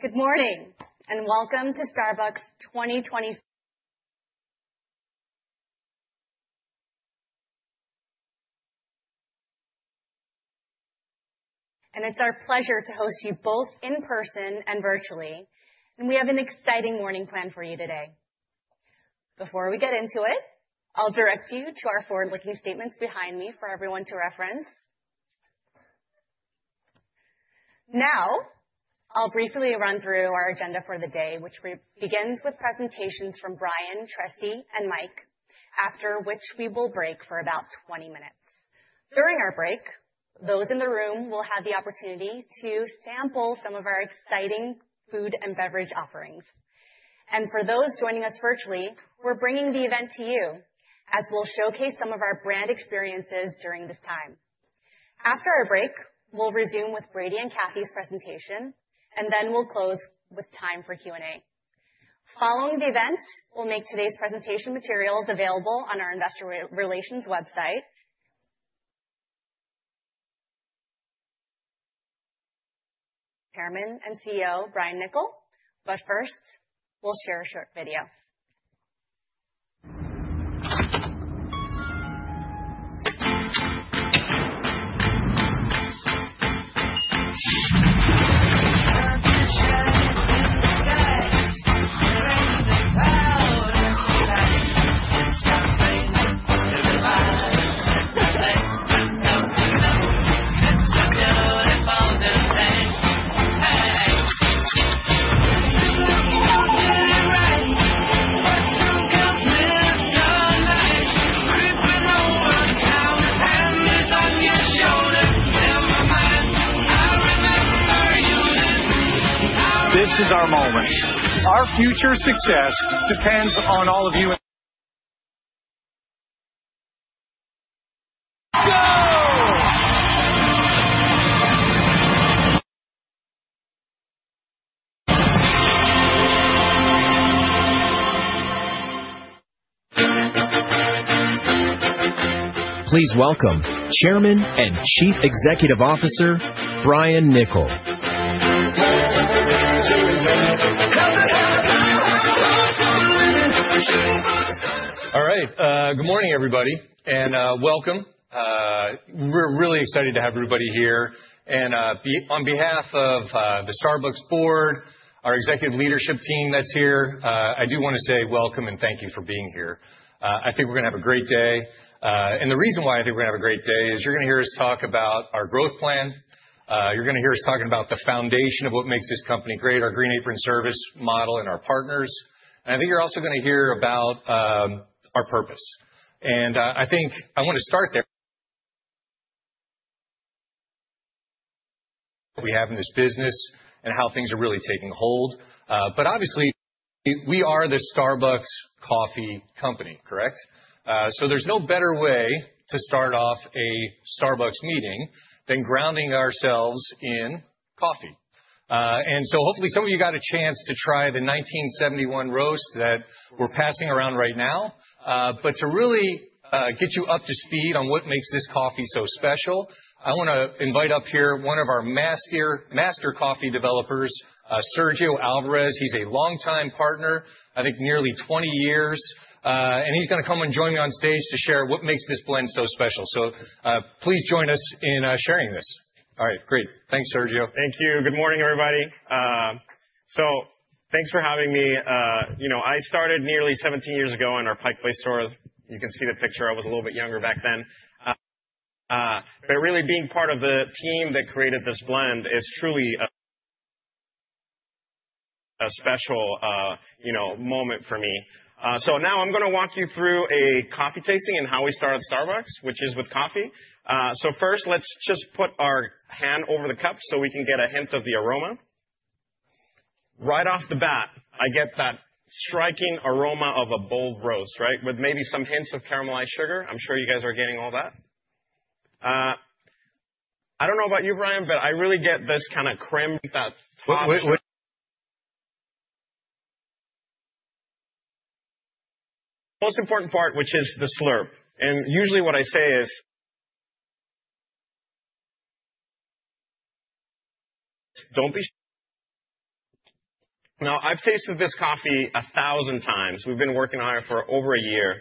Good morning, and welcome to Starbucks 2024. It's our pleasure to host you both in person and virtually. We have an exciting morning planned for you today. Before we get into it, I'll direct you to our forward-looking statements behind me for everyone to reference. Now, I'll briefly run through our agenda for the day, which begins with presentations from Brian, Tressie, and Mike, after which we will break for about 20 minutes. During our break, those in the room will have the opportunity to sample some of our exciting food and beverage offerings. For those joining us virtually, we're bringing the event to you, as we'll showcase some of our brand experiences during this time. After our break, we'll resume with Brady and Cathy's presentation, and then we'll close with time for Q&A. Following the event, we'll make today's presentation materials available on our investor relations website. Chairman and CEO Brian Niccol, but first, we'll share a short video. Starbucks trying but some can bless the night. Grief with no work, how it's handed on your shoulder. Never mind, I remember you listening. This is our moment. Our future success depends on all of you. Let's go! Please welcome Chairman and Chief Executive Officer Brian Niccol. All right, good morning, everybody, and welcome. We're really excited to have everybody here. And on behalf of the Starbucks board, our executive leadership team that's here, I do want to say welcome and thank you for being here. I think we're going to have a great day. And the reason why I think we're going to have a great day is you're going to hear us talk about our growth plan. You're going to hear us talking about the foundation of what makes this company Green Apron Service model and our partners. And I think you're also going to hear about our purpose. And I think I want to start there. We have in this business and how things are really taking hold. But obviously, we are the Starbucks Coffee Company, correct? So there's no better way to start off a Starbucks meeting than grounding ourselves in coffee. And so hopefully some of you got a chance to try the 1971 Roast that we're passing around right now. But to really get you up to speed on what makes this coffee so special, I want to invite up here one of our master coffee developers, Sergio Alvarez. He's a longtime partner, I think nearly 20 years. And he's going to come and join me on stage to share what makes this blend so special. So please join us in sharing this. All right, great. Thanks, Sergio. Thank you. Good morning, everybody. Thanks for having me. I started nearly 17 years ago in our Pike Place store. You can see the picture. I was a little bit younger back then. But really being part of the team that created this blend is truly a special moment for me. Now I'm going to walk you through a coffee tasting and how we start at Starbucks, which is with coffee. First, let's just put our hand over the cup so we can get a hint of the aroma. Right off the bat, I get that striking aroma of a bold roast, right, with maybe some hints of caramelized sugar. I'm sure you guys are getting all that. I don't know about you, Brian, but I really get this kind of cream, that flat. What? Most important part, which is the slurp. Usually what I say is. Don't be. Now, I've tasted this coffee 1,000x. We've been working on it for over a year.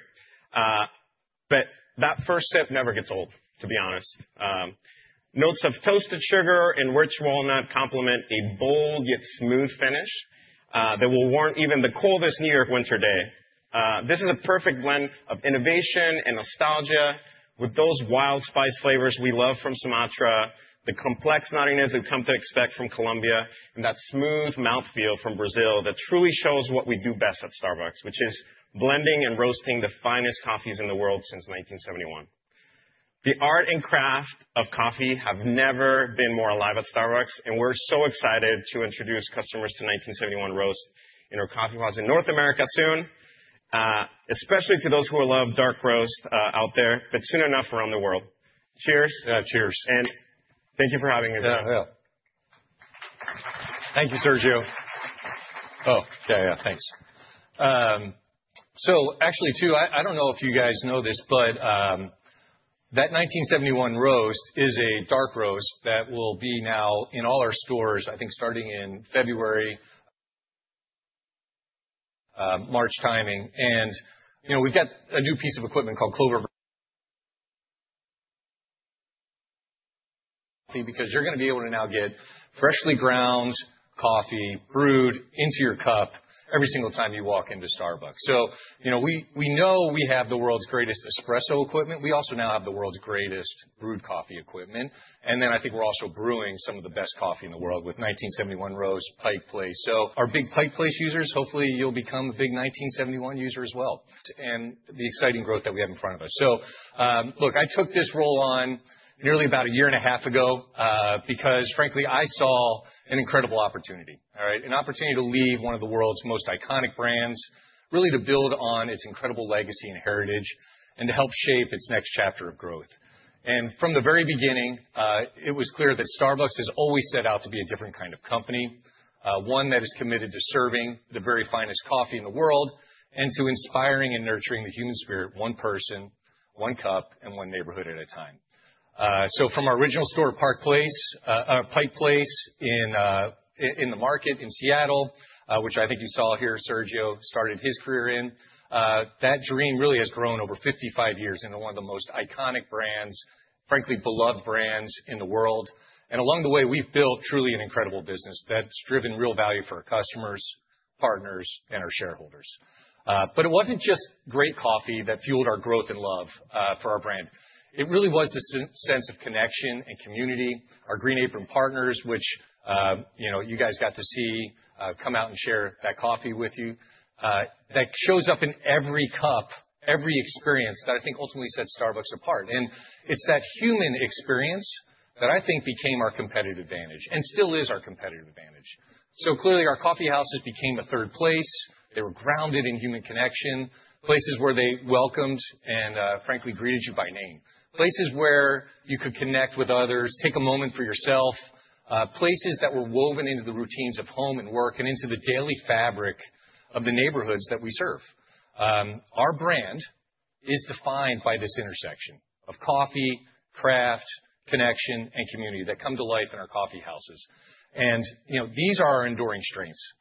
But that first sip never gets old, to be honest. Notes of toasted sugar and rich walnut complement a bold yet smooth finish that will warm even the coldest New York winter day. This is a perfect blend of innovation and nostalgia with those wild spice flavors we love from Sumatra, the complex nuttiness we've come to expect from Colombia, and that smooth mouthfeel from Brazil that truly shows what we do best at Starbucks, which is blending and roasting the finest coffees in the world since 1971. The art and craft of coffee have never been more alive at Starbucks. We're so excited to introduce customers to 1971 Roast in our coffeehouse in North America soon, especially to those who love dark roast out there, but soon enough around the world. Cheers. Cheers. Thank you for having me, Brian. Yeah, yeah. Thank you, Sergio. Oh, yeah, yeah, thanks. So actually, too, I don't know if you guys know this, but that 1971 Roast is a dark roast that will be now in all our stores, I think starting in February, March timing. And we've got a new piece of equipment called Clover Coffee because you're going to be able to now get freshly ground coffee brewed into your cup every single time you walk into Starbucks. So we know we have the world's greatest espresso equipment. We also now have the world's greatest brewed coffee equipment. And then I think we're also brewing some of the best coffee in the world with 1971 Roast, Pike Place. So our big Pike Place users, hopefully you'll become a big 1971 user as well. And the exciting growth that we have in front of us. So look, I took this role on nearly about a year and a half ago because, frankly, I saw an incredible opportunity, all right, an opportunity to leave one of the world's most iconic brands, really to build on its incredible legacy and heritage and to help shape its next chapter of growth. And from the very beginning, it was clear that Starbucks has always set out to be a different kind of company, one that is committed to serving the very finest coffee in the world and to inspiring and nurturing the human spirit, one person, one cup, and one neighborhood at a time. So from our original store at Pike Place Market in Seattle, which I think you saw here, Sergio started his career in, that dream really has grown over 55 years into one of the most iconic brands, frankly, beloved brands in the world. And along the way, we've built truly an incredible business that's driven real value for our customers, partners, and our shareholders. But it wasn't just great coffee that fueled our growth and love for our brand. It really was the sense of connection and community, our Green Apron partners, which you guys got to see come out and share that coffee with you, that shows up in every cup, every experience that I think ultimately sets Starbucks apart. And it's that human experience that I think became our competitive advantage and still is our competitive advantage. So clearly, our coffeehouses became a Third Place. They were grounded in human connection, places where they welcomed and frankly greeted you by name, places where you could connect with others, take a moment for yourself, places that were woven into the routines of home and work, and into the daily fabric of the neighborhoods that we serve. Our brand is defined by this intersection of coffee, craft, connection, and community that come to life in our coffeehouses. These are our enduring strengths.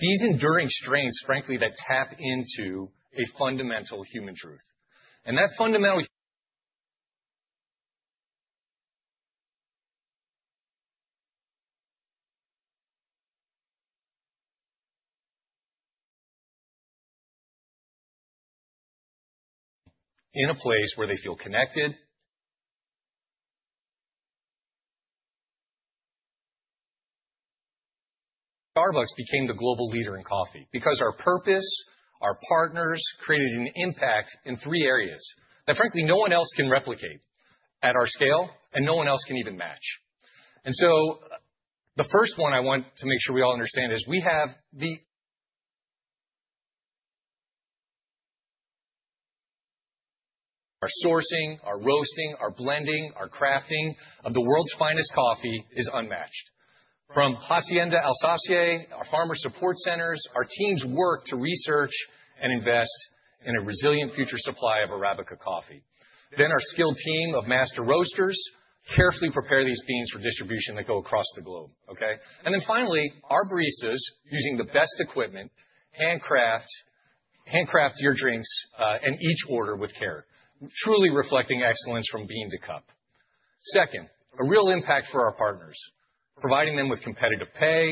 These enduring strengths, frankly, that tap into a fundamental human truth in a place where they feel connected. Starbucks became the global leader in coffee because our purpose, our partners created an impact in three areas that, frankly, no one else can replicate at our scale, and no one else can even match. And so the first one I want to make sure we all understand is we have the. Our sourcing, our roasting, our blending, our crafting of the world's finest coffee is unmatched. From Hacienda Alsacia, our farmer support centers, our teams work to research and invest in a resilient future supply of Arabica coffee. Then our skilled team of master roasters carefully prepare these beans for distribution that go across the globe, okay? And then finally, our baristas using the best equipment, handcraft your drinks and each order with care, truly reflecting excellence from bean to cup. Second, a real impact for our partners, providing them with competitive pay,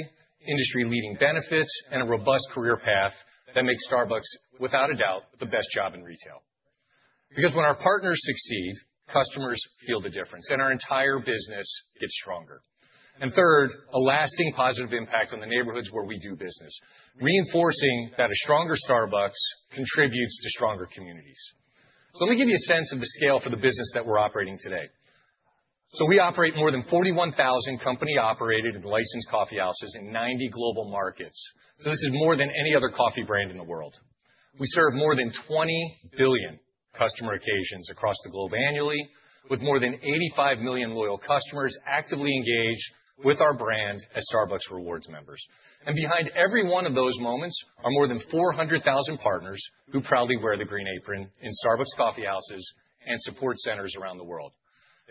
industry-leading benefits, and a robust career path that makes Starbucks, without a doubt, the best job in retail. Because when our partners succeed, customers feel the difference, and our entire business gets stronger. And third, a lasting positive impact on the neighborhoods where we do business, reinforcing that a stronger Starbucks contributes to stronger communities. Let me give you a sense of the scale for the business that we're operating today. We operate more than 41,000 company-operated and licensed coffeehouses in 90 global markets. This is more than any other coffee brand in the world. We serve more than 20 billion customer occasions across the globe annually, with more than 85 million loyal customers actively engaged with our brand as Starbucks Rewards members. And behind every one of those moments are more than 400,000 partners who proudly wear the green apron in Starbucks coffeehouses and support centers around the world.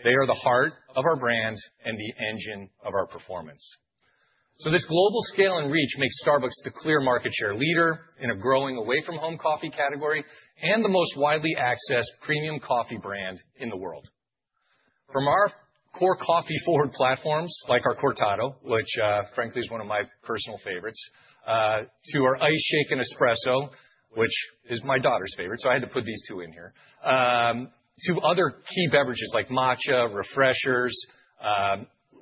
They are the heart of our brand and the engine of our performance. This global scale and reach makes Starbucks the clear market share leader in a growing away-from-home coffee category and the most widely accessed premium coffee brand in the world. From our core coffee forward platforms, like our cortado, which frankly is one of my personal favorites, to our Iced Shaken Espresso, which is my daughter's favorite, so I had to put these two in here, to other key beverages like matcha, Refreshers,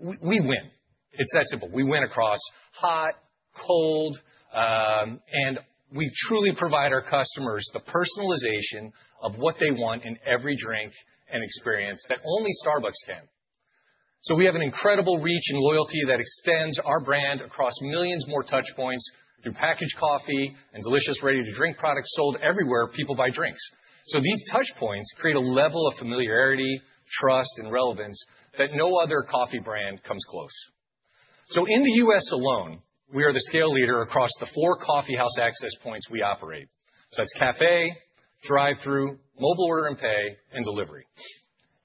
we win. It's that simple. We win across hot, cold, and we truly provide our customers the personalization of what they want in every drink and experience that only Starbucks can. So we have an incredible reach and loyalty that extends our brand across millions more touchpoints through packaged coffee and delicious ready-to-drink products sold everywhere people buy drinks. So these touchpoints create a level of familiarity, trust, and relevance that no other coffee brand comes close. So in the U.S. alone, we are the scale leader across the four coffeehouse access points we operate. So that's cafe, drive-thru, Mobile Order & Pay, and delivery.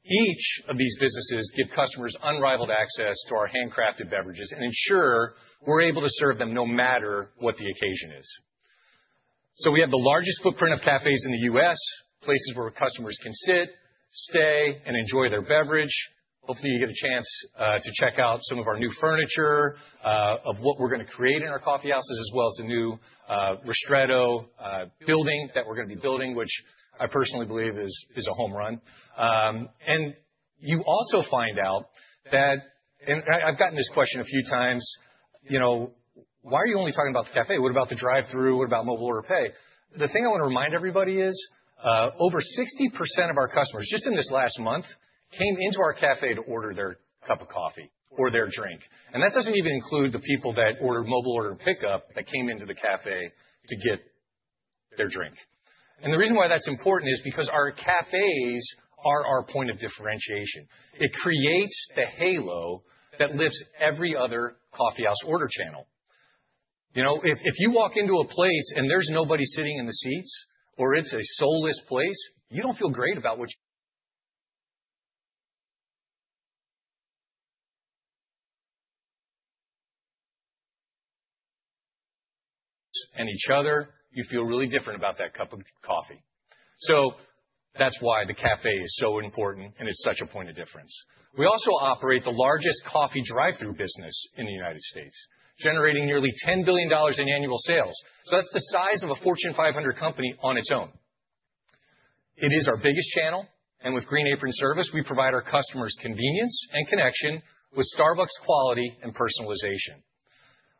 Each of these businesses give customers unrivaled access to our handcrafted beverages and ensure we're able to serve them no matter what the occasion is. So we have the largest footprint of cafes in the U.S., places where customers can sit, stay, and enjoy their beverage. Hopefully, you get a chance to check out some of our new furniture of what we're going to create in our coffeehouses, as well as the new Ristretto building that we're going to be building, which I personally believe is a home run. And you also find out that, and I've gotten this question a few times, why are you only talking about the cafe? What about the drive-thru? What about mobile order pay? The thing I want to remind everybody is over 60% of our customers just in this last month came into our cafe to order their cup of coffee or their drink. That doesn't even include the people that order mobile order and pickup that came into the cafe to get their drink. The reason why that's important is because our cafes are our point of differentiation. It creates the halo that lifts every other coffeehouse order channel. If you walk into a place and there's nobody sitting in the seats or it's a soulless place, you don't feel great about what you and each other, you feel really different about that cup of coffee. That's why the cafe is so important and it's such a point of difference. We also operate the largest coffee drive-thru business in the United States, generating nearly $10 billion in annual sales. That's the size of a Fortune 500 company on its own. It is our biggest channel. With Green Apron Service, we provide our customers convenience and connection with Starbucks quality and personalization.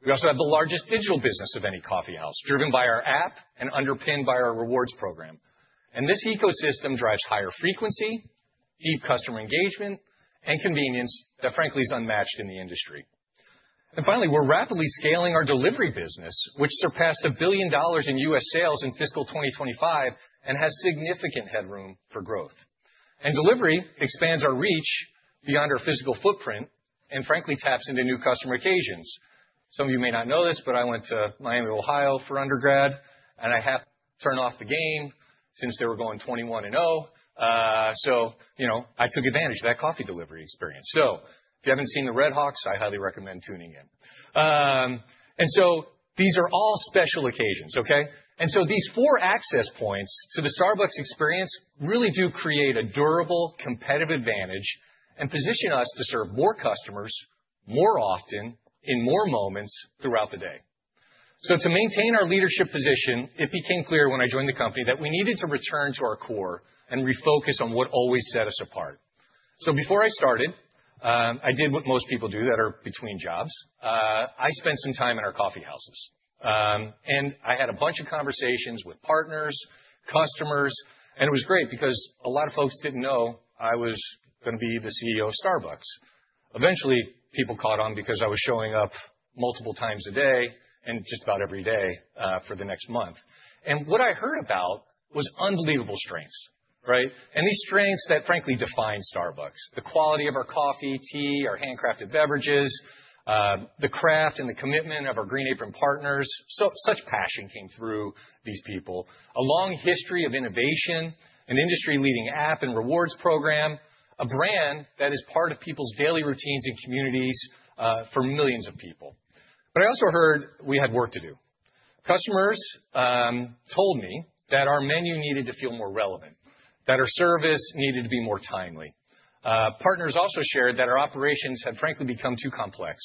We also have the largest digital business of any coffeehouse, driven by our app and underpinned by our Rewards program. This ecosystem drives higher frequency, deep customer engagement, and convenience that frankly is unmatched in the industry. Finally, we're rapidly scaling our delivery business, which surpassed $1 billion in U.S. sales in fiscal 2025 and has significant headroom for growth. Delivery expands our reach beyond our physical footprint and frankly taps into new customer occasions. Some of you may not know this, but I went to Miami in Ohio for undergrad, and I had to turn off the game since they were going 21-0. So I took advantage of that coffee delivery experience. So if you haven't seen the RedHawks, I highly recommend tuning in. And so these are all special occasions, okay? And so these four access points to the Starbucks experience really do create a durable competitive advantage and position us to serve more customers more often in more moments throughout the day. So to maintain our leadership position, it became clear when I joined the company that we needed to return to our core and refocus on what always set us apart. So before I started, I did what most people do that are between jobs. I spent some time in our coffeehouses. I had a bunch of conversations with partners, customers, and it was great because a lot of folks didn't know I was going to be the CEO of Starbucks. Eventually, people caught on because I was showing up multiple times a day and just about every day for the next month. What I heard about was unbelievable strengths, right? These strengths that frankly define Starbucks, the quality of our coffee, tea, our handcrafted beverages, the craft and the commitment of our Green Apron partners. Such passion came through these people, a long history of innovation, an industry-leading app and Rewards program, a brand that is part of people's daily routines and communities for millions of people. But I also heard we had work to do. Customers told me that our menu needed to feel more relevant, that our service needed to be more timely. Partners also shared that our operations had frankly become too complex.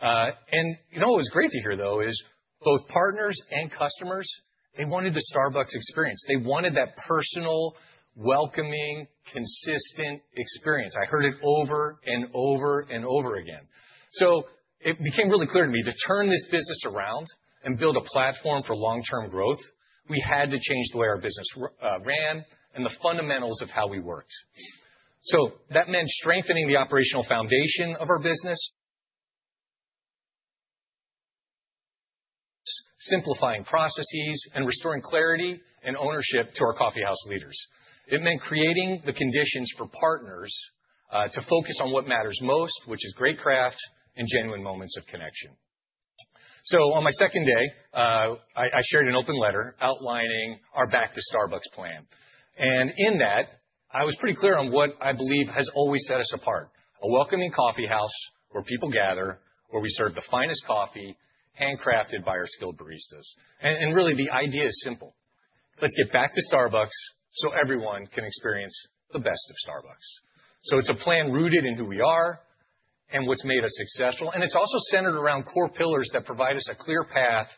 You know what was great to hear, though, is both partners and customers, they wanted the Starbucks experience. They wanted that personal, welcoming, consistent experience. I heard it over and over and over again. It became really clear to me to turn this business around and build a platform for long-term growth. We had to change the way our business ran and the fundamentals of how we worked. That meant strengthening the operational foundation of our business, simplifying processes, and restoring clarity and ownership to our coffeehouse leaders. It meant creating the conditions for partners to focus on what matters most, which is great craft and genuine moments of connection. On my second day, I shared an open letter outlining our Back to Starbucks plan. And in that, I was pretty clear on what I believe has always set us apart, a welcoming coffeehouse where people gather, where we serve the finest coffee handcrafted by our skilled baristas. And really, the idea is simple. Let's get back to Starbucks so everyone can experience the best of Starbucks. So it's a plan rooted in who we are and what's made us successful. And it's also centered around core pillars that provide us a clear path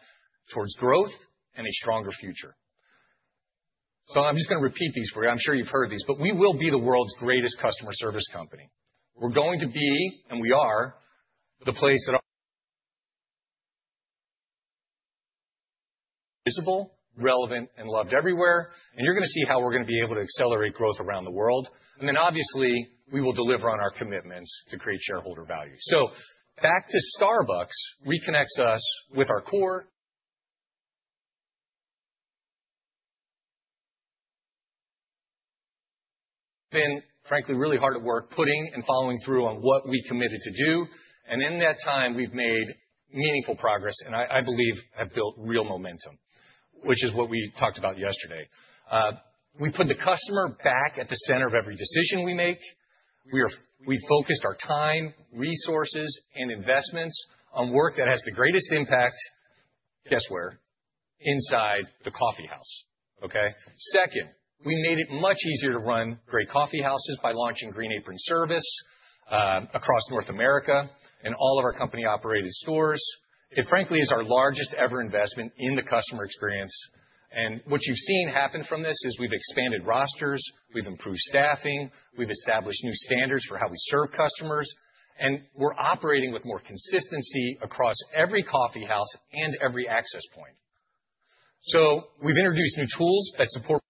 towards growth and a stronger future. So I'm just going to repeat these for you. I'm sure you've heard these, but we will be the world's greatest customer service company. We're going to be, and we are, the place that. Visible, relevant, and loved everywhere. And you're going to see how we're going to be able to accelerate growth around the world. And then obviously, we will deliver on our commitments to create shareholder value. So Back to Starbucks reconnects us with our core. Been frankly really hard at work putting and following through on what we committed to do. And in that time, we've made meaningful progress and I believe have built real momentum, which is what we talked about yesterday. We put the customer back at the center of every decision we make. We focused our time, resources, and investments on work that has the greatest impact, guess where, inside the coffeehouse, okay? Second, we made it much easier to run great coffeehouses by launching Green Apron Service across North America and all of our company-operated stores. It frankly is our largest ever investment in the customer experience. What you've seen happen from this is we've expanded rosters, we've improved staffing, we've established new standards for how we serve customers, and we're operating with more consistency across every coffeehouse and every access point. So we've introduced new tools that support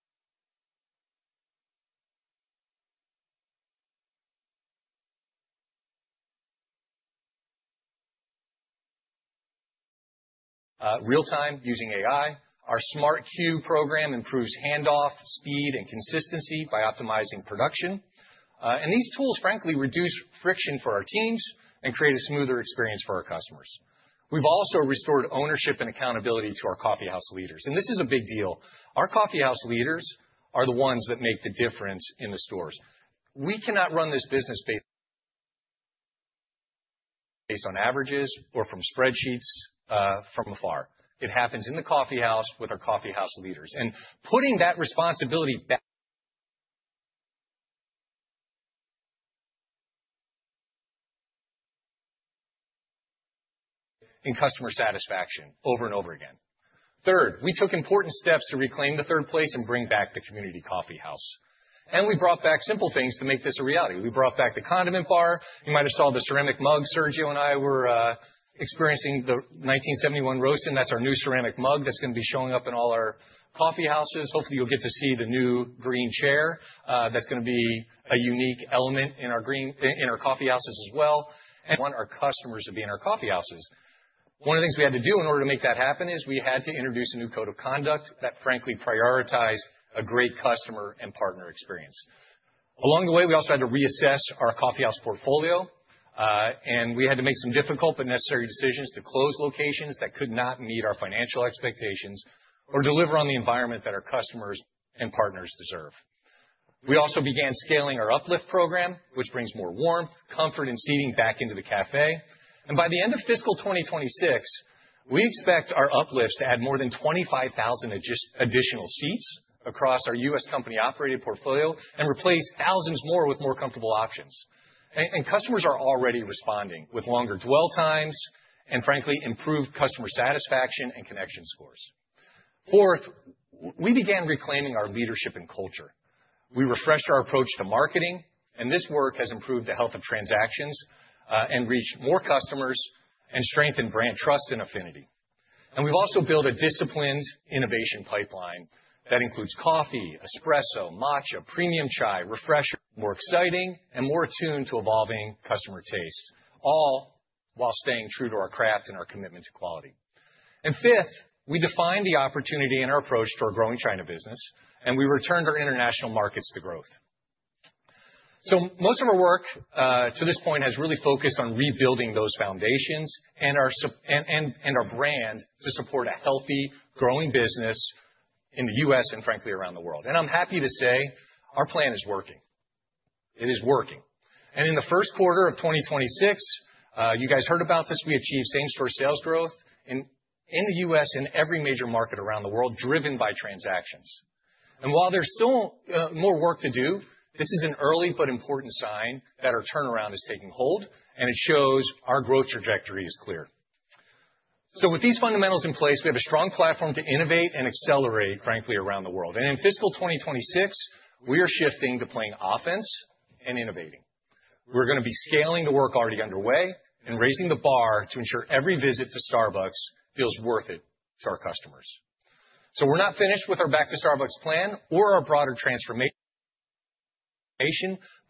real-time using AI. Our Smart Queue program improves handoff speed and consistency by optimizing production. And these tools frankly reduce friction for our teams and create a smoother experience for our customers. We've also restored ownership and accountability to our coffeehouse leaders. And this is a big deal. Our coffeehouse leaders are the ones that make the difference in the stores. We cannot run this business based on averages or from spreadsheets from afar. It happens in the coffeehouse with our coffeehouse leaders. And putting that responsibility in customer satisfaction over and over again. Third, we took important steps to reclaim the Third Place and bring back the community coffeehouse. We brought back simple things to make this a reality. We brought back the condiment bar. You might have saw the ceramic mug Sergio and I were experiencing the 1971 Roast. That's our new ceramic mug that's going to be showing up in all our coffeehouses. Hopefully, you'll get to see the new green chair that's going to be a unique element in our coffeehouses as well. We want our customers to be in our coffeehouses. One of the things we had to do in order to make that happen is we had to introduce a new code of conduct that frankly prioritized a great customer and partner experience. Along the way, we also had to reassess our coffeehouse portfolio. We had to make some difficult but necessary decisions to close locations that could not meet our financial expectations or deliver on the environment that our customers and partners deserve. We also began scaling our Uplift program, which brings more warmth, comfort, and seating back into the cafe. And by the end of fiscal 2026, we expect our uplifts to add more than 25,000 additional seats across our U.S. company-operated portfolio and replace thousands more with more comfortable options. And customers are already responding with longer dwell times and frankly improved customer satisfaction and connection scores. Fourth, we began reclaiming our leadership and culture. We refreshed our approach to marketing, and this work has improved the health of transactions and reached more customers and strengthened brand trust and affinity. We've also built a disciplined innovation pipeline that includes coffee, espresso, matcha, premium chai, Refreshers, more exciting, and more attuned to evolving customer tastes, all while staying true to our craft and our commitment to quality. Fifth, we defined the opportunity in our approach to our growing China business, and we returned our international markets to growth. Most of our work to this point has really focused on rebuilding those foundations and our brand to support a healthy, growing business in the U.S. and frankly around the world. I'm happy to say our plan is working. It is working. In the first quarter of 2026, you guys heard about this. We achieved same-store sales growth in the U.S. and every major market around the world driven by transactions. While there's still more work to do, this is an early but important sign that our turnaround is taking hold, and it shows our growth trajectory is clear. With these fundamentals in place, we have a strong platform to innovate and accelerate, frankly, around the world. In fiscal 2026, we are shifting to playing offense and innovating. We're going to be scaling the work already underway and raising the bar to ensure every visit to Starbucks feels worth it to our customers. We're not finished with our Back to Starbucks plan or our broader transformation,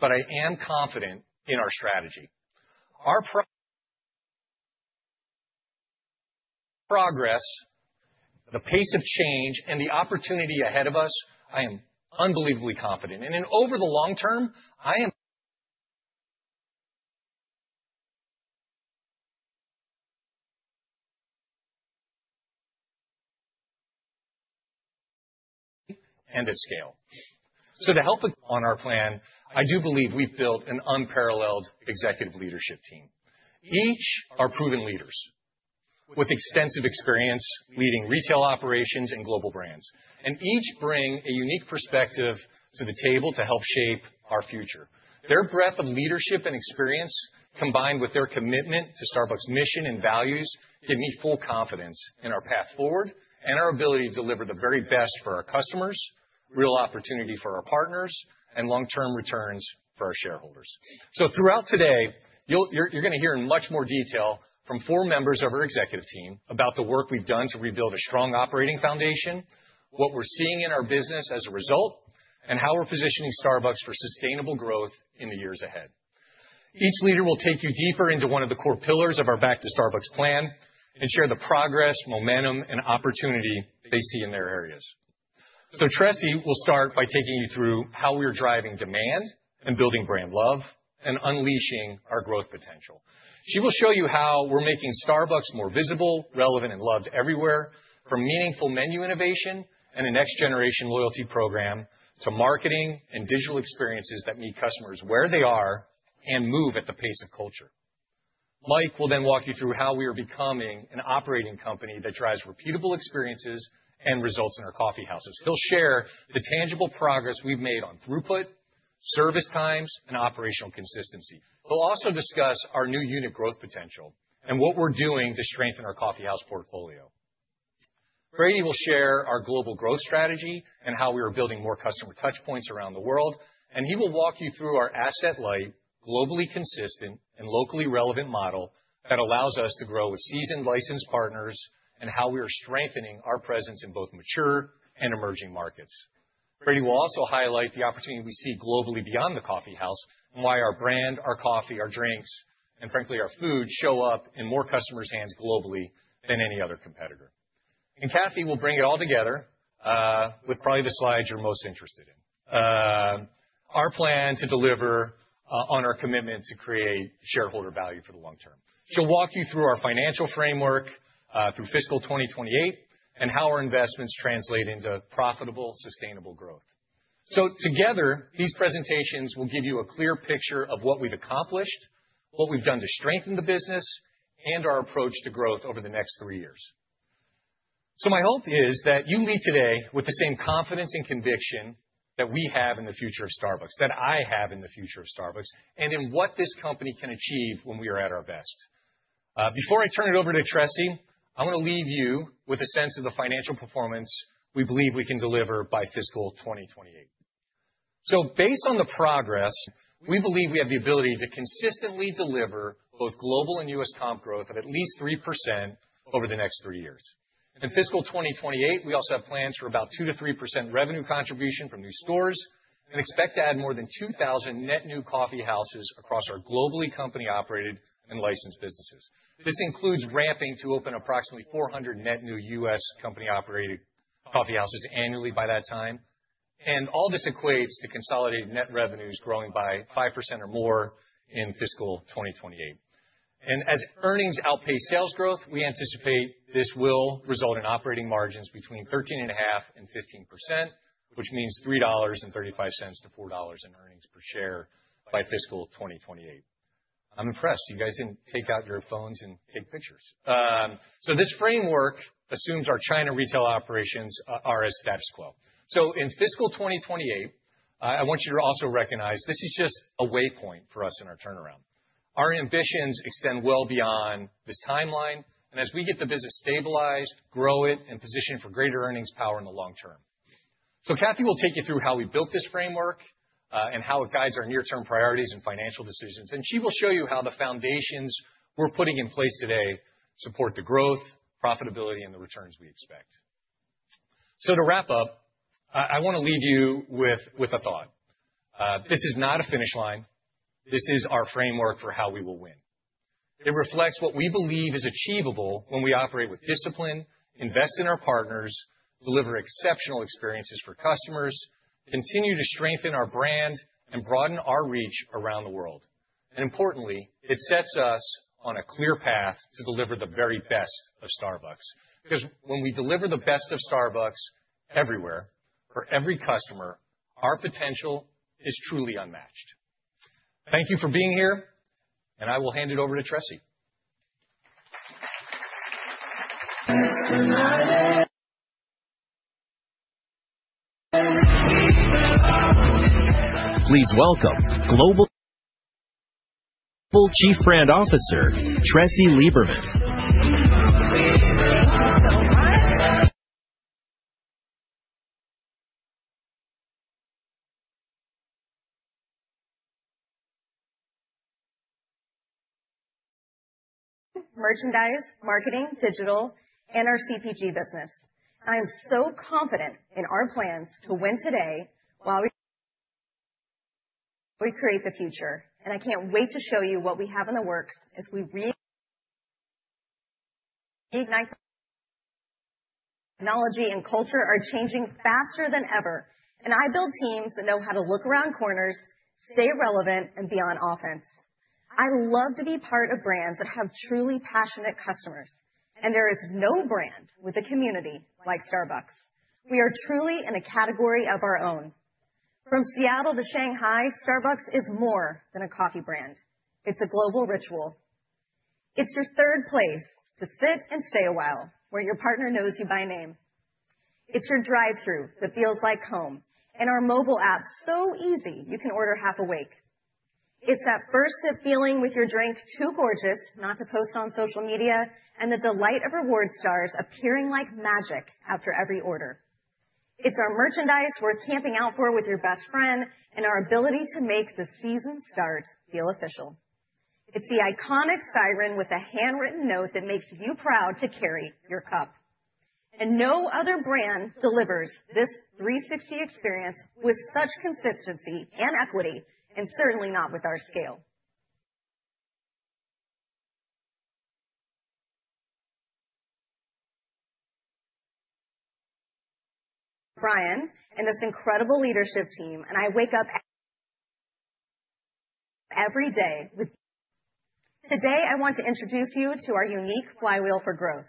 but I am confident in our strategy. Our progress, the pace of change, and the opportunity ahead of us, I am unbelievably confident. And in over the long term, I am. And at scale. To help us on our plan, I do believe we've built an unparalleled executive leadership team. Each are proven leaders with extensive experience leading retail operations and global brands. Each bring a unique perspective to the table to help shape our future. Their breadth of leadership and experience, combined with their commitment to Starbucks' mission and values, give me full confidence in our path forward and our ability to deliver the very best for our customers, real opportunity for our partners, and long-term returns for our shareholders. Throughout today, you're going to hear in much more detail from four members of our executive team about the work we've done to rebuild a strong operating foundation, what we're seeing in our business as a result, and how we're positioning Starbucks for sustainable growth in the years ahead. Each leader will take you deeper into one of the core pillars of our Back to Starbucks plan and share the progress, momentum, and opportunity they see in their areas. Tressie will start by taking you through how we are driving demand and building brand love and unleashing our growth potential. She will show you how we're making Starbucks more visible, relevant, and loved everywhere, from meaningful menu innovation and a next-generation loyalty program to marketing and digital experiences that meet customers where they are and move at the pace of culture. Mike will then walk you through how we are becoming an operating company that drives repeatable experiences and results in our coffeehouses. He'll share the tangible progress we've made on throughput, service times, and operational consistency. He'll also discuss our new unit growth potential and what we're doing to strengthen our coffeehouse portfolio. Brady will share our global growth strategy and how we are building more customer touchpoints around the world. He will walk you through our asset-light, globally consistent, and locally relevant model that allows us to grow with seasoned licensed partners and how we are strengthening our presence in both mature and emerging markets. Brady will also highlight the opportunity we see globally beyond the coffeehouse and why our brand, our coffee, our drinks, and frankly, our food show up in more customers' hands globally than any other competitor. Cathy will bring it all together with probably the slides you're most interested in. Our plan to deliver on our commitment to create shareholder value for the long term. She'll walk you through our financial framework through fiscal 2028 and how our investments translate into profitable, sustainable growth. So together, these presentations will give you a clear picture of what we've accomplished, what we've done to strengthen the business, and our approach to growth over the next three years. So my hope is that you leave today with the same confidence and conviction that we have in the future of Starbucks, that I have in the future of Starbucks, and in what this company can achieve when we are at our best. Before I turn it over to Tressie, I want to leave you with a sense of the financial performance we believe we can deliver by fiscal 2028. So based on the progress, we believe we have the ability to consistently deliver both global and U.S. comp growth at least 3% over the next three years. In fiscal 2028, we also have plans for about 2%-3% revenue contribution from new stores and expect to add more than 2,000 net new coffeehouses across our globally company-operated and licensed businesses. This includes ramping to open approximately 400 net new U.S. company-operated coffeehouses annually by that time. All this equates to consolidated net revenues growing by 5% or more in fiscal 2028. As earnings outpace sales growth, we anticipate this will result in operating margins between 13.5%-15%, which means $3.35-$4.00 in earnings per share by fiscal 2028. I'm impressed. You guys didn't take out your phones and take pictures. This framework assumes our China retail operations are as status quo. In fiscal 2028, I want you to also recognize this is just a waypoint for us in our turnaround. Our ambitions extend well beyond this timeline. As we get the business stabilized, grow it, and position for greater earnings power in the long term. Cathy will take you through how we built this framework and how it guides our near-term priorities and financial decisions. She will show you how the foundations we're putting in place today support the growth, profitability, and the returns we expect. To wrap up, I want to leave you with a thought. This is not a finish line. This is our framework for how we will win. It reflects what we believe is achievable when we operate with discipline, invest in our partners, deliver exceptional experiences for customers, continue to strengthen our brand, and broaden our reach around the world. Importantly, it sets us on a clear path to deliver the very best of Starbucks. Because when we deliver the best of Starbucks everywhere for every customer, our potential is truly unmatched. Thank you for being here, and I will hand it over to Tressie. Please welcome Global Chief Brand Officer, Tressie Lieberman. Merchandise, marketing, digital, and our CPG business. I am so confident in our plans to win today while we create the future. I can't wait to show you what we have in the works as we reignite technology and culture that are changing faster than ever. I build teams that know how to look around corners, stay relevant, and be on offense. I love to be part of brands that have truly passionate customers. There is no brand with a community like Starbucks. We are truly in a category of our own. From Seattle to Shanghai, Starbucks is more than a coffee brand. It's a global ritual. It's your Third Place to sit and stay a while where your partner knows you by name. It's your drive-thru that feels like home and our mobile app so easy you can order half awake. It's that first-sip feeling with your drink too gorgeous not to post on social media and the delight of reward stars appearing like magic after every order. It's our merchandise worth camping out for with your best friend and our ability to make the season start feel official. It's the iconic Siren with a handwritten note that makes you proud to carry your cup. No other brand delivers this 360 experience with such consistency and equity, and certainly not with our scale. Brian and this incredible leadership team, and I wake up every day with. Today, I want to introduce you to our unique flywheel for growth.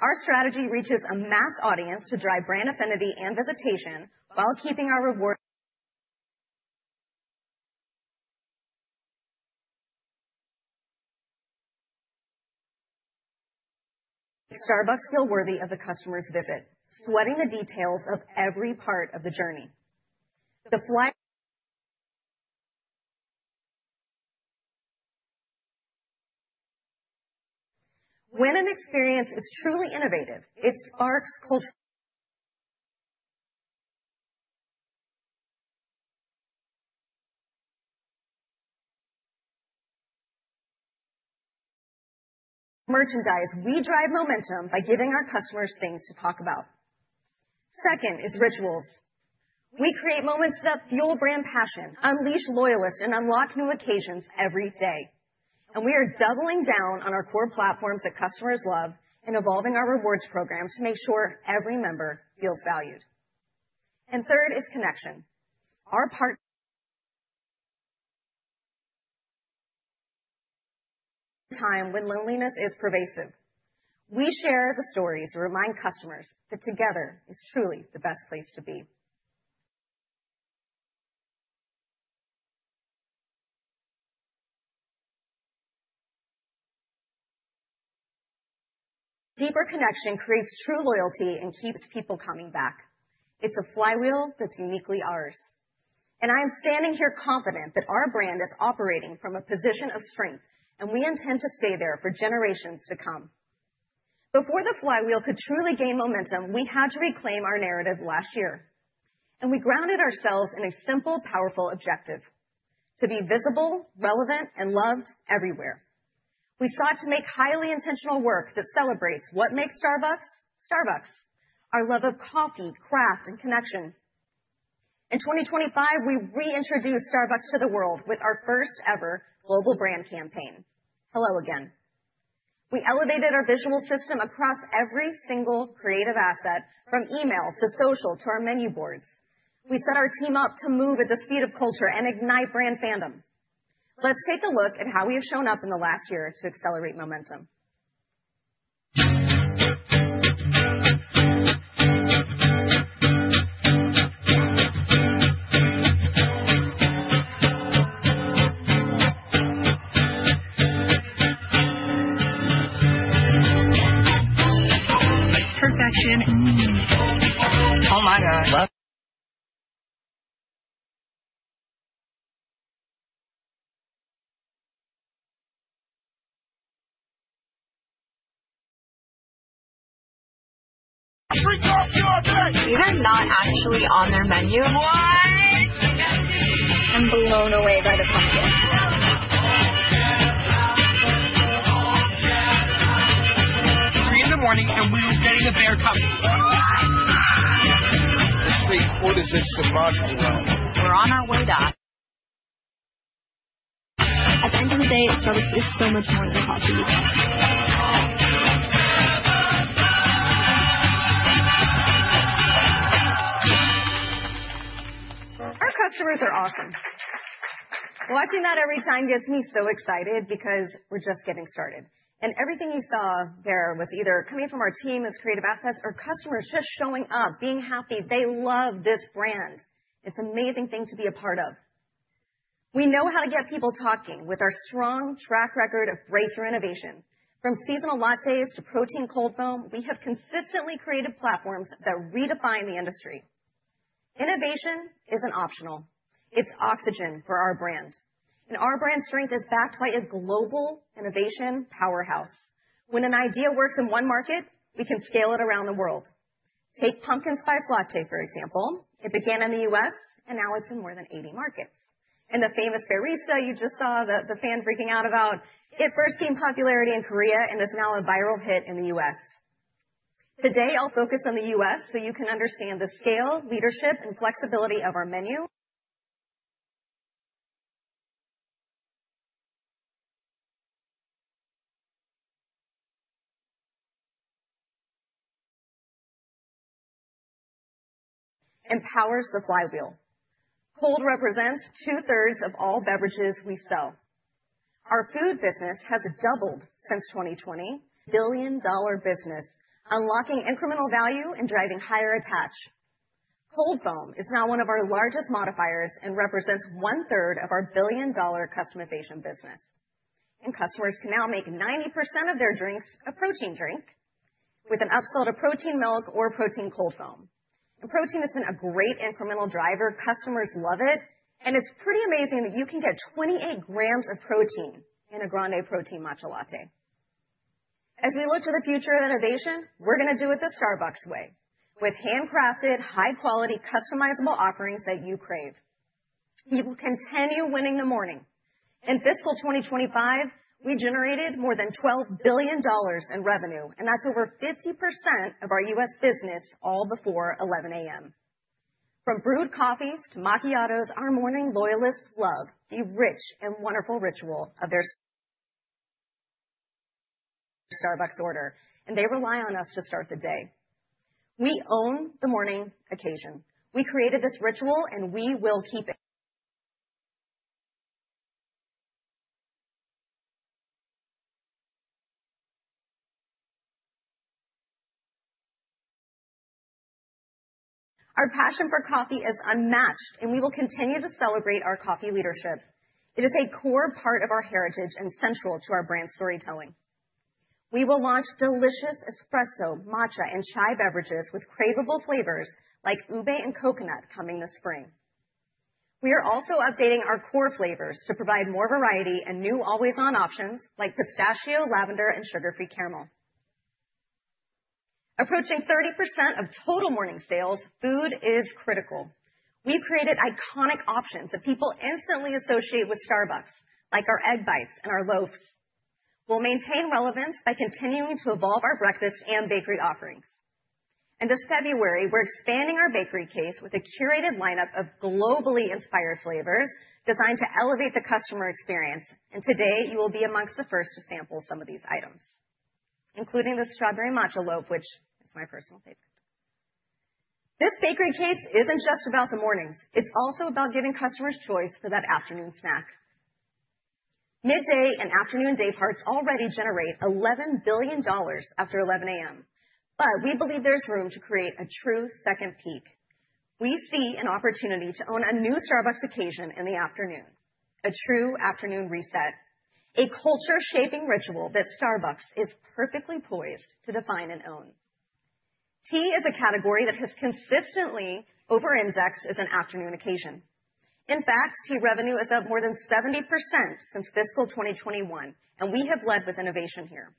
Our strategy reaches a mass audience to drive brand affinity and visitation while keeping our Rewards Starbucks feel worthy of the customer's visit, sweating the details of every part of the journey. The flywheel. When an experience is truly innovative, it sparks cultural conversations. With merchandise, we drive momentum by giving our customers things to talk about. Second is rituals. We create moments that fuel brand passion, unleash loyalists, and unlock new occasions every day. We are doubling down on our core platforms that customers love and evolving our Rewards program to make sure every member feels valued. Third is connection. Our partners. In a time when loneliness is pervasive. We share the stories to remind customers that together is truly the best place to be. Deeper connection creates true loyalty and keeps people coming back. It's a flywheel that's uniquely ours. I am standing here confident that our brand is operating from a position of strength, and we intend to stay there for generations to come. Before the flywheel could truly gain momentum, we had to reclaim our narrative last year. We grounded ourselves in a simple, powerful objective: to be visible, relevant, and loved everywhere. We sought to make highly intentional work that celebrates what makes Starbucks Starbucks: our love of coffee, craft, and connection. In 2025, we reintroduced Starbucks to the world with our first-ever global brand campaign. Hello Again. We elevated our visual system across every single creative asset, from email to social to our menu boards. We set our team up to move at the speed of culture and ignite brand fandom. Let's take a look at how we have shown up in the last year to accelerate momentum. Perfection. Oh my God. We are not actually on their menu. Blown away by the coffee. Three in the morning, and we were getting a Bear cup. Six, four, to six and monsters around. We're on our way to. At the end of the day, Starbucks is so much more than coffee. Our customers are awesome. Watching that every time gets me so excited because we're just getting started. Everything you saw there was either coming from our team as creative assets or customers just showing up, being happy. They love this brand. It's an amazing thing to be a part of. We know how to get people talking with our strong track record of breakthrough innovation. From seasonal lattes to protein cold foam, we have consistently created platforms that redefine the industry. Innovation isn't optional. It's oxygen for our brand. Our brand strength is backed by a global innovation powerhouse. When an idea works in one market, we can scale it around the world. Take Pumpkin Spice Latte, for example. It began in the U.S., and now it's in more than 80 markets. And the famous barista you just saw, the fan freaking out about, it first gained popularity in Korea and is now a viral hit in the U.S. Today, I'll focus on the U.S. so you can understand the scale, leadership, and flexibility of our menu. Empowers the flywheel. Cold represents two-thirds of all beverages we sell. Our food business has doubled since 2020. Billion dollar business, unlocking incremental value and driving higher attach. Cold foam is now one of our largest modifiers and represents one-third of our billion-dollar customization business. And customers can now make 90% of their drinks a protein drink with an upsell to protein milk or protein cold foam. Protein has been a great incremental driver. Customers love it. It's pretty amazing that you can get 28 grams of protein in a Grande Protein Matcha Latte. As we look to the future of innovation, we're going to do it the Starbucks way, with handcrafted, high-quality, customizable offerings that you crave. You will continue winning the morning. In fiscal 2025, we generated more than $12 billion in revenue, and that's over 50% of our U.S. business all before 11:00 A.M. From brewed coffees to macchiatos, our morning loyalists love the rich and wonderful ritual of their Starbucks order, and they rely on us to start the day. We own the morning occasion. We created this ritual, and we will keep it. Our passion for coffee is unmatched, and we will continue to celebrate our coffee leadership. It is a core part of our heritage and central to our brand storytelling. We will launch delicious espresso, matcha, and chai beverages with craveable flavors like ube and coconut coming this spring. We are also updating our core flavors to provide more variety and new always-on options like pistachio, lavender, and sugar-free caramel. Approaching 30% of total morning sales, food is critical. We've created iconic options that people instantly associate with Starbucks, like our Egg Bites and our loaves. We'll maintain relevance by continuing to evolve our breakfast and bakery offerings. This February, we're expanding our bakery case with a curated lineup of globally inspired flavors designed to elevate the customer experience. Today, you will be amongst the first to sample some of these items, including the Strawberry Matcha Loaf, which is my personal favorite. This bakery case isn't just about the mornings. It's also about giving customers choice for that afternoon snack. Midday and afternoon dayparts already generate $11 billion after 11:00 A.M. But we believe there's room to create a true second peak. We see an opportunity to own a new Starbucks occasion in the afternoon, a true afternoon reset, a culture-shaping ritual that Starbucks is perfectly poised to define and own. Tea is a category that has consistently over-indexed as an afternoon occasion. In fact, tea revenue is up more than 70% since fiscal 2021, and we have led with innovation here.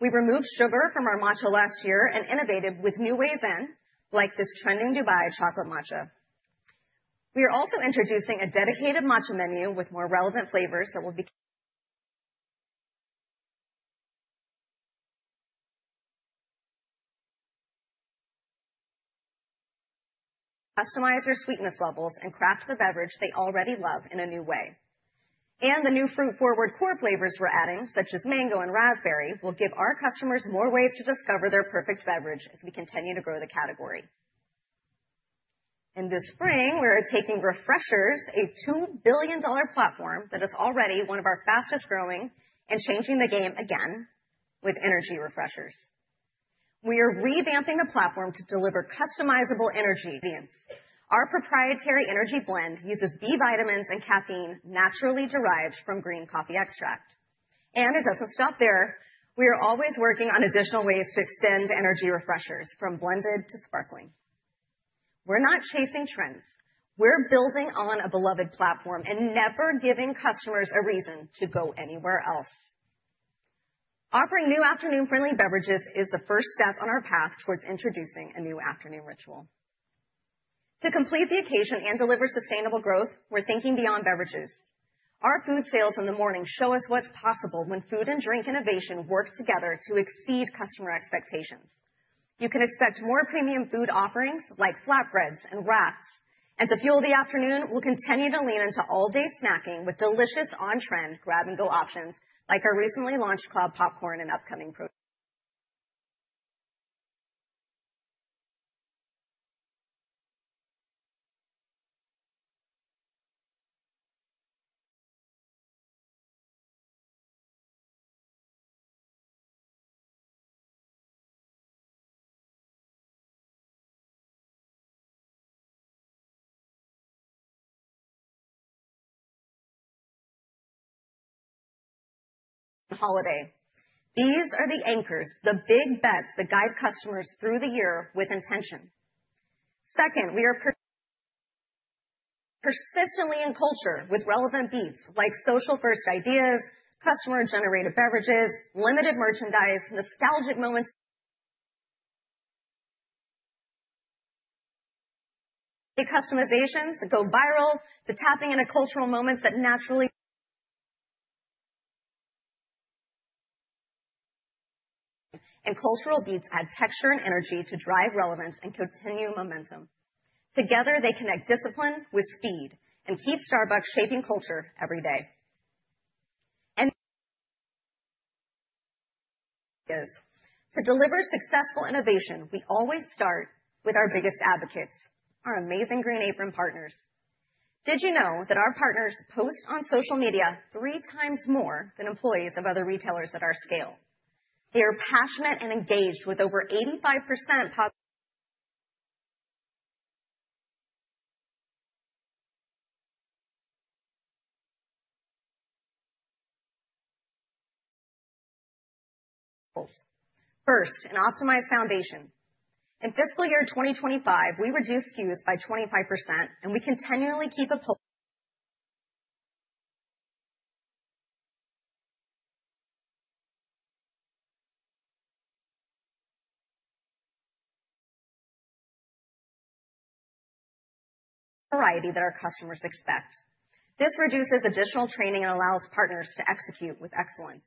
We removed sugar from our matcha last year and innovated with new ways in, like this trending Dubai Chocolate Matcha. We are also introducing a dedicated matcha menu with more relevant flavors that will customize their sweetness levels and craft the beverage they already love in a new way. The new fruit-forward core flavors we're adding, such as mango and raspberry, will give our customers more ways to discover their perfect beverage as we continue to grow the category. In this spring, we are taking Refreshers, a $2 billion platform that is already one of our fastest growing, and changing the game again with Energy Refreshers. We are revamping the platform to deliver customizable energy. Our proprietary energy blend uses B vitamins and caffeine naturally derived from green coffee extract. And it doesn't stop there. We are always working on additional ways to extend Energy Refreshers from blended to sparkling. We're not chasing trends. We're building on a beloved platform and never giving customers a reason to go anywhere else. Offering new afternoon-friendly beverages is the first step on our path towards introducing a new afternoon ritual. To complete the occasion and deliver sustainable growth, we're thinking beyond beverages. Our food sales in the morning show us what's possible when food and drink innovation work together to exceed customer expectations. You can expect more premium food offerings like flatbreads and wraps. And to fuel the afternoon, we'll continue to lean into all-day snacking with delicious on-trend grab-and-go options like our recently launched Khloud Popcorn and upcoming Protein All Day. These are the anchors, the big bets that guide customers through the year with intention. Second, we are persistently in culture with relevant beats like social-first ideas, customer-generated beverages, limited merchandise, nostalgic moments. The customizations that go viral to tapping into cultural moments that naturally. And cultural beats add texture and energy to drive relevance and continue momentum. Together, they connect discipline with speed and keep Starbucks shaping culture every day. And. To deliver successful innovation, we always start with our biggest advocates, our amazing Green Apron partners. Did you know that our partners post on social media three times more than employees of other retailers at our scale? They are passionate and engaged with over 85%. First, an optimized foundation. In fiscal year 2025, we reduced SKUs by 25%, and we continually keep a variety that our customers expect. This reduces additional training and allows partners to execute with excellence.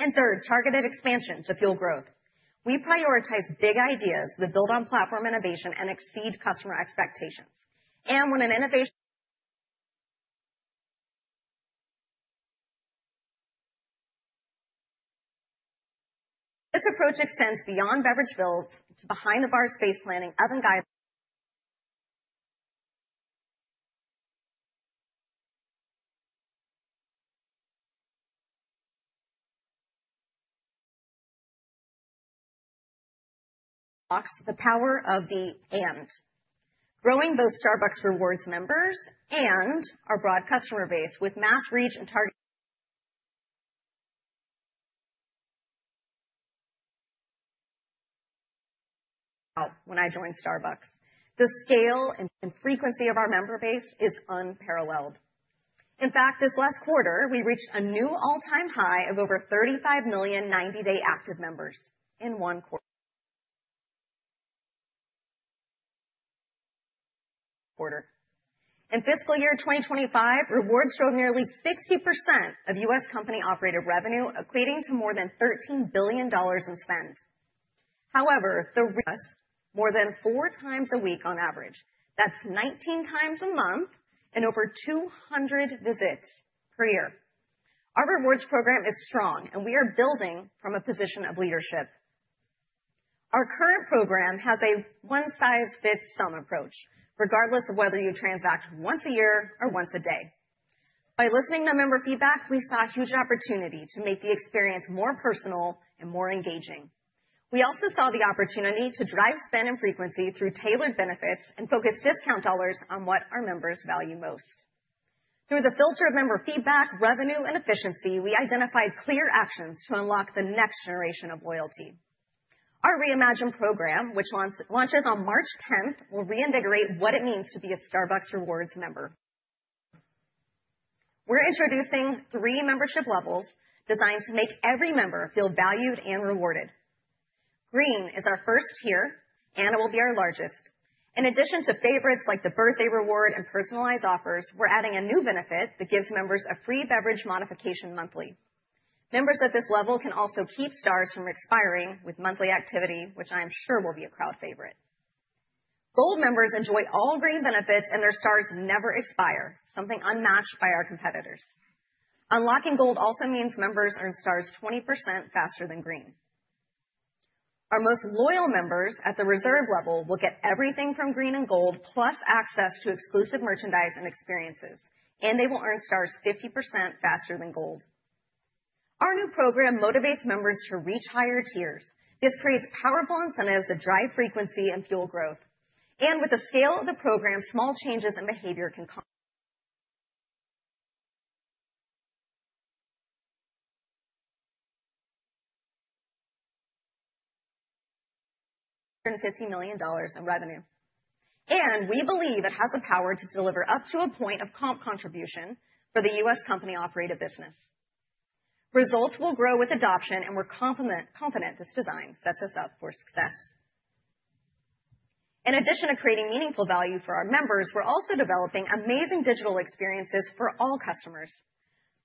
And third, targeted expansion to fuel growth. We prioritize big ideas that build on platform innovation and exceed customer expectations. And when an innovation. This approach extends beyond beverage builds to behind-the-bar space planning, oven guidance. The power of the and. Growing both Starbucks Rewards members and our broad customer base with mass reach and target. When I joined Starbucks. The scale and frequency of our member base is unparalleled. In fact, this last quarter, we reached a new all-time high of over 35 million 90-day active members in one quarter. In fiscal year 2025, Rewards showed nearly 60% of U.S. company-operated revenue equating to more than $13 billion in spend. However, they use us more than four times a week on average. That's 19 times a month and over 200 visits per year. Our Rewards program is strong, and we are building from a position of leadership. Our current program has a one-size-fits-some approach, regardless of whether you transact once a year or once a day. By listening to member feedback, we saw a huge opportunity to make the experience more personal and more engaging. We also saw the opportunity to drive spend and frequency through tailored benefits and focus discount dollars on what our members value most. Through the filter of member feedback, revenue, and efficiency, we identified clear actions to unlock the next generation of loyalty. Our reimagined program, which launches on March 10th, will reinvigorate what it means to be a Starbucks Rewards member. We're introducing three membership levels designed to make every member feel valued and rewarded. Green is our first tier, and it will be our largest. In addition to favorites like the birthday reward and personalized offers, we're adding a new benefit that gives members a free beverage modification monthly. Members at this level can also keep stars from expiring with monthly activity, which I'm sure will be a crowd favorite. Gold members enjoy all green benefits, and their stars never expire, something unmatched by our competitors. Unlocking gold also means members earn stars 20% faster than green. Our most loyal members at the Reserve level will get everything from green and gold, plus access to exclusive merchandise and experiences, and they will earn stars 50% faster than gold. Our new program motivates members to reach higher tiers. This creates powerful incentives that drive frequency and fuel growth. And with the scale of the program, small changes in behavior can $150 million in revenue. And we believe it has the power to deliver up to a point of comp contribution for the U.S. company-operated business. Results will grow with adoption, and we're confident this design sets us up for success. In addition to creating meaningful value for our members, we're also developing amazing digital experiences for all customers.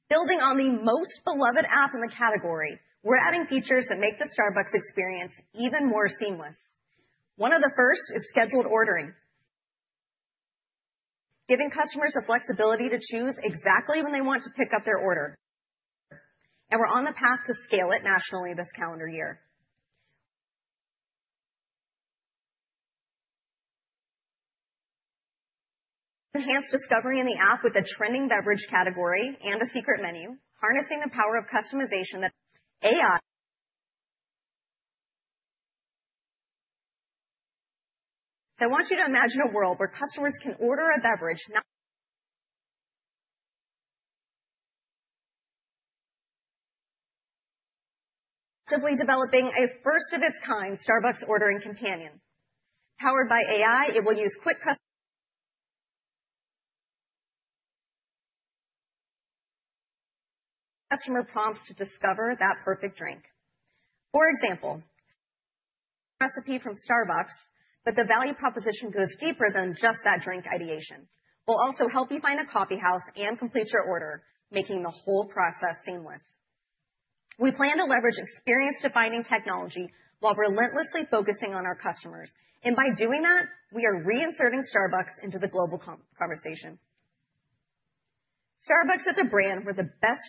Building on the most beloved app in the category, we're adding features that make the Starbucks experience even more seamless. One of the first is scheduled ordering, giving customers the flexibility to choose exactly when they want to pick up their order. And we're on the path to scale it nationally this calendar year. Enhanced discovery in the app with a trending beverage category and a secret menu, harnessing the power of customization that AI. So I want you to imagine a world where customers can order a beverage. Actively developing a first-of-its-kind Starbucks ordering companion. Powered by AI, it will use quick customer prompts to discover that perfect drink. For example, a recipe from Starbucks, but the value proposition goes deeper than just that drink ideation. We'll also help you find a coffeehouse and complete your order, making the whole process seamless. We plan to leverage experience-defining technology while relentlessly focusing on our customers. And by doing that, we are reinserting Starbucks into the global conversation. Starbucks is a brand where the best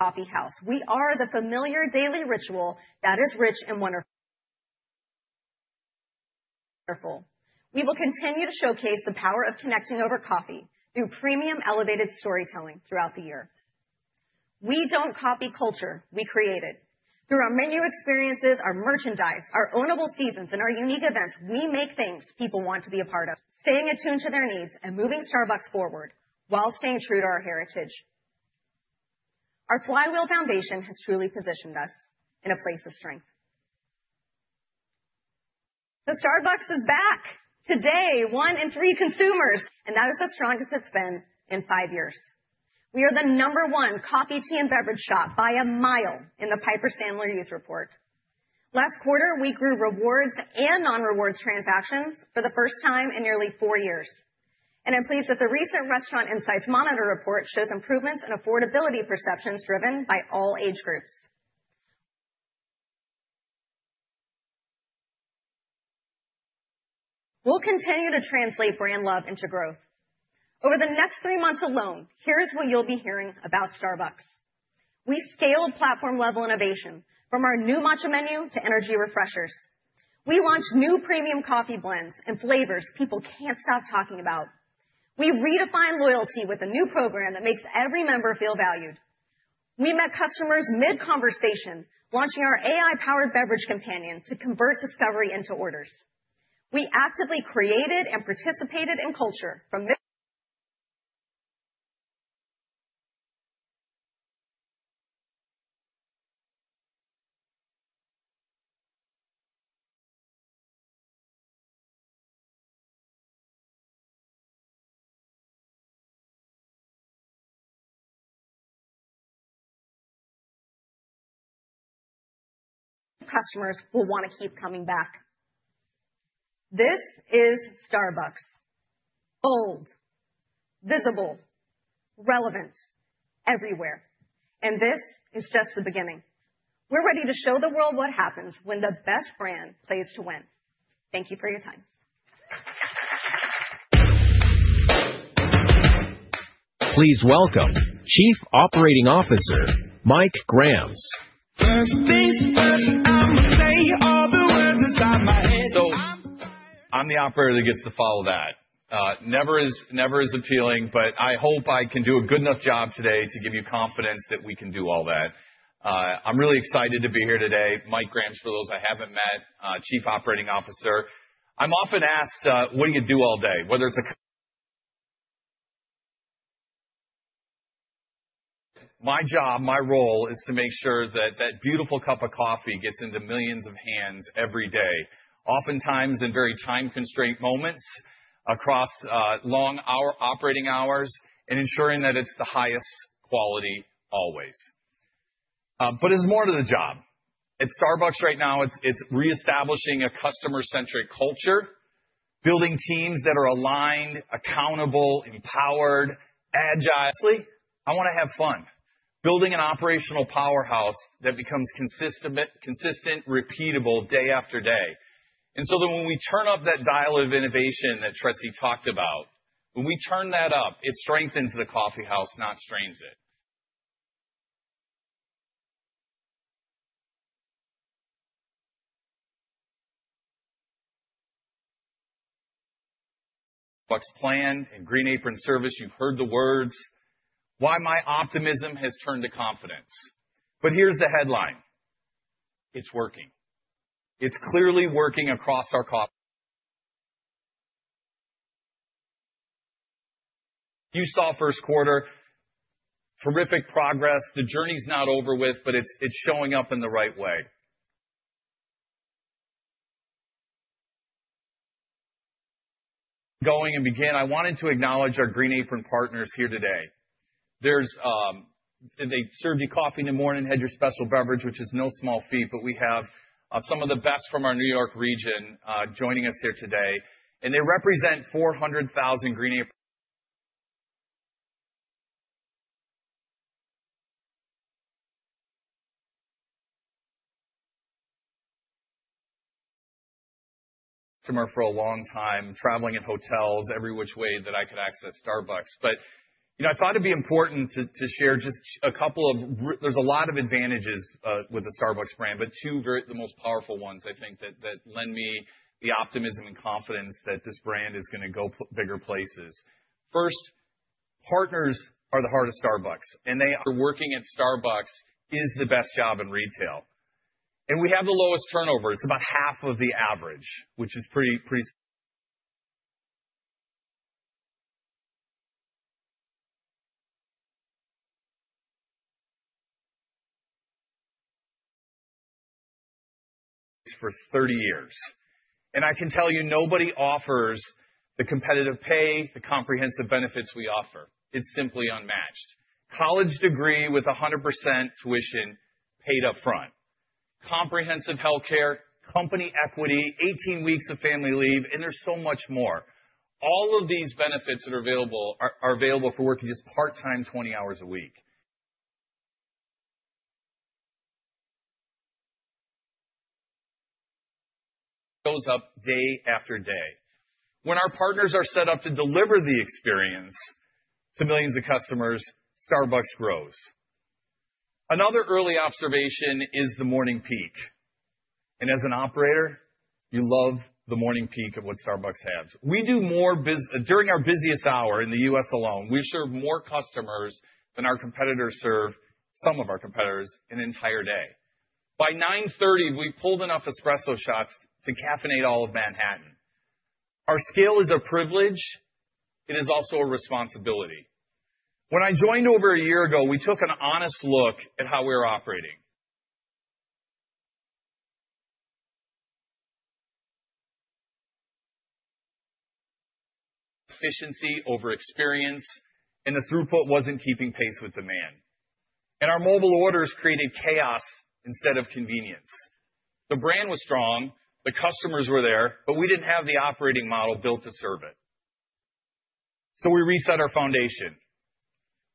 coffeehouse. We are the familiar daily ritual that is rich and wonderful. We will continue to showcase the power of connecting over coffee through premium elevated storytelling throughout the year. We don't copy culture; we create it. Through our menu experiences, our merchandise, our ownable seasons, and our unique events, we make things people want to be a part of, staying attuned to their needs and moving Starbucks forward while staying true to our heritage. Our Flywheel Foundation has truly positioned us in a place of strength. Starbucks is back. Today, one in three consumers. And that is the strongest it's been in five years. We are the number one coffee, tea, and beverage shop by a mile in the Piper Sandler Youth Report. Last quarter, we grew rewards and non-rewards transactions for the first time in nearly four years. I'm pleased that the recent Restaurant Insights Monitor report shows improvements in affordability perceptions driven by all age groups. We'll continue to translate brand love into growth. Over the next three months alone, here's what you'll be hearing about Starbucks. We scaled platform-level innovation from our new matcha menu to Energy Refreshers. We launched new premium coffee blends and flavors people can't stop talking about. We redefined loyalty with a new program that makes every member feel valued. We met customers mid-conversation, launching our AI-powered beverage companion to convert discovery into orders. We actively created and participated in culture from. Customers will want to keep coming back. This is Starbucks. Bold, visible, relevant everywhere. And this is just the beginning. We're ready to show the world what happens when the best brand plays to win. Thank you for your time. Please welcome Chief Operating Officer Mike Grams. First things first, I'm going to say all the words inside my head. So I'm the operator that gets to follow that. Never is appealing, but I hope I can do a good enough job today to give you confidence that we can do all that. I'm really excited to be here today. Mike Grams, for those I haven't met, Chief Operating Officer. I'm often asked, "What do you do all day?" My job, my role is to make sure that that beautiful cup of coffee gets into millions of hands every day, oftentimes in very time-constrained moments across long operating hours and ensuring that it's the highest quality always. But there's more to the job. At Starbucks right now, it's reestablishing a customer-centric culture, building teams that are aligned, accountable, empowered, agile. Lastly, I want to have fun. Building an operational powerhouse that becomes consistent, repeatable day after day. And so then when we turn up that dial of innovation that Tressie talked about, when we turn that up, it strengthens the coffeehouse, not strains it. Starbucks plan and Green Apron Service, you've heard the words. Why my optimism has turned to confidence. But here's the headline. It's working. It's clearly working across our coffee. You saw first quarter, terrific progress. The journey's not over with, but it's showing up in the right way. To begin, I wanted to acknowledge our Green Apron partners here today. They served you coffee in the morning, had your special beverage, which is no small feat, but we have some of the best from our New York region joining us here today. And they represent 400,000 Green Apron partners. For a long time, traveling in hotels, every which way that I could access Starbucks. But I thought it'd be important to share just a couple of. There's a lot of advantages with the Starbucks brand, but two are the most powerful ones, I think, that lend me the optimism and confidence that this brand is going to go bigger places. First, partners are the heart of Starbucks, and they are working at Starbucks is the best job in retail. We have the lowest turnover. It's about half of the average, which is pretty significant. For 30 years. I can tell you, nobody offers the competitive pay, the comprehensive benefits we offer. It's simply unmatched. College degree with 100% tuition paid upfront. Comprehensive healthcare, company equity, 18 weeks of family leave, and there's so much more. All of these benefits that are available are available for working just part-time, 20 hours a week. Goes up day after day. When our partners are set up to deliver the experience to millions of customers, Starbucks grows. Another early observation is the morning peak. And as an operator, you love the morning peak of what Starbucks has. We do more during our busiest hour in the U.S. alone. We serve more customers than our competitors serve, some of our competitors, an entire day. By 9:30 A.M., we've pulled enough espresso shots to caffeinate all of Manhattan. Our scale is a privilege. It is also a responsibility. When I joined over a year ago, we took an honest look at how we were operating. Efficiency over experience, and the throughput wasn't keeping pace with demand. And our mobile orders created chaos instead of convenience. The brand was strong. The customers were there, but we didn't have the operating model built to serve it. So we reset our foundation.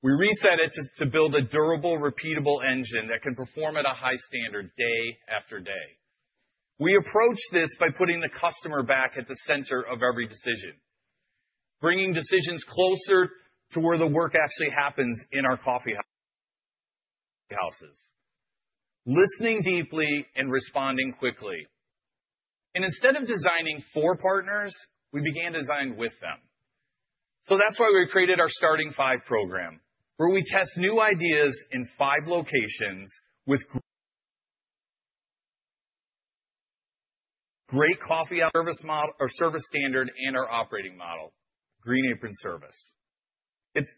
We reset it to build a durable, repeatable engine that can perform at a high standard day after day. We approach this by putting the customer back at the center of every decision, bringing decisions closer to where the work actually happens in our coffeehouses. Listening deeply and responding quickly. And instead of designing for partners, we began designing with them. So that's why we created our Starting Five program, where we test new ideas in five locations with great coffee service model or service standard and our operating model, Green Apron Service. It's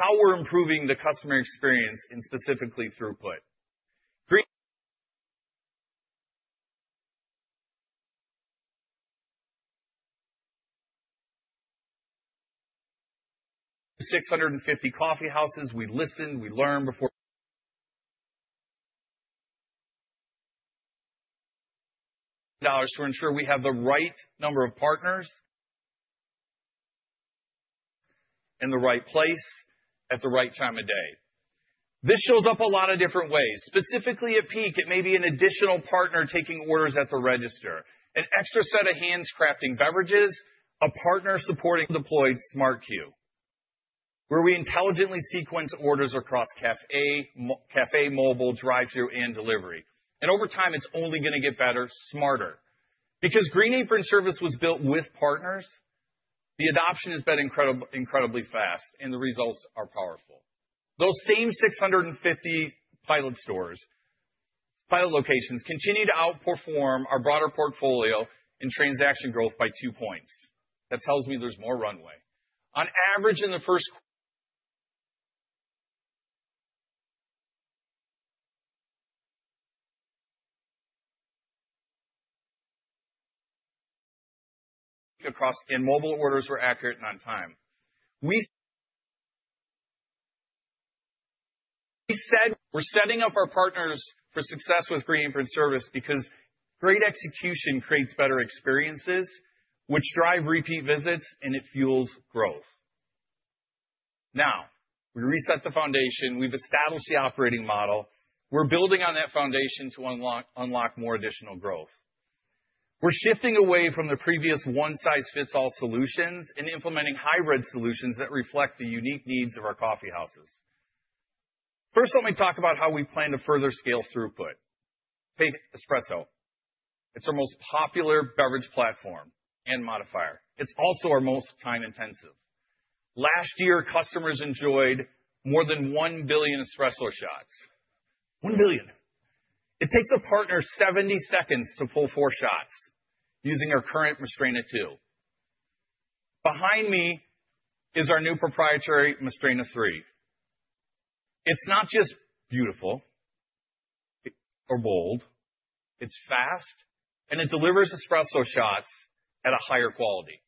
how we're improving the customer experience and specifically throughput. In 650 coffeehouses, we listen, we learn before to ensure we have the right number of partners in the right place at the right time of day. This shows up a lot of different ways. Specifically at peak, it may be an additional partner taking orders at the register, an extra set of hands crafting beverages, a partner supporting deployed Smart Queue, where we intelligently sequence orders across café, café mobile, drive-thru, and delivery. Over time, it's only going to get better, smarter. Because Green Apron Service was built with partners, the adoption has been incredibly fast, and the results are powerful. Those same 650 pilot stores, pilot locations continue to outperform our broader portfolio in transaction growth by 2 points. That tells me there's more runway. On average, in the first. Across and mobile orders were accurate and on time. We said we're setting up our partners for success with Green Apron Service because great execution creates better experiences, which drive repeat visits, and it fuels growth. Now, we reset the foundation. We've established the operating model. We're building on that foundation to unlock more additional growth. We're shifting away from the previous one-size-fits-all solutions and implementing hybrid solutions that reflect the unique needs of our coffeehouses. First, let me talk about how we plan to further scale throughput. Take espresso. It's our most popular beverage platform and modifier. It's also our most time-intensive. Last year, customers enjoyed more than 1 billion espresso shots. 1 billion. It takes a partner 70 seconds to pull four shots using our current Mastrena II. Behind me is our new proprietary Mastrena III. It's not just beautiful or bold. It's fast, and it delivers espresso shots at a higher quality.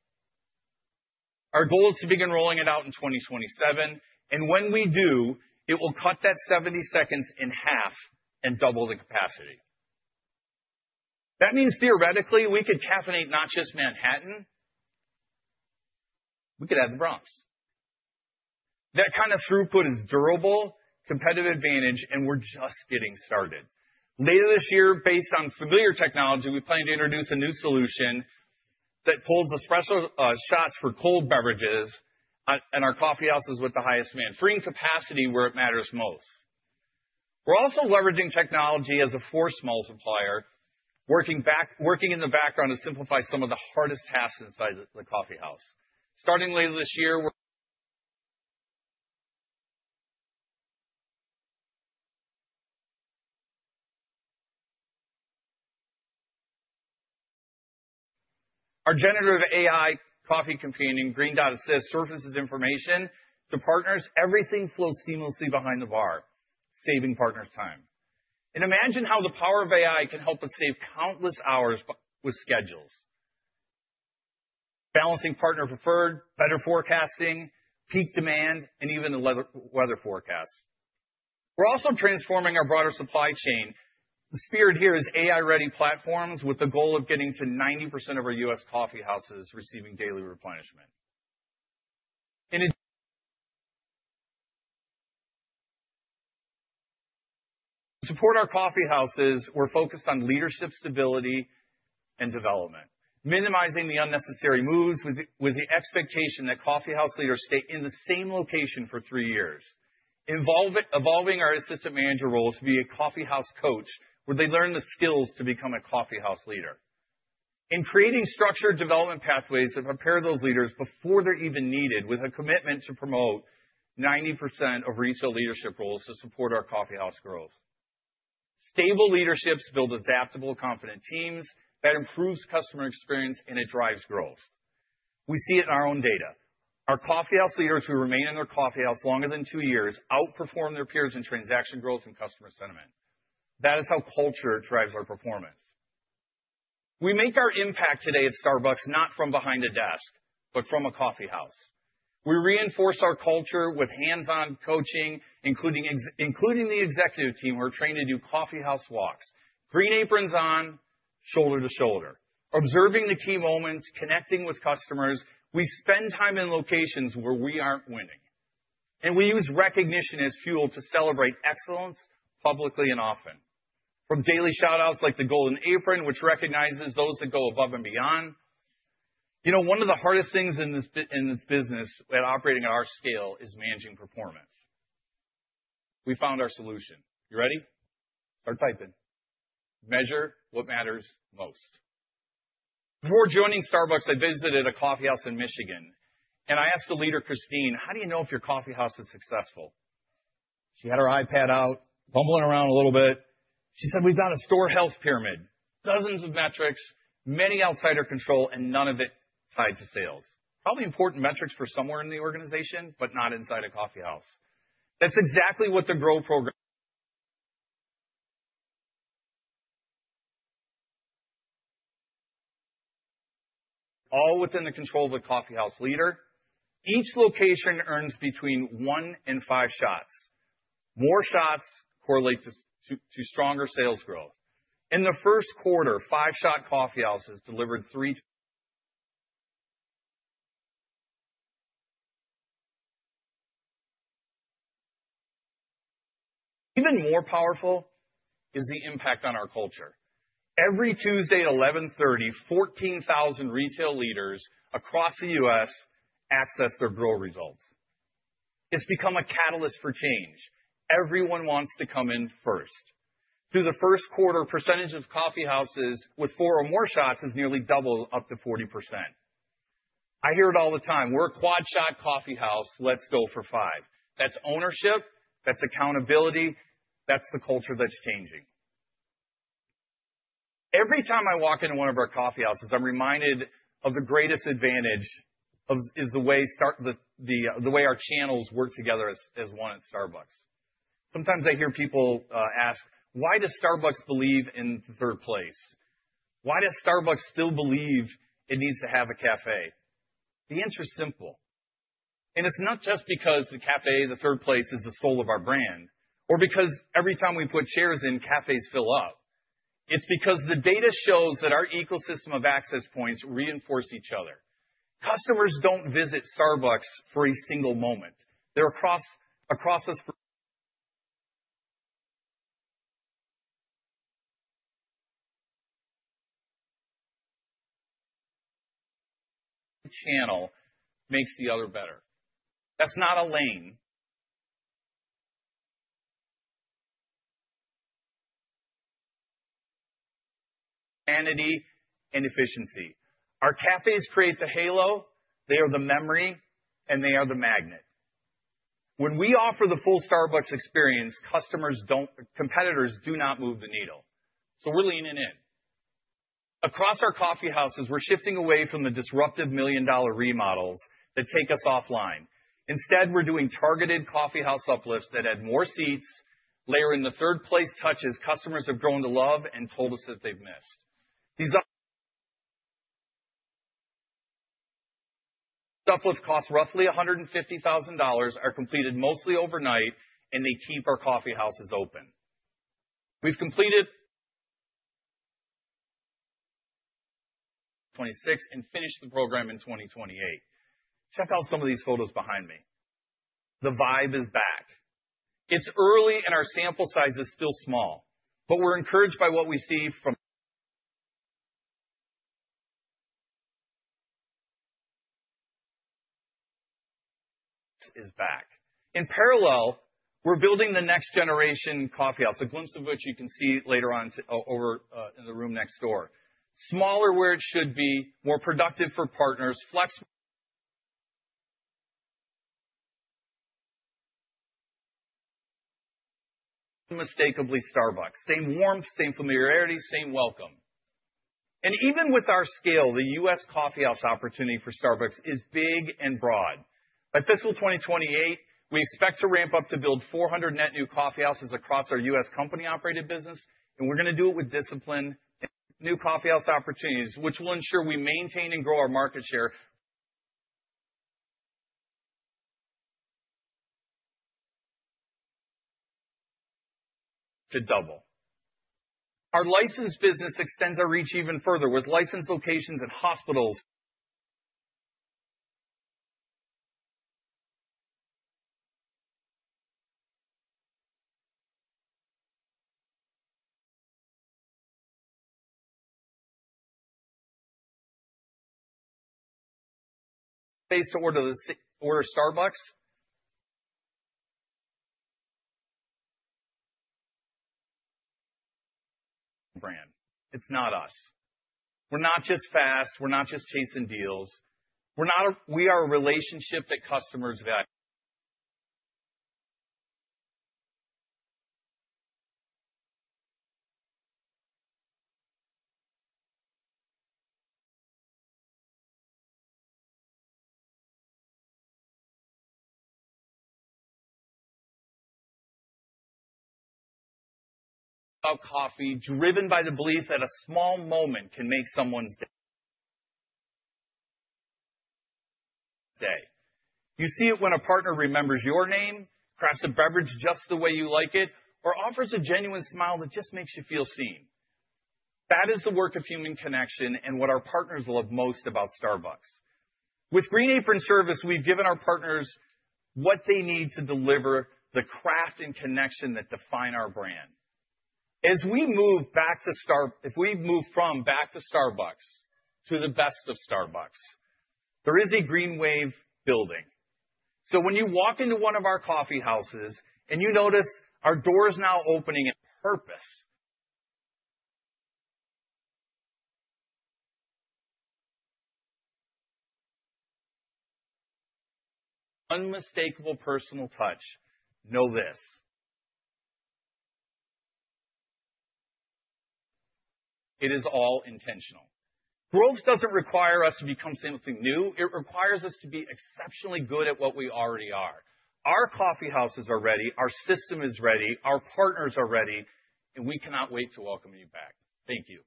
Our goal is to begin rolling it out in 2027. And when we do, it will cut that 70 seconds in half and double the capacity. That means theoretically, we could caffeinate not just Manhattan. We could add the Bronx. That kind of throughput is a durable, competitive advantage, and we're just getting started. Later this year, based on familiar technology, we plan to introduce a new solution that pulls espresso shots for cold beverages at our coffeehouses with the highest demand, freeing capacity where it matters most. We're also leveraging technology as a force multiplier, working in the background to simplify some of the hardest tasks inside the coffeehouse. Starting later this year, our generative AI coffee companion, Green Assist, surfaces information to partners. Everything flows seamlessly behind the bar, saving partners time. And imagine how the power of AI can help us save countless hours with schedules, balancing partner preferences, better forecasting, peak demand, and even the weather forecast. We're also transforming our broader supply chain. The spirit here is AI-ready platforms with the goal of getting to 90% of our U.S. coffeehouses receiving daily replenishment. To support our coffeehouses, we're focused on leadership stability and development, minimizing the unnecessary moves with the expectation that coffeehouse leaders stay in the same location for three years, evolving our assistant manager roles to be a coffeehouse coach where they learn the skills to become a coffeehouse leader, and creating structured development pathways that prepare those leaders before they're even needed with a commitment to promote 90% of retail leadership roles to support our coffeehouse growth. Stable leaderships build adaptable, confident teams that improve customer experience, and it drives growth. We see it in our own data. Our coffeehouse leaders who remain in their coffeehouse longer than two years outperform their peers in transaction growth and customer sentiment. That is how culture drives our performance. We make our impact today at Starbucks not from behind a desk, but from a coffeehouse. We reinforce our culture with hands-on coaching, including the executive team who are trained to do coffeehouse walks. Green Aprons on, shoulder to shoulder, observing the key moments, connecting with customers. We spend time in locations where we aren't winning. We use recognition as fuel to celebrate excellence publicly and often, from daily shout-outs like the Golden Apron, which recognizes those that go above and beyond. One of the hardest things in this business at operating at our scale is managing performance. We found our solution. You ready? Start typing. Measure what matters most. Before joining Starbucks, I visited a coffeehouse in Michigan, and I asked the leader, Christine, "How do you know if your coffeehouse is successful?" She had her iPad out, fumbling around a little bit. She said, "We've got a store health pyramid, dozens of metrics, many outside our control, and none of it tied to sales." Probably important metrics for somewhere in the organization, but not inside a coffeehouse. That's exactly what the GROW Program. All within the control of a coffeehouse leader. Each location earns between one and five shots. More shots correlate to stronger sales growth. In the first quarter, five-shot coffeehouses delivered three. Even more powerful is the impact on our culture. Every Tuesday at 11:30, 14,000 retail leaders across the U.S. access their GROW results. It's become a catalyst for change. Everyone wants to come in first. Through the first quarter, percentage of coffeehouses with four or more shots has nearly doubled up to 40%. I hear it all the time. We're a quad-shot coffeehouse. Let's go for five. That's ownership. That's accountability. That's the culture that's changing. Every time I walk into one of our coffeehouses, I'm reminded of the greatest advantage is the way our channels work together as one at Starbucks. Sometimes I hear people ask, "Why does Starbucks believe in third place? Why does Starbucks still believe it needs to have a cafe?" The answer is simple. It's not just because the cafe, the third place, is the soul of our brand, or because every time we put chairs in, cafes fill up. It's because the data shows that our ecosystem of access points reinforce each other. Customers don't visit Starbucks for a single moment. They're across us. Channel makes the other better. That's not a lane. Humanity and efficiency. Our cafes create the halo. They are the memory, and they are the magnet. When we offer the full Starbucks experience, competitors do not move the needle. We're leaning in. Across our coffeehouses, we're shifting away from the disruptive million-dollar remodels that take us offline. Instead, we're doing targeted coffeehouse uplifts that add more seats, layering the Third Place touches customers have grown to love and told us that they've missed. These uplift costs roughly $150,000, are completed mostly overnight, and they keep our coffeehouses open. We've completed 2,026 and finished the program in 2028. Check out some of these photos behind me. The vibe is back. It's early, and our sample size is still small, but we're encouraged by what we see. In parallel, we're building the next generation coffeehouse, a glimpse of which you can see later on in the room next door. Smaller where it should be, more productive for partners, flexible. Unmistakably Starbucks. Same warmth, same familiarity, same welcome. Even with our scale, the U.S. coffeehouse opportunity for Starbucks is big and broad. By fiscal 2028, we expect to ramp up to build 400 net new coffeehouses across our U.S. company-operated business, and we're going to do it with discipline. New coffeehouse opportunities, which will ensure we maintain and grow our market share to double. Our licensed business extends our reach even further with licensed locations and hospitals to order Starbucks brand. It's not us. We're not just fast. We're not just chasing deals. We are a relationship that customers value of coffee, driven by the belief that a small moment can make someone's day. You see it when a partner remembers your name, crafts a beverage just the way you like it, or offers a genuine smile that just makes you feel seen. That is the work of human connection and what our partners love most about Starbucks. With Green Apron Service, we've given our partners what they need to deliver the craft and connection that define our brand. As we move Back to Starbucks, if we move from Back to Starbucks to the best of Starbucks, there is a green wave building. So when you walk into one of our coffeehouses and you notice our doors now opening at purpose. Unmistakable personal touch. Know this. It is all intentional. GROW doesn't require us to become something new. It requires us to be exceptionally good at what we already are. Our coffeehouses are ready. Our system is ready. Our partners are ready. And we cannot wait to welcome you back. Thank you.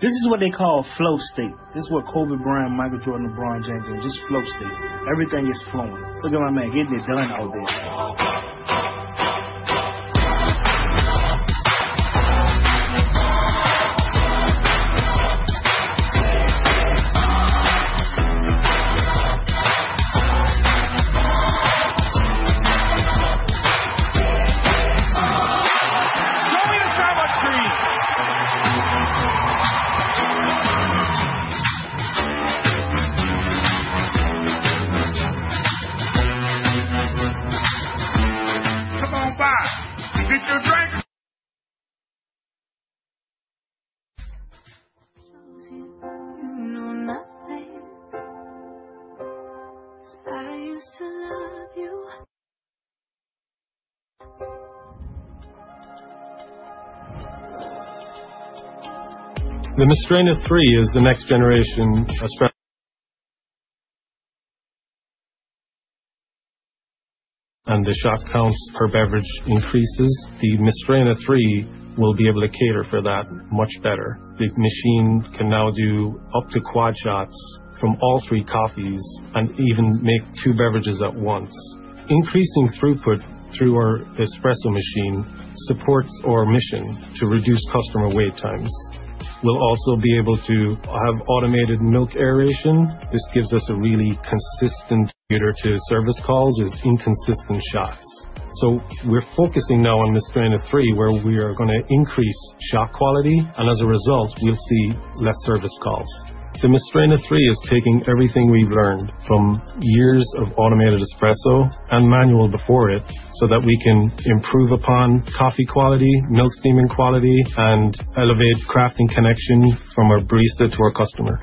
This is what they call flow state. This is what Kobe Bryant, Michael Jordan, LeBron James do. Just flow state. Everything is flowing. Look at my man. Getting it done out there. Show me the Starbucks screen. Come on by. Get your drink. Chose you. You know nothing. Because I used to love you. The Mastrena III is the next generation. The shot counts per beverage increases. The Mastrena III will be able to cater for that much better. The machine can now do up to quad shots from all three coffees and even make two beverages at once. Increasing throughput through our espresso machine supports our mission to reduce customer wait times. We'll also be able to have automated milk aeration. This gives us a really consistent meter to service calls as inconsistent shots. We're focusing now on Mastrena III, where we are going to increase shot quality. As a result, we'll see less service calls. The Mastrena III is taking everything we've learned from years of automated espresso and manual before it so that we can improve upon coffee quality, milk steaming quality, and elevate craft and connection from our barista to our customer.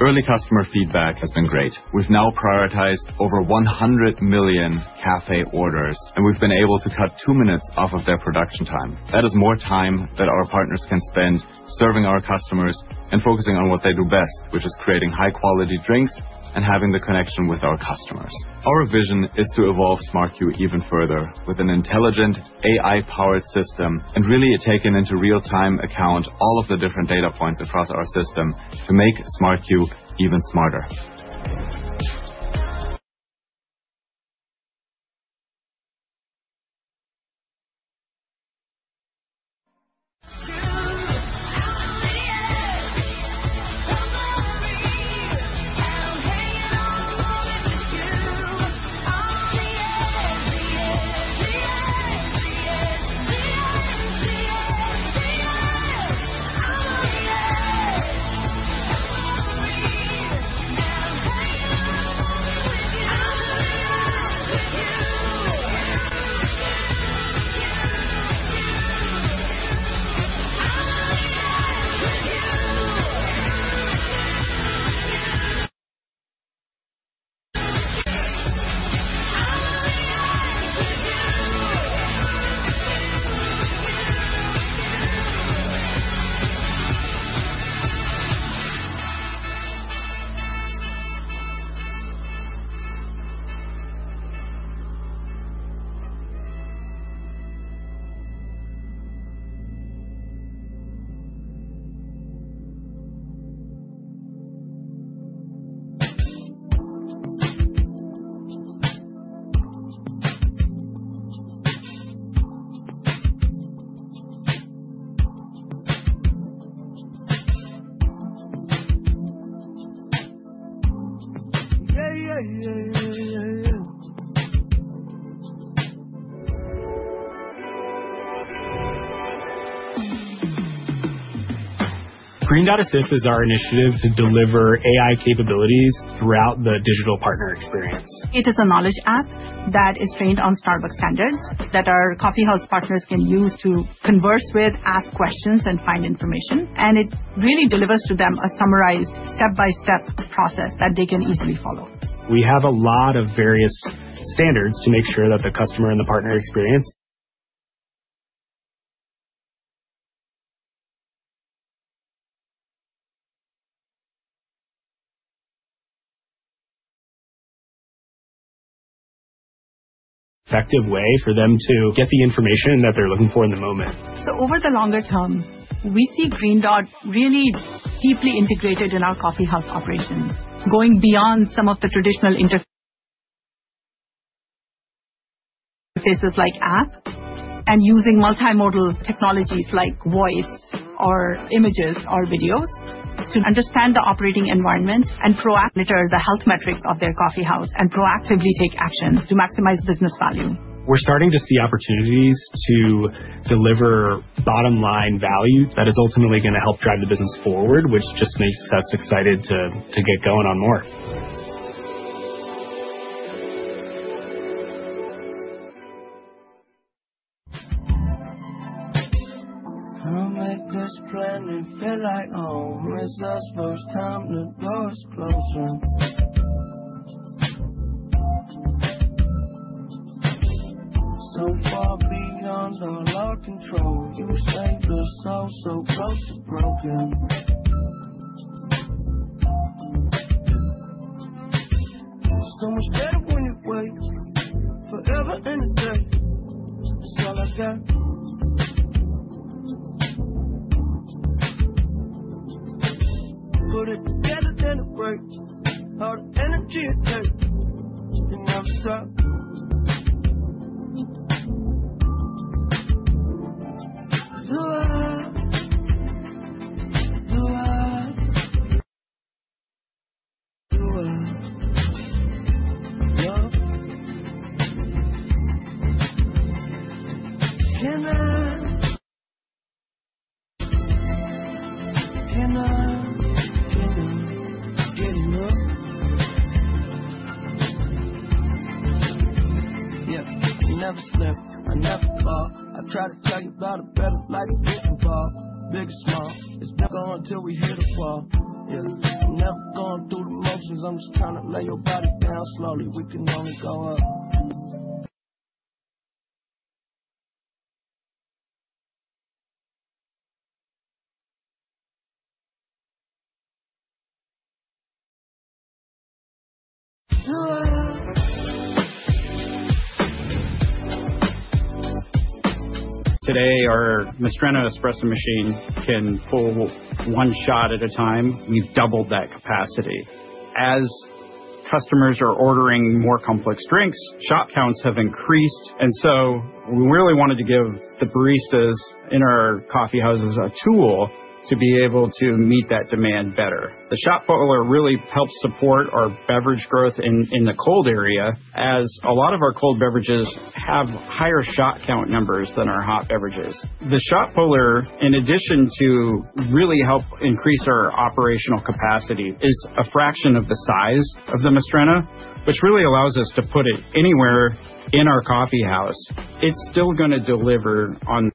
Early customer feedback has been great. We've now prioritized over 100 million cafe orders, and we've been able to cut two minutes off of their production time. That is more time that our partners can spend serving our customers and focusing on what they do best, which is creating high-quality drinks and having the connection with our customers. Our vision is to evolve Smart Queue even further with an intelligent AI-powered system and really taking into real-time account all of the different data points across our system to make Smart Queue even smarter. Effective way for them to get the information that they're looking for in the moment. So over the longer term, we see Green Dot really deeply integrated in our coffeehouse operations, going beyond some of the traditional interfaces like app and using multimodal technologies like voice or images or videos to understand the operating environment and proactively monitor the health metrics of their coffeehouse and proactively take action to maximize business value. We're starting to see opportunities to deliver bottom-line value that is ultimately going to help drive the business forward, which just makes us excited to get going on more. Come make this planet feel like home. It's us first time the door is closing. So far beyond all our control. You saved us all so close to broken. So much better when it waits forever and a day. That's all I got. Put it together, then it breaks. All the energy it takes. You never stop. Today, our Mastrena espresso machine can pull one shot at a time. We've doubled that capacity. As customers are ordering more complex drinks, shot counts have increased. And so we really wanted to give the baristas in our coffeehouses a tool to be able to meet that demand better. The shot puller really helps support our beverage growth in the cold area, as a lot of our cold beverages have higher shot count numbers than our hot beverages. The shot puller, in addition to really helping increase our operational capacity, is a fraction of the size of the Mastrena, which really allows us to put it anywhere in our coffeehouse. It's still going to deliver on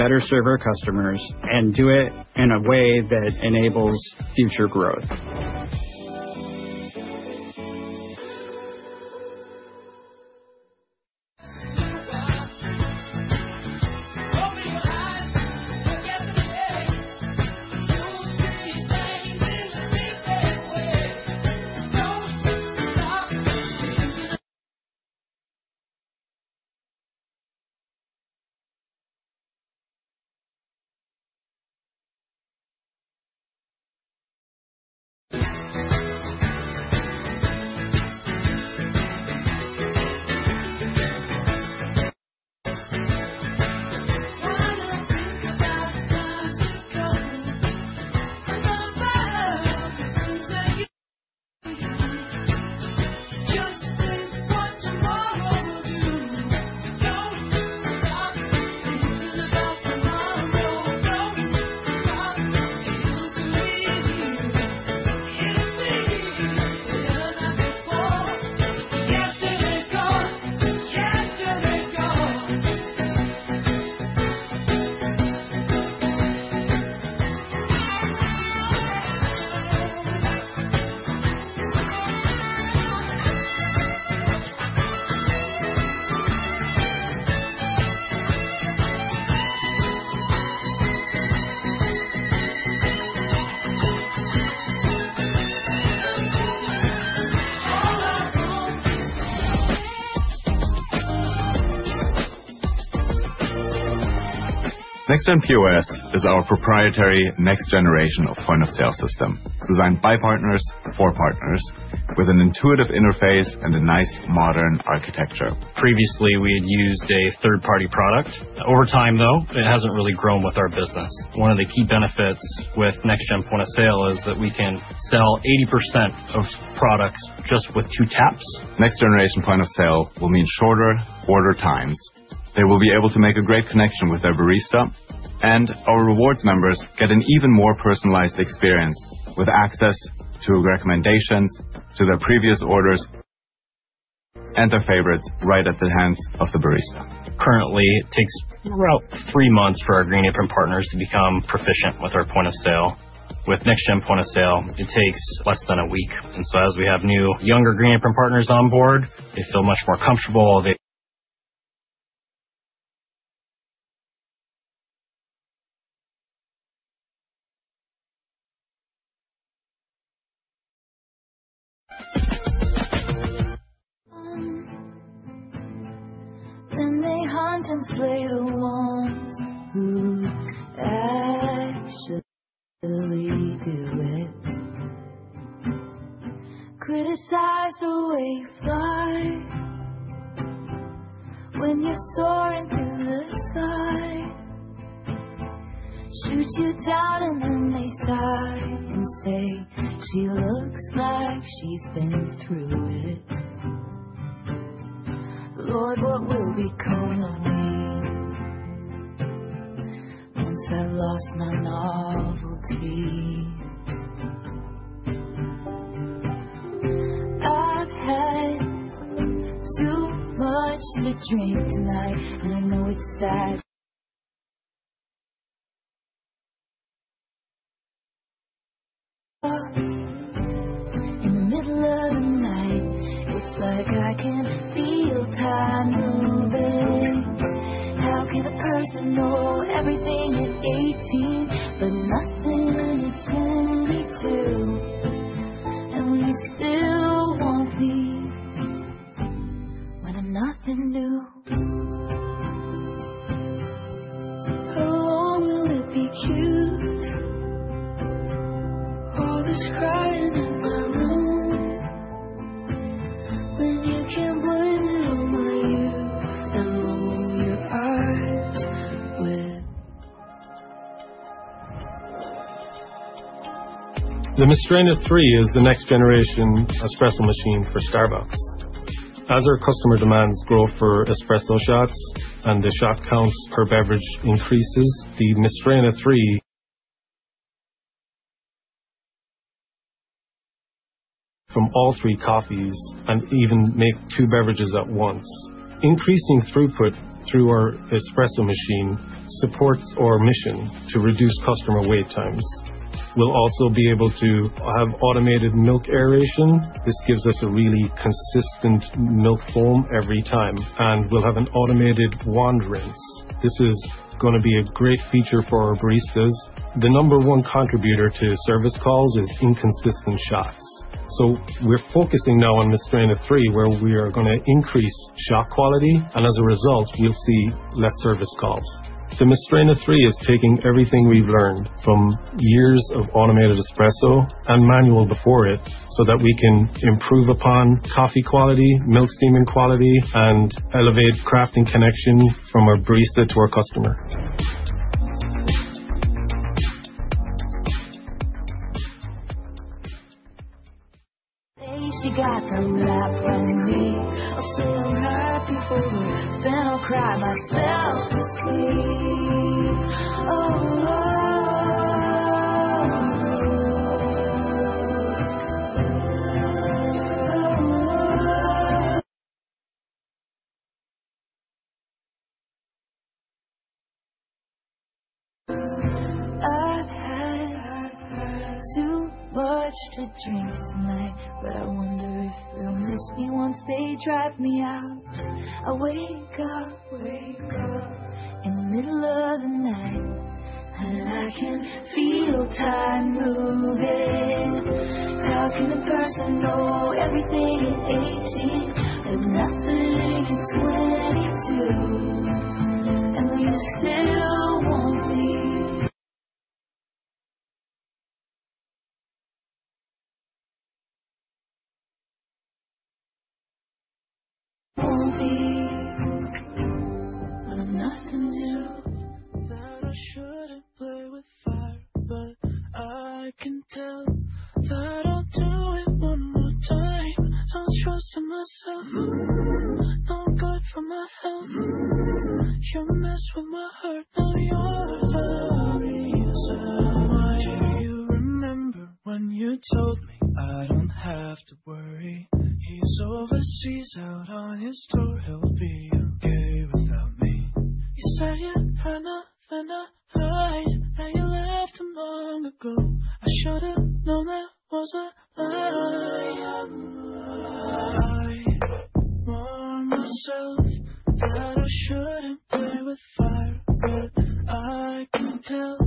better serve our customers and do it in a way that enables future growth. Trying to think about the times to come. I'm gonna buy all the things that you need. Just think what tomorrow will do. Don't stop thinking about tomorrow. Don't stop. It'll soon be here. It'll be here better than before. Yesterday's gone. Yesterday's gone. All I want is you. NextGen POS is our proprietary next-generation point-of-sale system. It's designed by partners for partners with an intuitive interface and a nice modern architecture. Previously, we had used a third-party product. Over time, though, it hasn't really grown with our business. One of the key benefits with NextGen point of sale is that we can sell 80% of products just with two taps. Next generation point of sale will mean shorter order times. They will be able to make a great connection with their barista, and our rewards members get an even more personalized experience with access to recommendations to their previous orders and their favorites right at the hands of the barista. Currently, it takes about three months for our Green Apron partners to become proficient with our point of sale. With NextGen point of sale, it takes less than a week. And so as we have new, younger Green Apron partners on board, they feel much more comfortable. Home. Then they hunt and slay We'll also be able to have automated milk aeration. This gives us a really consistent milk foam every time, and we'll have an automated wand rinse. This is going to be a great feature for our baristas. The number one contributor to service calls is inconsistent shots. So we're focusing now on Mastrena III, where we are going to increase shot quality, and as a result, we'll see less service calls. The Mastrena III is taking everything we've learned from years of automated espresso and manual before it so that we can improve upon coffee quality, milk steaming quality, and elevate crafting connection from our barista to our customer. Maybe she got the right from me. I'll sit unhappy for her, then I'll cry myself to sleep. I've had too much to drink tonight, but I wonder if they'll miss me once they drive me out. I wake up in the middle of the night, and I can feel time moving. How can a person know everything at 18 but nothing at 22? And when you still want me. Want me when I'm nothing new. That I shouldn't play with fire, but I can tell that I'll do it one more time. No trust in myself. No good for my health. You mess with my heart. Now you're the reason. Why do you remember when you told me I don't have to worry? He's overseas out on his tour. He'll be okay without me. You said you had nothing to hide, that you left him long ago. I should have known that was a lie. I warned myself that I shouldn't play with fire, but I can tell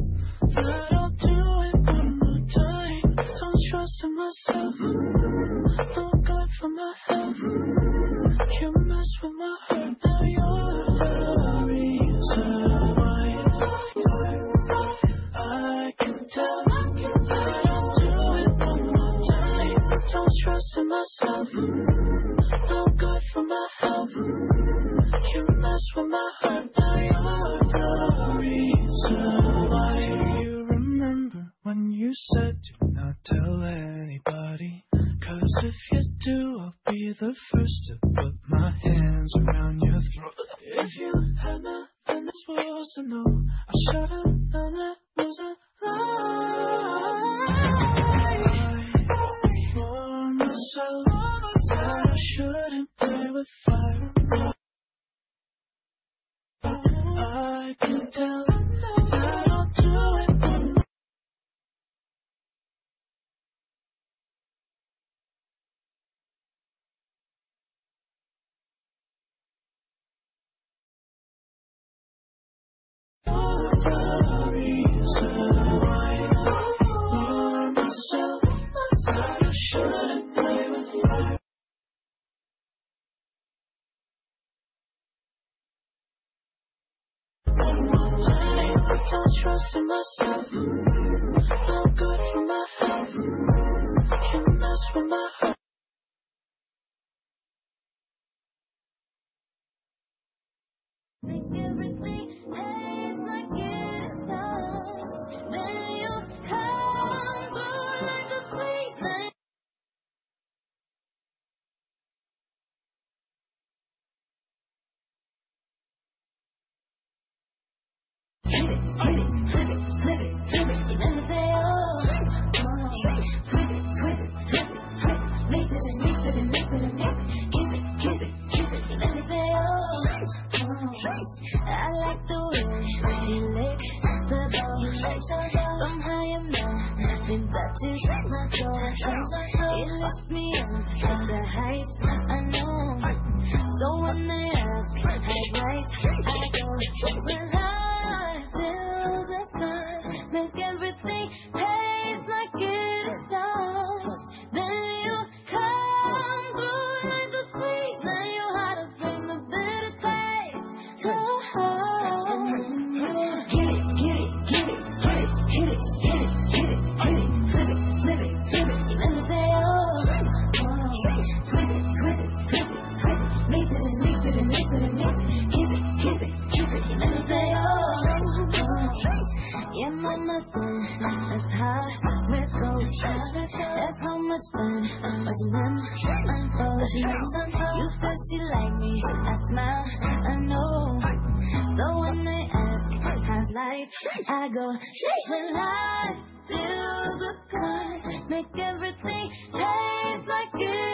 that I'll do it one more time. Don't trust in myself. No good for my health. You mess with my heart. Now you're the reason. Why? I can tell that I'll do it one more time. Don't trust in myself. No good for my health. You mess with my heart. Now you're the reason. Why do you remember when you said you'd not tell anybody? 'Cause if you do, I'll be the first to put my hands around your throat. If you had nothing else for us to know, I should have known that was a lie. I warned myself that I shouldn't play with fire. I can tell that I'll do it one. You're the reason. Why? I warned myself that I shouldn't play with fire. One more time. Don't trust in myself. No good for my health. You mess with my. Make everything taste like it is done. Then you come through like a sweet. Twist it, twist it, twist it, twist it, twist it. You make me say, "Oh, oh, oh." Twist it, twist it, twist it, twist it. Mix it and mix it and mix it and mix it. Kiss it, kiss it, kiss it. You make me say, "Oh, oh, oh." I like the way you lick the bone. Somehow you know the touch is my gold. It lifts me up to the heights I know. So when they ask how bright I glow, it's a lie. Until the sun. Make everything taste like it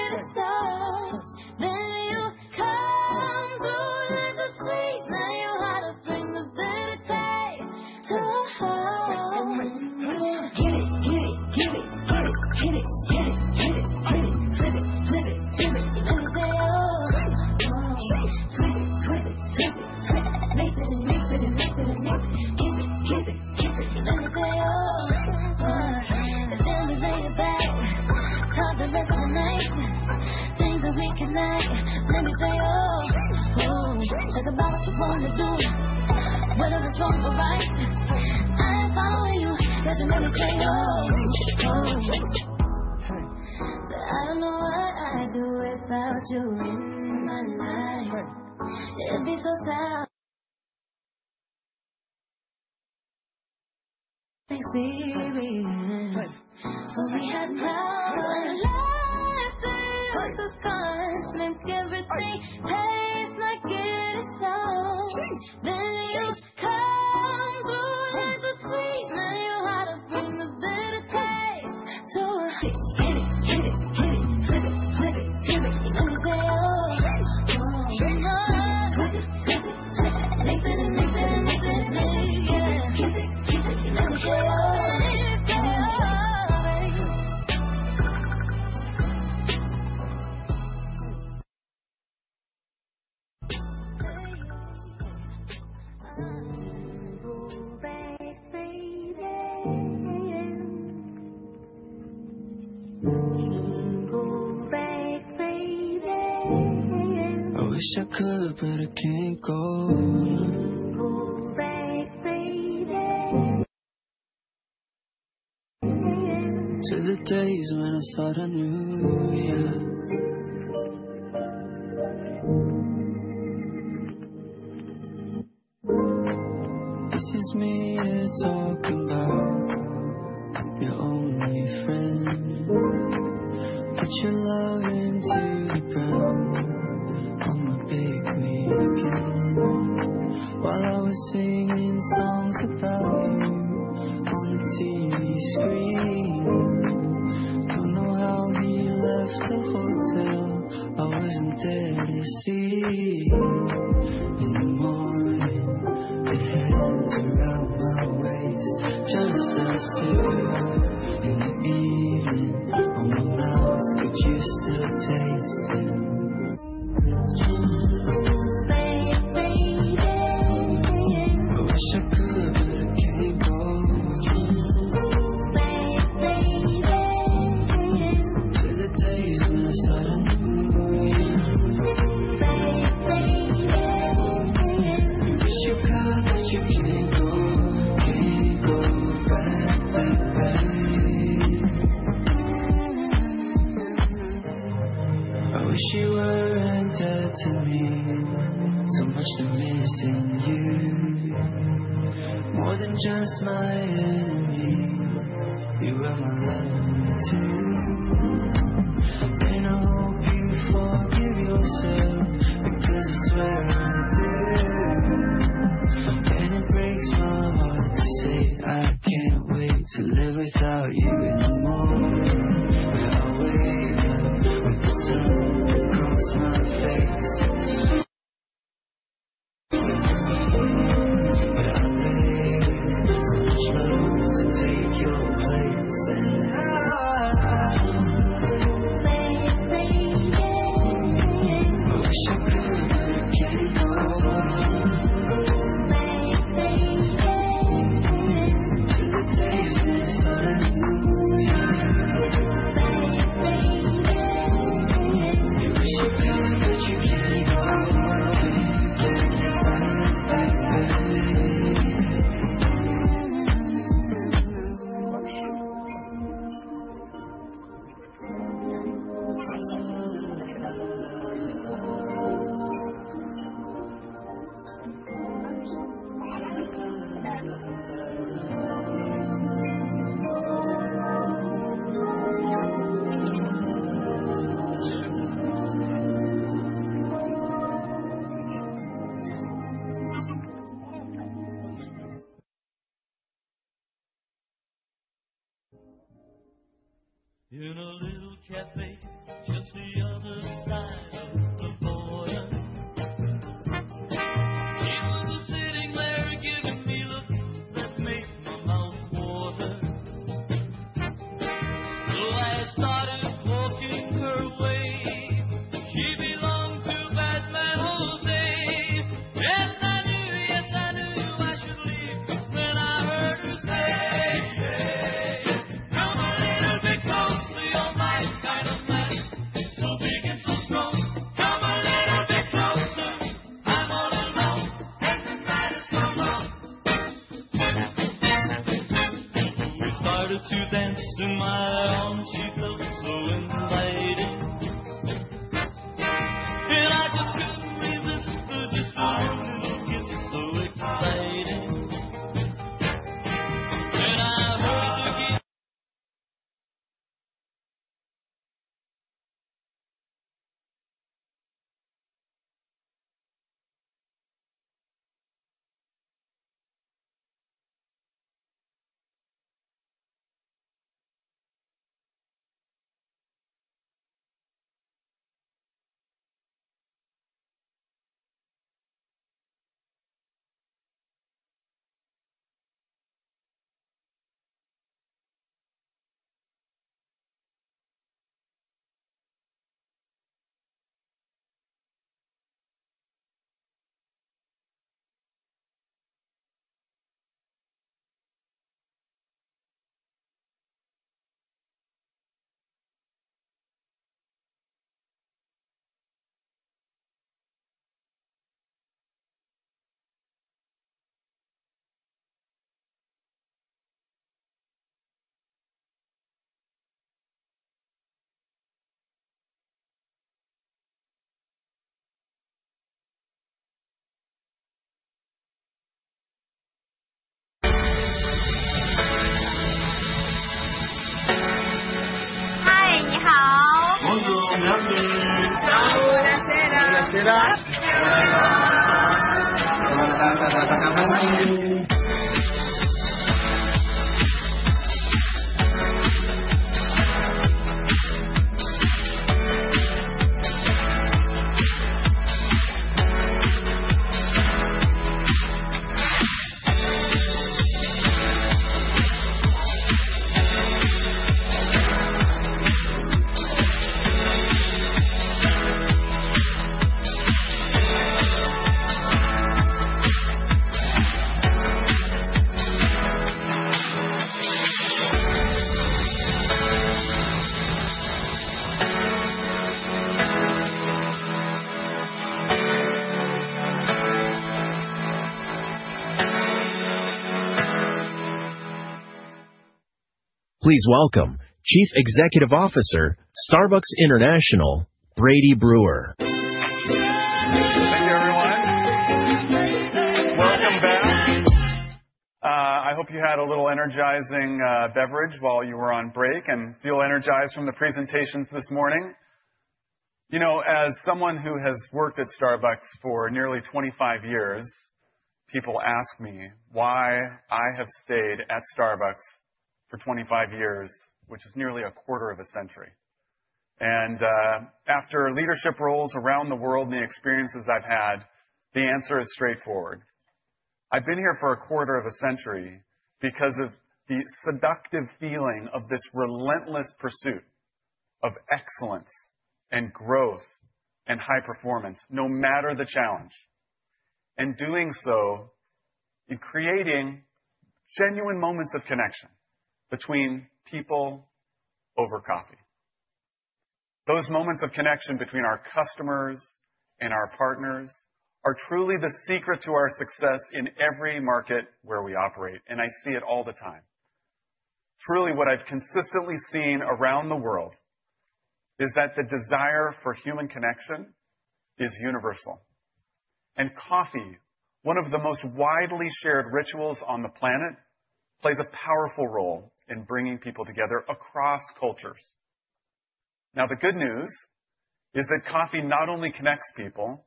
taste like it is done. Then you come through like a sweet. Now you're hotter bring the bitter taste to. Twist it, twist it, twist it, twist it. Twist it, twist it. You make me say, "Oh, oh, oh." Twist it, twist it, twist it, twist it. Mix it and mix it and mix it. Mix it, mix it, mix it. You make me say, "Oh, oh, oh." I wish I could, but I can't go. To the days when I thought I knew you. This is me you're talking 'bout. You're only a friend. Put your love into the ground on my big wheel again. While I was singing songs about you on the TV screen, don't know how we left the hotel. I wasn't there to see in the morning. It hangs around my waist just as too in the evening. On my mouth, could you still taste it? Twist it, twist it. I wish I could, but I can't go. Twist it, twist it. To the days when I thought I knew you. Twist it, twist it. I wish you got that you can't go, can't go back, back, back. I wish you weren't dead to me. So much to miss in you. More than just my enemy. You were my lover too. I hope you forgive yourself because I swear I do. It breaks my heart to say I can't wait to live without you anymore. Please welcome Chief Executive Officer, Starbucks International, Brady Brewer. Thank you, everyone. Welcome back. I hope you had a little energizing beverage while you were on break and feel energized from the presentations this morning. You know, as someone who has worked at Starbucks for nearly 25 years, people ask me why I have stayed at Starbucks for 25 years, which is nearly a quarter of a century. And after leadership roles around the world and the experiences I've had, the answer is straightforward. I've been here for a quarter of a century because of the seductive feeling of this relentless pursuit of excellence and growth and high performance, no matter the challenge. And doing so and creating genuine moments of connection between people over coffee. Those moments of connection between our customers and our partners are truly the secret to our success in every market where we operate, and I see it all the time. Truly, what I've consistently seen around the world is that the desire for human connection is universal. Coffee, one of the most widely shared rituals on the planet, plays a powerful role in bringing people together across cultures. Now, the good news is that coffee not only connects people,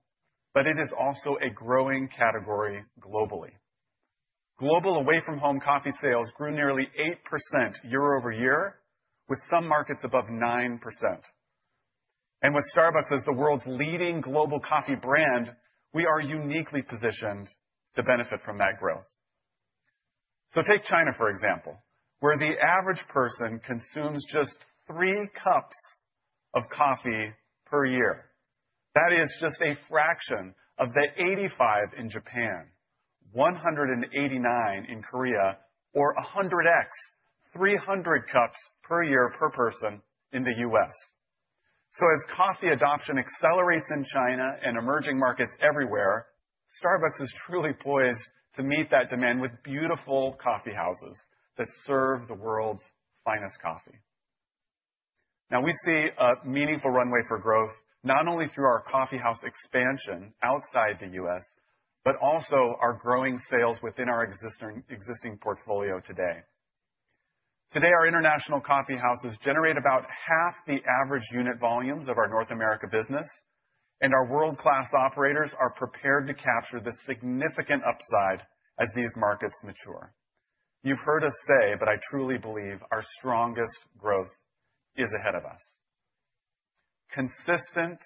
but it is also a growing category globally. Global away-from-home coffee sales grew nearly 8% year-over-year, with some markets above 9%. With Starbucks as the world's leading global coffee brand, we are uniquely positioned to benefit from that growth. Take China, for example, where the average person consumes just 3 cups of coffee per year. That is just a fraction of the 85 in Japan, 189 in Korea, or 100x, 300 cups per year per person in the U.S. As coffee adoption accelerates in China and emerging markets everywhere, Starbucks is truly poised to meet that demand with beautiful coffeehouses that serve the world's finest coffee. Now, we see a meaningful runway for growth not only through our coffeehouse expansion outside the U.S., but also our growing sales within our existing portfolio today. Today, our international coffeehouses generate about half the average unit volumes of our North America business, and our world-class operators are prepared to capture the significant upside as these markets mature. You've heard us say, but I truly believe our strongest growth is ahead of us. Consistent,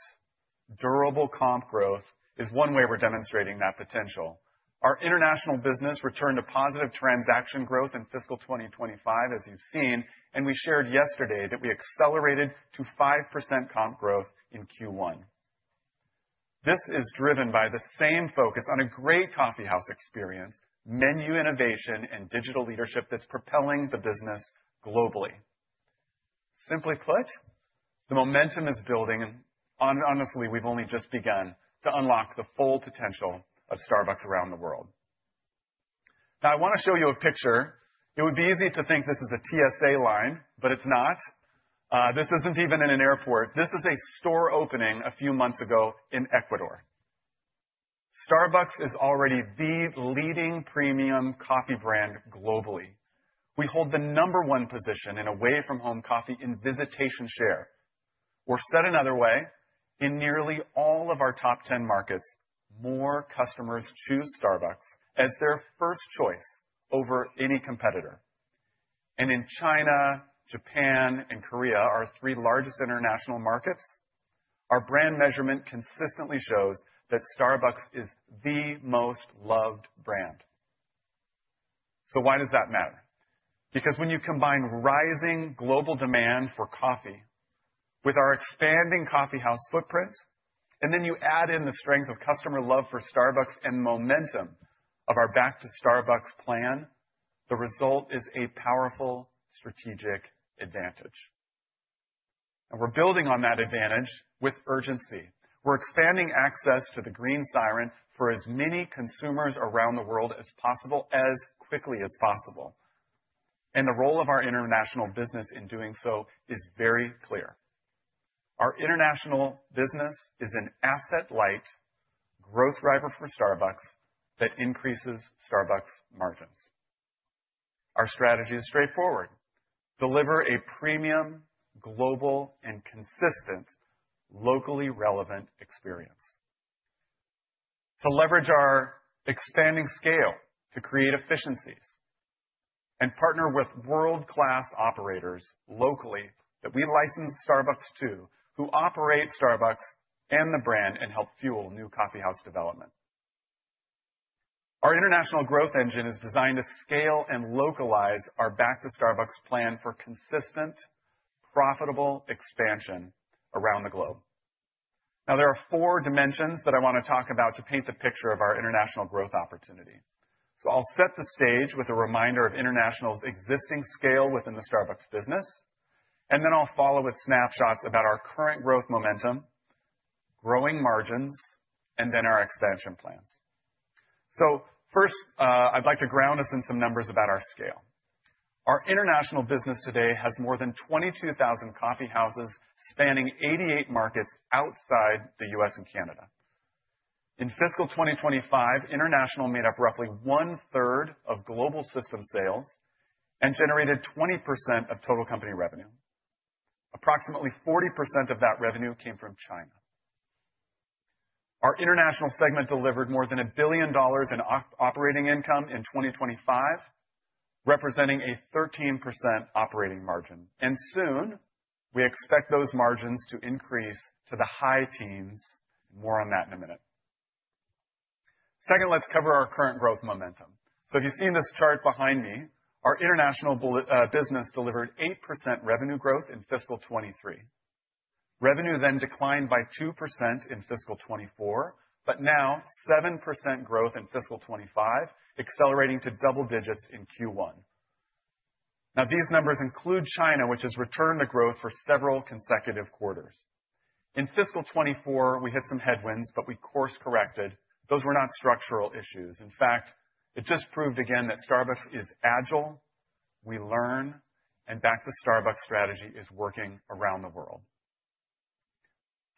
durable comp growth is one way we're demonstrating that potential. Our international business returned to positive transaction growth in fiscal 2025, as you've seen, and we shared yesterday that we accelerated to 5% comp growth in Q1. This is driven by the same focus on a great coffeehouse experience, menu innovation, and digital leadership that's propelling the business globally. Simply put, the momentum is building, and honestly, we've only just begun to unlock the full potential of Starbucks around the world. Now, I want to show you a picture. It would be easy to think this is a TSA line, but it's not. This isn't even in an airport. This is a store opening a few months ago in Ecuador. Starbucks is already the leading premium coffee brand globally. We hold the number one position in away-from-home coffee in visitation share. Or said another way, in nearly all of our top 10 markets, more customers choose Starbucks as their first choice over any competitor. And in China, Japan, and Korea, our three largest international markets, our brand measurement consistently shows that Starbucks is the most loved brand. So why does that matter? Because when you combine rising global demand for coffee with our expanding coffeehouse footprint, and then you add in the strength of customer love for Starbucks and momentum of our Back to Starbucks plan, the result is a powerful strategic advantage. And we're building on that advantage with urgency. We're expanding access to the green Siren for as many consumers around the world as possible as quickly as possible. And the role of our international business in doing so is very clear. Our international business is an asset light growth driver for Starbucks that increases Starbucks' margins. Our strategy is straightforward: deliver a premium, global, and consistent, locally relevant experience. To leverage our expanding scale, to create efficiencies, and partner with world-class operators locally that we license Starbucks to, who operate Starbucks and the brand and help fuel new coffeehouse development. Our international growth engine is designed to scale and localize our Back to Starbucks plan for consistent, profitable expansion around the globe. Now, there are four dimensions that I want to talk about to paint the picture of our international growth opportunity. So I'll set the stage with a reminder of international's existing scale within the Starbucks business, and then I'll follow with snapshots about our current growth momentum, growing margins, and then our expansion plans. So first, I'd like to ground us in some numbers about our scale. Our international business today has more than 22,000 coffeehouses spanning 88 markets outside the U.S. and Canada. In fiscal 2025, international made up roughly one-third of global system sales and generated 20% of total company revenue. Approximately 40% of that revenue came from China. Our International segment delivered more than $1 billion in operating income in 2025, representing a 13% operating margin. Soon, we expect those margins to increase to the high teens. More on that in a minute. Second, let's cover our current growth momentum. If you see in this chart behind me, our international business delivered 8% revenue growth in fiscal 2023. Revenue then declined by 2% in fiscal 2024, but now 7% growth in fiscal 2025, accelerating to double digits in Q1. Now, these numbers include China, which has returned to growth for several consecutive quarters. In fiscal 2024, we hit some headwinds, but we course-corrected. Those were not structural issues. In fact, it just proved again that Starbucks is agile, we learn, and Back to Starbucks strategy is working around the world.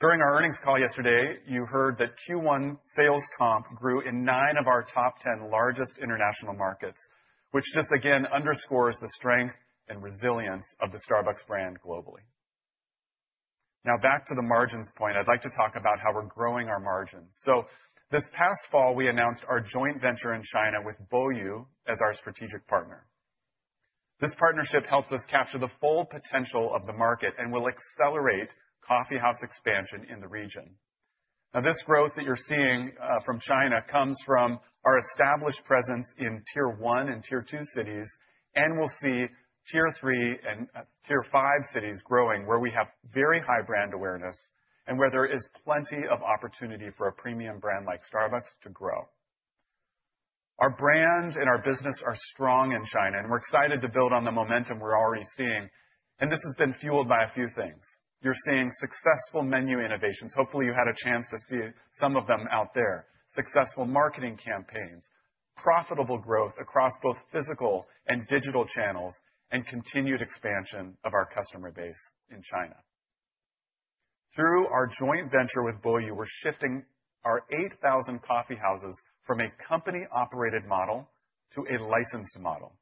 During our earnings call yesterday, you heard that Q1 sales comp grew in nine of our top 10 largest international markets, which just again underscores the strength and resilience of the Starbucks brand globally. Now, back to the margins point, I'd like to talk about how we're growing our margins. This past fall, we announced our joint venture in China with Boyu as our strategic partner. This partnership helps us capture the full potential of the market and will accelerate coffeehouse expansion in the region. Now, this growth that you're seeing from China comes from our established presence in tier one and tier two cities, and we'll see tier three and tier five cities growing where we have very high brand awareness and where there is plenty of opportunity for a premium brand like Starbucks to grow. Our brand and our business are strong in China, and we're excited to build on the momentum we're already seeing. This has been fueled by a few things. You're seeing successful menu innovations. Hopefully, you had a chance to see some of them out there. Successful marketing campaigns, profitable growth across both physical and digital channels, and continued expansion of our customer base in China. Through our joint venture with Boyu, we're shifting our 8,000 coffeehouses from a company-operated model to a licensed model.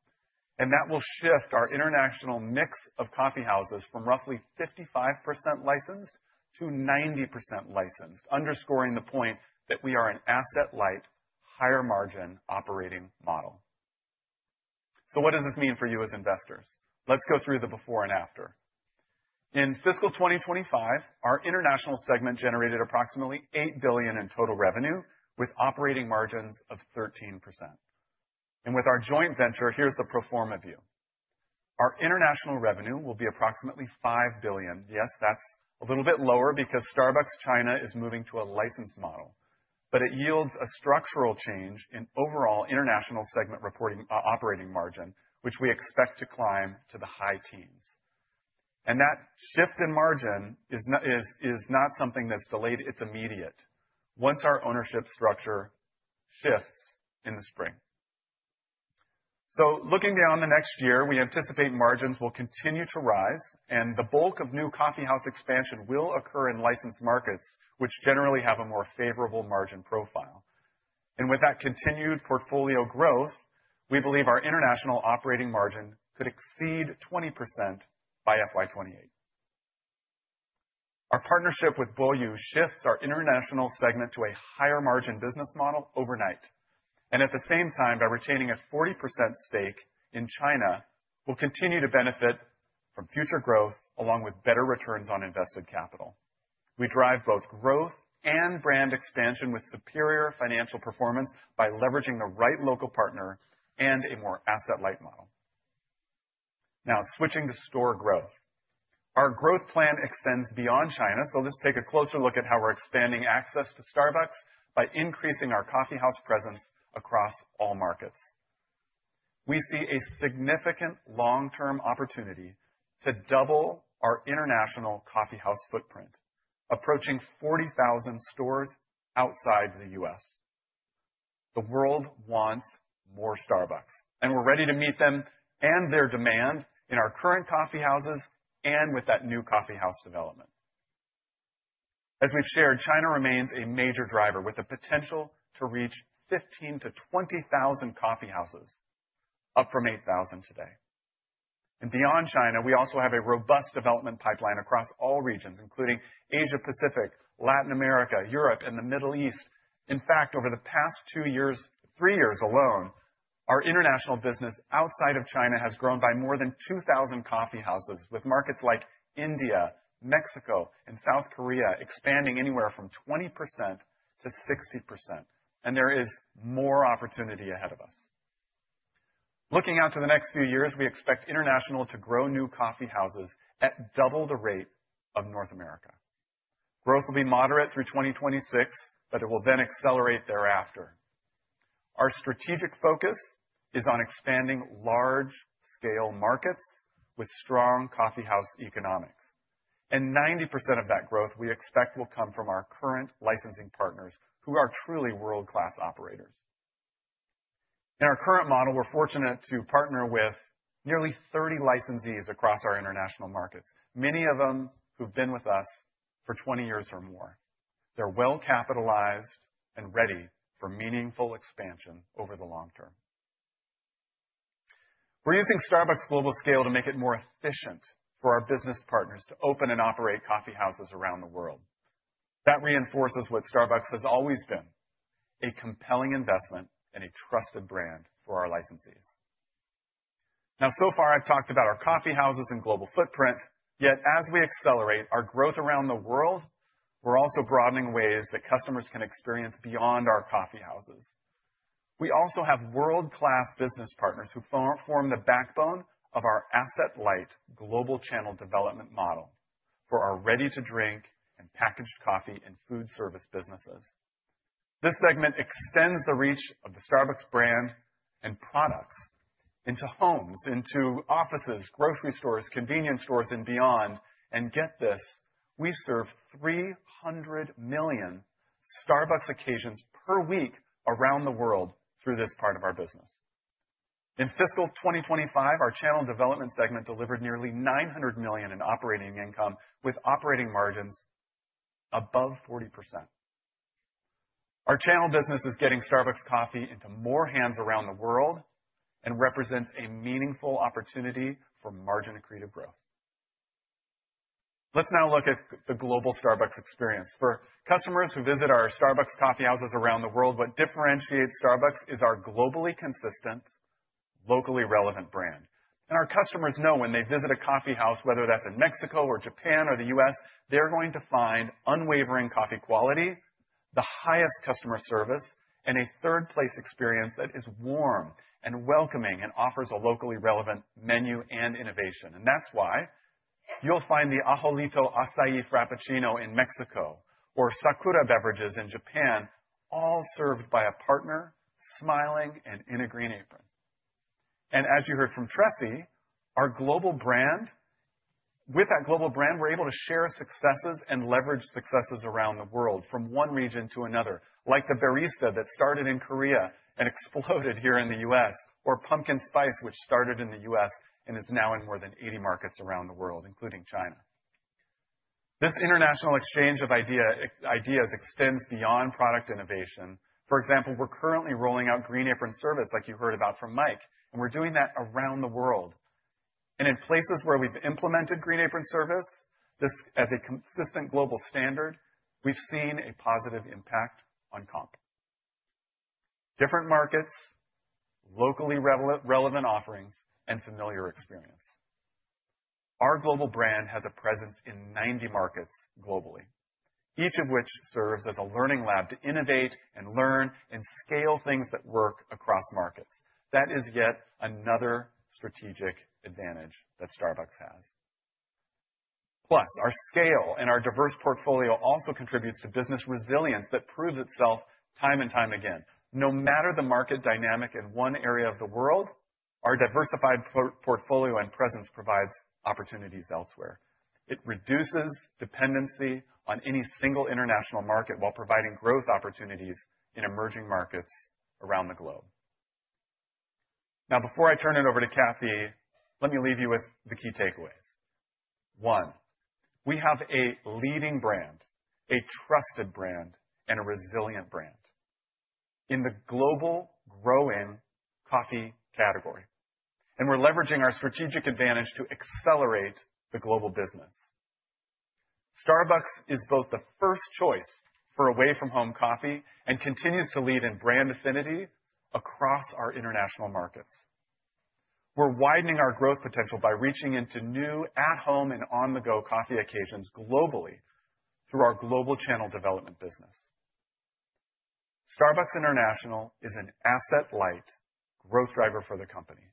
That will shift our international mix of coffeehouses from roughly 55% licensed to 90% licensed, underscoring the point that we are an asset-light, higher-margin operating model. What does this mean for you as investors? Let's go through the before and after. In fiscal 2025, our International segment generated approximately $8 billion in total revenue with operating margins of 13%. With our joint venture, here's the pro forma view. Our international revenue will be approximately $5 billion. Yes, that's a little bit lower because Starbucks China is moving to a licensed model. But it yields a structural change in overall International segment operating margin, which we expect to climb to the high teens. And that shift in margin is not something that's delayed. It's immediate. Once our ownership structure shifts in the spring. So looking beyond the next year, we anticipate margins will continue to rise, and the bulk of new coffeehouse expansion will occur in licensed markets, which generally have a more favorable margin profile. And with that continued portfolio growth, we believe our international operating margin could exceed 20% by FY28. Our partnership with Boyu shifts our International segment to a higher-margin business model overnight. And at the same time, by retaining a 40% stake in China, we'll continue to benefit from future growth along with better returns on invested capital. We drive both growth and brand expansion with superior financial performance by leveraging the right local partner and a more asset-light model. Now, switching to store growth. Our growth plan extends beyond China. So let's take a closer look at how we're expanding access to Starbucks by increasing our coffeehouse presence across all markets. We see a significant long-term opportunity to double our international coffeehouse footprint, approaching 40,000 stores outside the U.S. The world wants more Starbucks, and we're ready to meet them and their demand in our current coffeehouses and with that new coffeehouse development. As we've shared, China remains a major driver with the potential to reach 15,000-20,000 coffeehouses, up from 8,000 today. Beyond China, we also have a robust development pipeline across all regions, including Asia-Pacific, Latin America, Europe, and the Middle East. In fact, over the past three years alone, our international business outside of China has grown by more than 2,000 coffeehouses, with markets like India, Mexico, and South Korea expanding anywhere from 20%-60%. There is more opportunity ahead of us. Looking out to the next few years, we expect international to grow new coffeehouses at double the rate of North America. Growth will be moderate through 2026, but it will then accelerate thereafter. Our strategic focus is on expanding large-scale markets with strong coffeehouse economics. 90% of that growth we expect will come from our current licensing partners, who are truly world-class operators. In our current model, we're fortunate to partner with nearly 30 licensees across our international markets, many of them who've been with us for 20 years or more. They're well-capitalized and ready for meaningful expansion over the long term. We're using Starbucks' global scale to make it more efficient for our business partners to open and operate coffeehouses around the world. That reinforces what Starbucks has always been: a compelling investment and a trusted brand for our licensees. Now, so far, I've talked about our coffeehouses and global footprint, yet as we accelerate our growth around the world, we're also broadening ways that customers can experience beyond our coffeehouses. We also have world-class business partners who form the backbone of our asset-light global Channel Development model for our ready-to-drink and packaged coffee and food service businesses. This segment extends the reach of the Starbucks brand and products into homes, into offices, grocery stores, convenience stores, and beyond. And get this, we serve 300 million Starbucks occasions per week around the world through this part of our business. In fiscal 2025, our Channel Development segment delivered nearly $900 million in operating income with operating margins above 40%. Our channel business is getting Starbucks coffee into more hands around the world and represents a meaningful opportunity for margin accretive growth. Let's now look at the global Starbucks experience. For customers who visit our Starbucks coffeehouses around the world, what differentiates Starbucks is our globally consistent, locally relevant brand. And our customers know when they visit a coffeehouse, whether that's in Mexico or Japan or the U.S., they're going to find unwavering coffee quality, the highest customer service, and a third-place experience that is warm and welcoming and offers a locally relevant menu and innovation. And that's why you'll find the Ajolito Acaí Frappuccino in Mexico or Sakura beverages in Japan, all served by a partner smiling and in a green apron. And as you heard from Tressie, our global brand, with that global brand, we're able to share successes and leverage successes around the world from one region to another, like the barista that started in Korea and exploded here in the U.S., or Pumpkin Spice, which started in the U.S. and is now in more than 80 markets around the world, including China. This international exchange of ideas extends beyond product innovation. For example, we're currently rolling out Green Apron Service, like you heard about from Mike, and we're doing that around the world. In places where we've implemented Green Apron Service as a consistent global standard, we've seen a positive impact on comps: different markets, locally relevant offerings, and familiar experience. Our global brand has a presence in 90 markets globally, each of which serves as a learning lab to innovate and learn and scale things that work across markets. That is yet another strategic advantage that Starbucks has. Plus, our scale and our diverse portfolio also contributes to business resilience that proves itself time and time again. No matter the market dynamic in one area of the world, our diversified portfolio and presence provides opportunities elsewhere. It reduces dependency on any single international market while providing growth opportunities in emerging markets around the globe. Now, before I turn it over to Cathy, let me leave you with the key takeaways. One, we have a leading brand, a trusted brand, and a resilient brand in the global growing coffee category. We're leveraging our strategic advantage to accelerate the global business. Starbucks is both the first choice for away-from-home coffee and continues to lead in brand affinity across our international markets. We're widening our growth potential by reaching into new at-home and on-the-go coffee occasions globally through our global Channel Development business. Starbucks International is an asset-light growth driver for the company.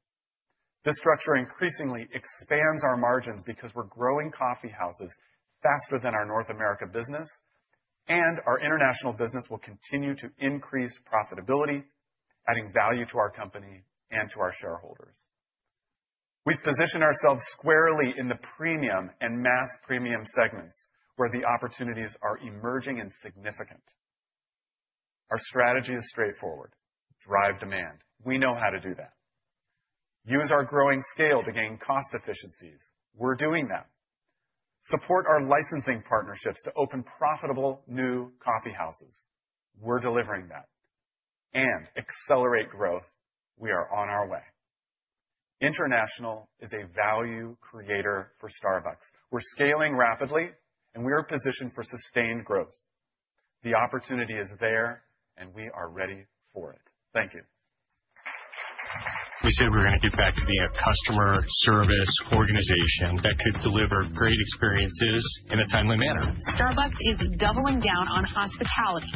This structure increasingly expands our margins because we're growing coffeehouses faster than our North America business, and our international business will continue to increase profitability, adding value to our company and to our shareholders. We've positioned ourselves squarely in the premium and mass premium segments where the opportunities are emerging and significant. Our strategy is straightforward: drive demand. We know how to do that. Use our growing scale to gain cost efficiencies. We're doing that. Support our licensing partnerships to open profitable new coffeehouses. We're delivering that. Accelerate growth. We are on our way. International is a value creator for Starbucks. We're scaling rapidly, and we are positioned for sustained growth. The opportunity is there, and we are ready for it. Thank you. We said we were going to get back to being a customer service organization that could deliver great experiences in a timely manner. Starbucks is doubling down on hospitality.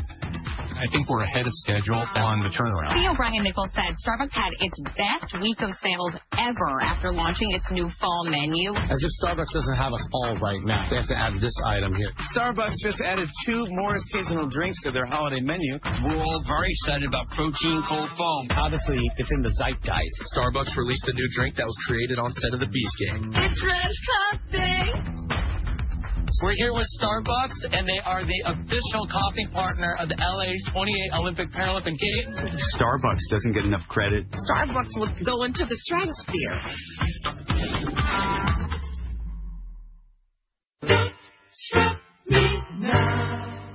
I think we're ahead of schedule on the turnaround. CEO Brian Niccol said Starbucks had its best week of sales ever after launching its new fall menu. As if Starbucks doesn't have us all right now, they have to add this item here. Starbucks just added two more seasonal drinks to their holiday menu. We're all very excited about Protein Cold Foam. Obviously, it's in the zeitgeist. Starbucks released a new drink that was created on set of Beast Games. It's Red Cup Day. We're here with Starbucks, and they are the official coffee partner of the LA28 Olympic Paralympic Games. Starbucks doesn't get enough credit. Starbucks will go into the stratosphere.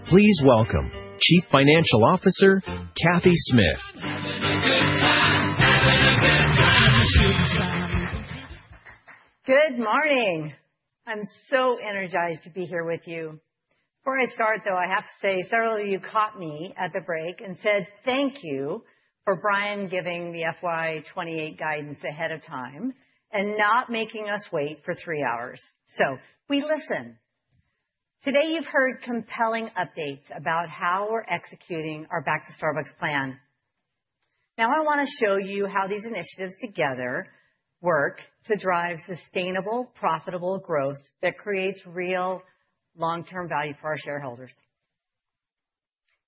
Please welcome Chief Financial Officer Cathy Smith. Good morning. I'm so energized to be here with you. Before I start, though, I have to say several of you caught me at the break and said thank you for Brian giving the FY 2028 guidance ahead of time and not making us wait for three hours. So we listen. Today, you've heard compelling updates about how we're executing our Back to Starbucks plan. Now, I want to show you how these initiatives together work to drive sustainable, profitable growth that creates real long-term value for our shareholders.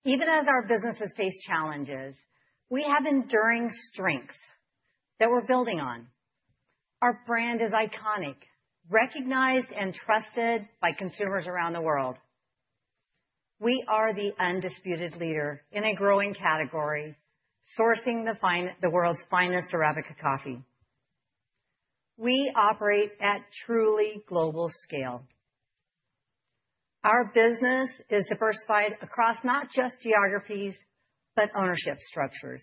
Even as our businesses face challenges, we have enduring strengths that we're building on. Our brand is iconic, recognized and trusted by consumers around the world. We are the undisputed leader in a growing category, sourcing the world's finest Arabica coffee. We operate at truly global scale. Our business is diversified across not just geographies, but ownership structures.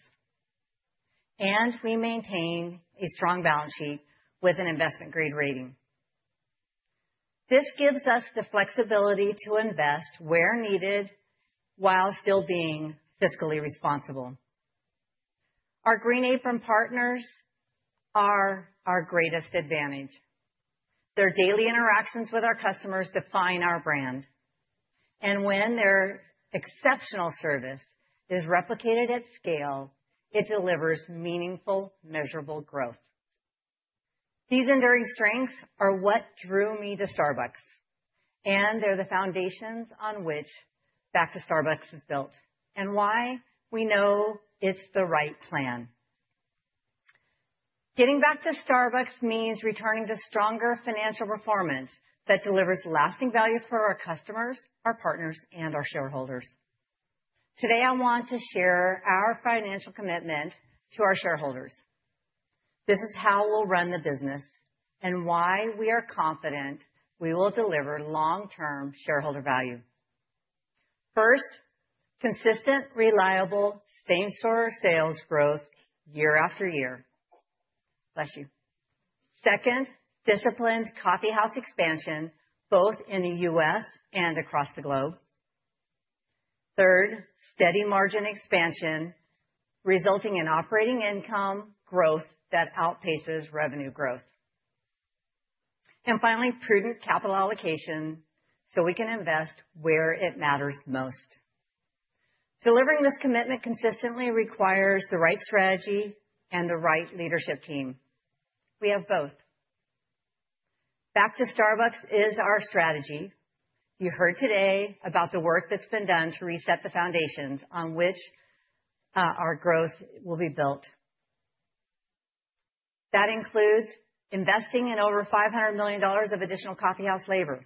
We maintain a strong balance sheet with an investment-grade rating. This gives us the flexibility to invest where needed while still being fiscally responsible. Our Green Apron partners are our greatest advantage. Their daily interactions with our customers define our brand. When their exceptional service is replicated at scale, it delivers meaningful, measurable growth. These enduring strengths are what drew me to Starbucks, and they're the foundations on which Back to Starbucks is built and why we know it's the right plan. Getting back to Starbucks means returning to stronger financial performance that delivers lasting value for our customers, our partners, and our shareholders. Today, I want to share our financial commitment to our shareholders. This is how we'll run the business and why we are confident we will deliver long-term shareholder value. First, consistent, reliable, same-store sales growth year after year. Bless you. Second, disciplined coffeehouse expansion, both in the U.S. and across the globe. Third, steady margin expansion resulting in operating income growth that outpaces revenue growth. And finally, prudent capital allocation so we can invest where it matters most. Delivering this commitment consistently requires the right strategy and the right leadership team. We have both. Back to Starbucks is our strategy. You heard today about the work that's been done to reset the foundations on which our growth will be built. That includes investing in over $500 million of additional coffeehouse labor,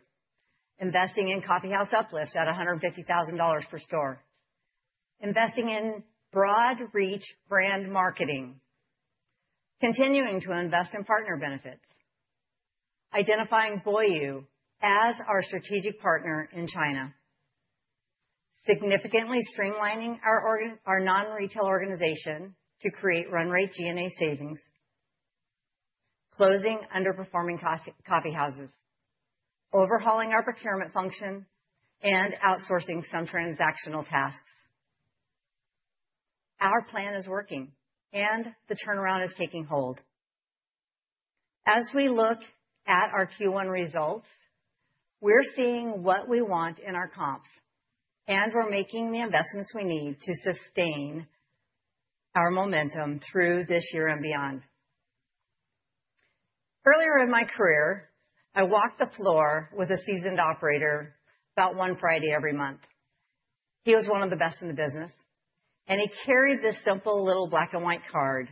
investing in coffeehouse uplifts at $150,000 per store, investing in broad-reach brand marketing, continuing to invest in partner benefits, identifying Boyu as our strategic partner in China, significantly streamlining our non-retail organization to create run-rate G&A savings, closing underperforming coffeehouses, overhauling our procurement function, and outsourcing some transactional tasks. Our plan is working, and the turnaround is taking hold. As we look at our Q1 results, we're seeing what we want in our comps, and we're making the investments we need to sustain our momentum through this year and beyond. Earlier in my career, I walked the floor with a seasoned operator about one Friday every month. He was one of the best in the business, and he carried this simple little black-and-white card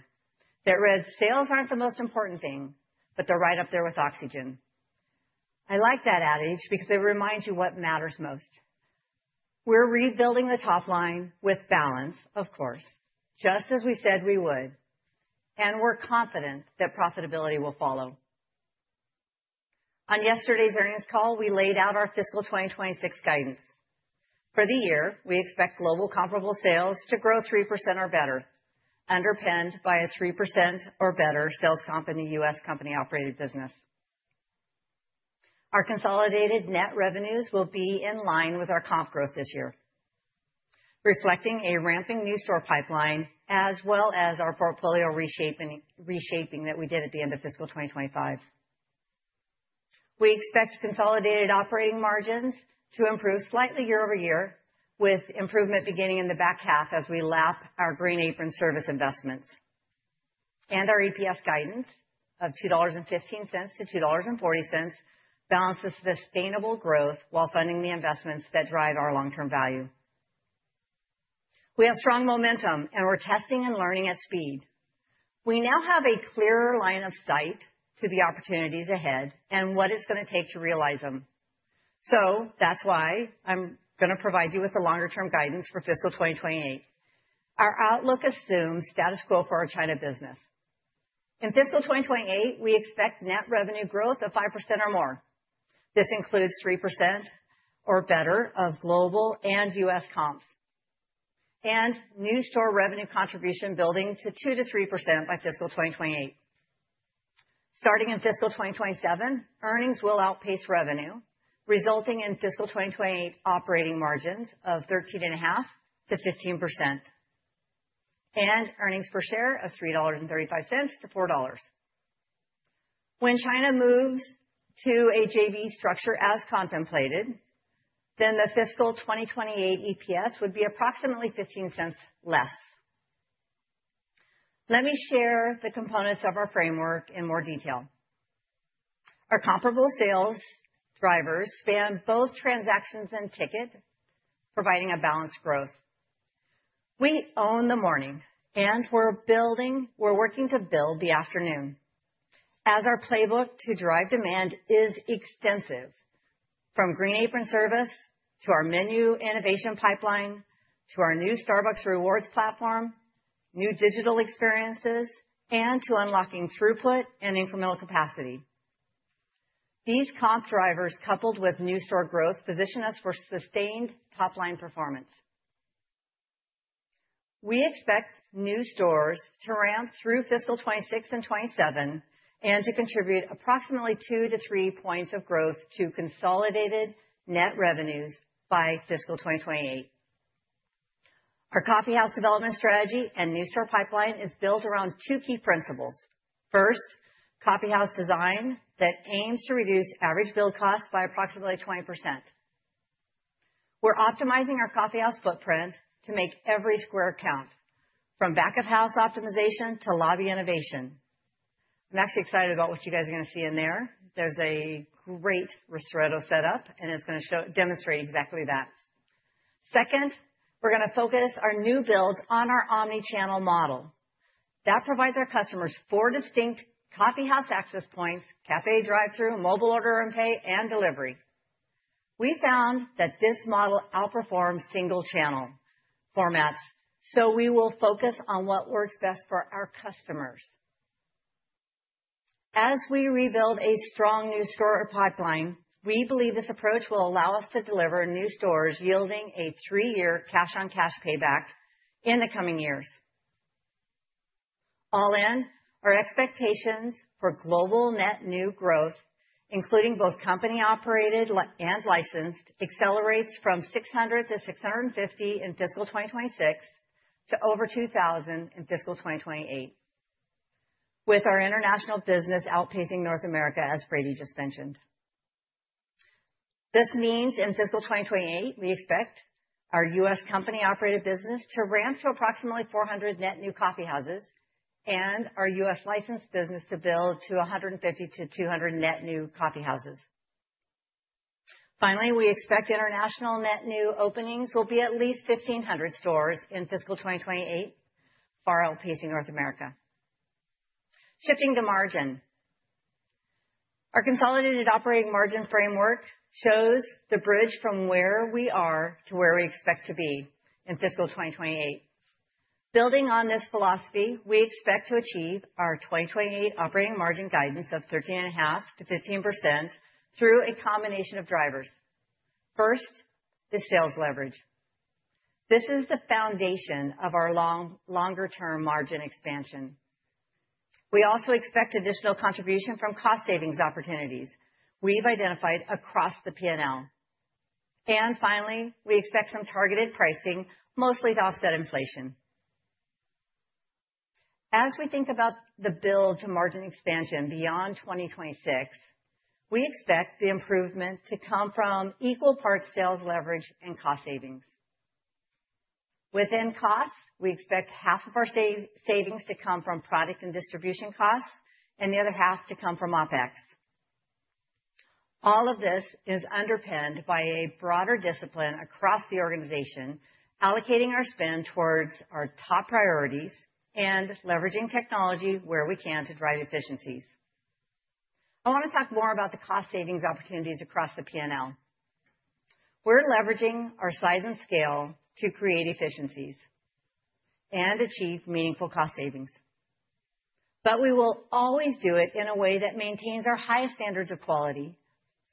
that read, "Sales aren't the most important thing, but they're right up there with oxygen." I like that adage because it reminds you what matters most. We're rebuilding the top line with balance, of course, just as we said we would, and we're confident that profitability will follow. On yesterday's earnings call, we laid out our fiscal 2026 guidance. For the year, we expect global Comparable Sales to grow 3% or better, underpinned by a 3% or better sales comp in the U.S. company-operated business. Our consolidated net revenues will be in line with our comp growth this year, reflecting a ramping new store pipeline as well as our portfolio reshaping that we did at the end of fiscal 2025. We expect consolidated operating margins to improve slightly year-over-year, with improvement beginning in the back half as we lap our Green Apron Service investments. Our EPS guidance of $2.15-$2.40 balances sustainable growth while funding the investments that drive our long-term value. We have strong momentum, and we're testing and learning at speed. We now have a clearer line of sight to the opportunities ahead and what it's going to take to realize them. That's why I'm going to provide you with the longer-term guidance for fiscal 2028. Our outlook assumes status quo for our China business. In fiscal 2028, we expect net revenue growth of 5% or more. This includes 3% or better of global and U.S. comps and new store revenue contribution building to 2%-3% by fiscal 2028. Starting in fiscal 2027, earnings will outpace revenue, resulting in fiscal 2028 operating margins of 13.5%-15% and earnings per share of $3.35-$4. When China moves to a JV structure as contemplated, then the fiscal 2028 EPS would be approximately $0.15 less. Let me share the components of our framework in more detail. Our comparable sales drivers span both transactions and ticket, providing a balanced growth. We own the morning, and we're working to build the afternoon. As our playbook to drive demand is extensive, from green apron service to our menu innovation pipeline to our new Starbucks Rewards platform, new digital experiences, and to unlocking throughput and incremental capacity. These comp drivers, coupled with new store growth, position us for sustained top-line performance. We expect new stores to ramp through fiscal 2026 and 2027 and to contribute approximately 2-3 points of growth to consolidated net revenues by fiscal 2028. Our coffeehouse development strategy and new store pipeline is built around two key principles. First, coffeehouse design that aims to reduce average build costs by approximately 20%. We're optimizing our coffeehouse footprint to make every square count, from back-of-house optimization to lobby innovation. I'm actually excited about what you guys are going to see in there. There's a great ristretto setup, and it's going to demonstrate exactly that. Second, we're going to focus our new builds on our omnichannel model. That provides our customers four distinct coffeehouse access points: café, drive-thru, Mobile Order & Pay, and delivery. We found that this model outperforms single-channel formats, so we will focus on what works best for our customers. As we rebuild a strong new store pipeline, we believe this approach will allow us to deliver new stores yielding a three-year cash-on-cash payback in the coming years. All in, our expectations for global net new growth, including both company-operated and licensed, accelerates from 600-650 in fiscal 2026 to over 2,000 in fiscal 2028, with our international business outpacing North America, as Brady just mentioned. This means in fiscal 2028, we expect our U.S. company-operated business to ramp to approximately 400 net new coffeehouses and our U.S. licensed business to build to 150-200 net new coffeehouses. Finally, we expect international net new openings will be at least 1,500 stores in fiscal 2028, far outpacing North America. Shifting to margin. Our consolidated operating margin framework shows the bridge from where we are to where we expect to be in fiscal 2028. Building on this philosophy, we expect to achieve our 2028 operating margin guidance of 13.5%-15% through a combination of drivers. First, the sales leverage. This is the foundation of our longer-term margin expansion. We also expect additional contribution from cost savings opportunities we've identified across the P&L. And finally, we expect some targeted pricing, mostly to offset inflation. As we think about the build to margin expansion beyond 2026, we expect the improvement to come from equal parts sales leverage and cost savings. Within costs, we expect half of our savings to come from product and distribution costs and the other half to come from OpEx. All of this is underpinned by a broader discipline across the organization, allocating our spend towards our top priorities and leveraging technology where we can to drive efficiencies. I want to talk more about the cost savings opportunities across the P&L. We're leveraging our size and scale to create efficiencies and achieve meaningful cost savings. But we will always do it in a way that maintains our highest standards of quality,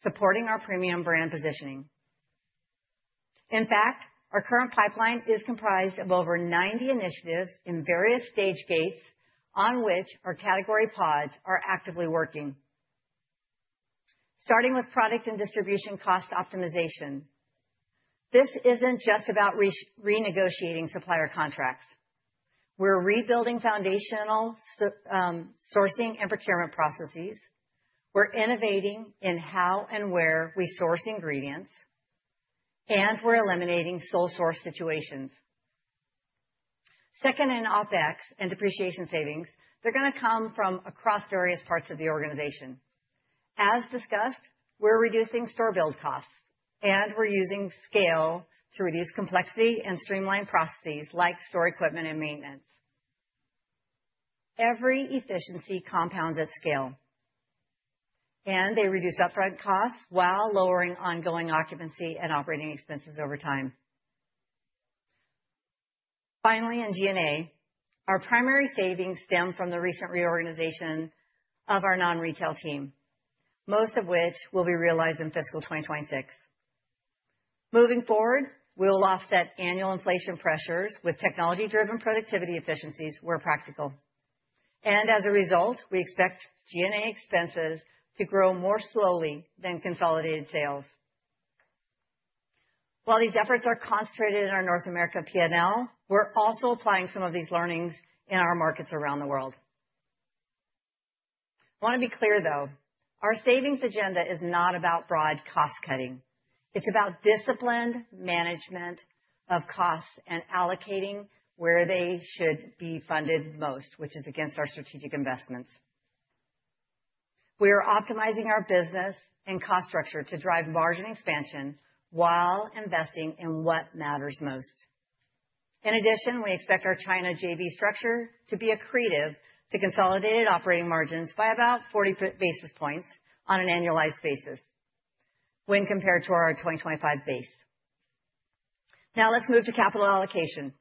supporting our premium brand positioning. In fact, our current pipeline is comprised of over 90 initiatives in various stage gates on which our category pods are actively working, starting with product and distribution cost optimization. This isn't just about renegotiating supplier contracts. We're rebuilding foundational sourcing and procurement processes. We're innovating in how and where we source ingredients, and we're eliminating sole-source situations. Second, in OpEx and depreciation savings, they're going to come from across various parts of the organization. As discussed, we're reducing store build costs, and we're using scale to reduce complexity and streamline processes like store equipment and maintenance. Every efficiency compounds at scale, and they reduce upfront costs while lowering ongoing occupancy and operating expenses over time. Finally, in G&A, our primary savings stem from the recent reorganization of our non-retail team, most of which will be realized in fiscal 2026. Moving forward, we will offset annual inflation pressures with technology-driven productivity efficiencies where practical. As a result, we expect G&A expenses to grow more slowly than consolidated sales. While these efforts are concentrated in our North America P&L, we're also applying some of these learnings in our markets around the world. I want to be clear, though. Our savings agenda is not about broad cost-cutting. It's about disciplined management of costs and allocating where they should be funded most, which is against our strategic investments. We are optimizing our business and cost structure to drive margin expansion while investing in what matters most. In addition, we expect our China JV structure to be accretive to consolidated operating margins by about 40 basis points on an annualized basis when compared to our 2025 base. Now, let's move to capital allocation.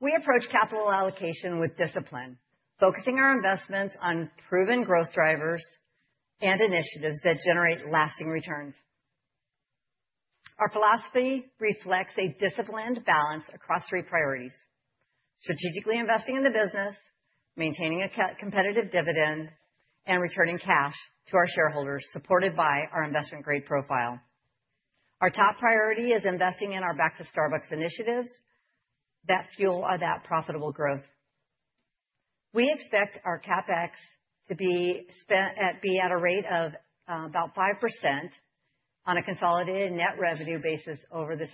We approach capital allocation with discipline, focusing our investments on proven growth drivers and initiatives that generate lasting returns. Our philosophy reflects a disciplined balance across three priorities: strategically investing in the business, maintaining a competitive dividend, and returning cash to our shareholders supported by our investment-grade profile. Our top priority is investing in our Back to Starbucks initiatives that fuel that profitable growth. We expect our CapEx to be at a rate of about 5% on a consolidated net revenue basis over the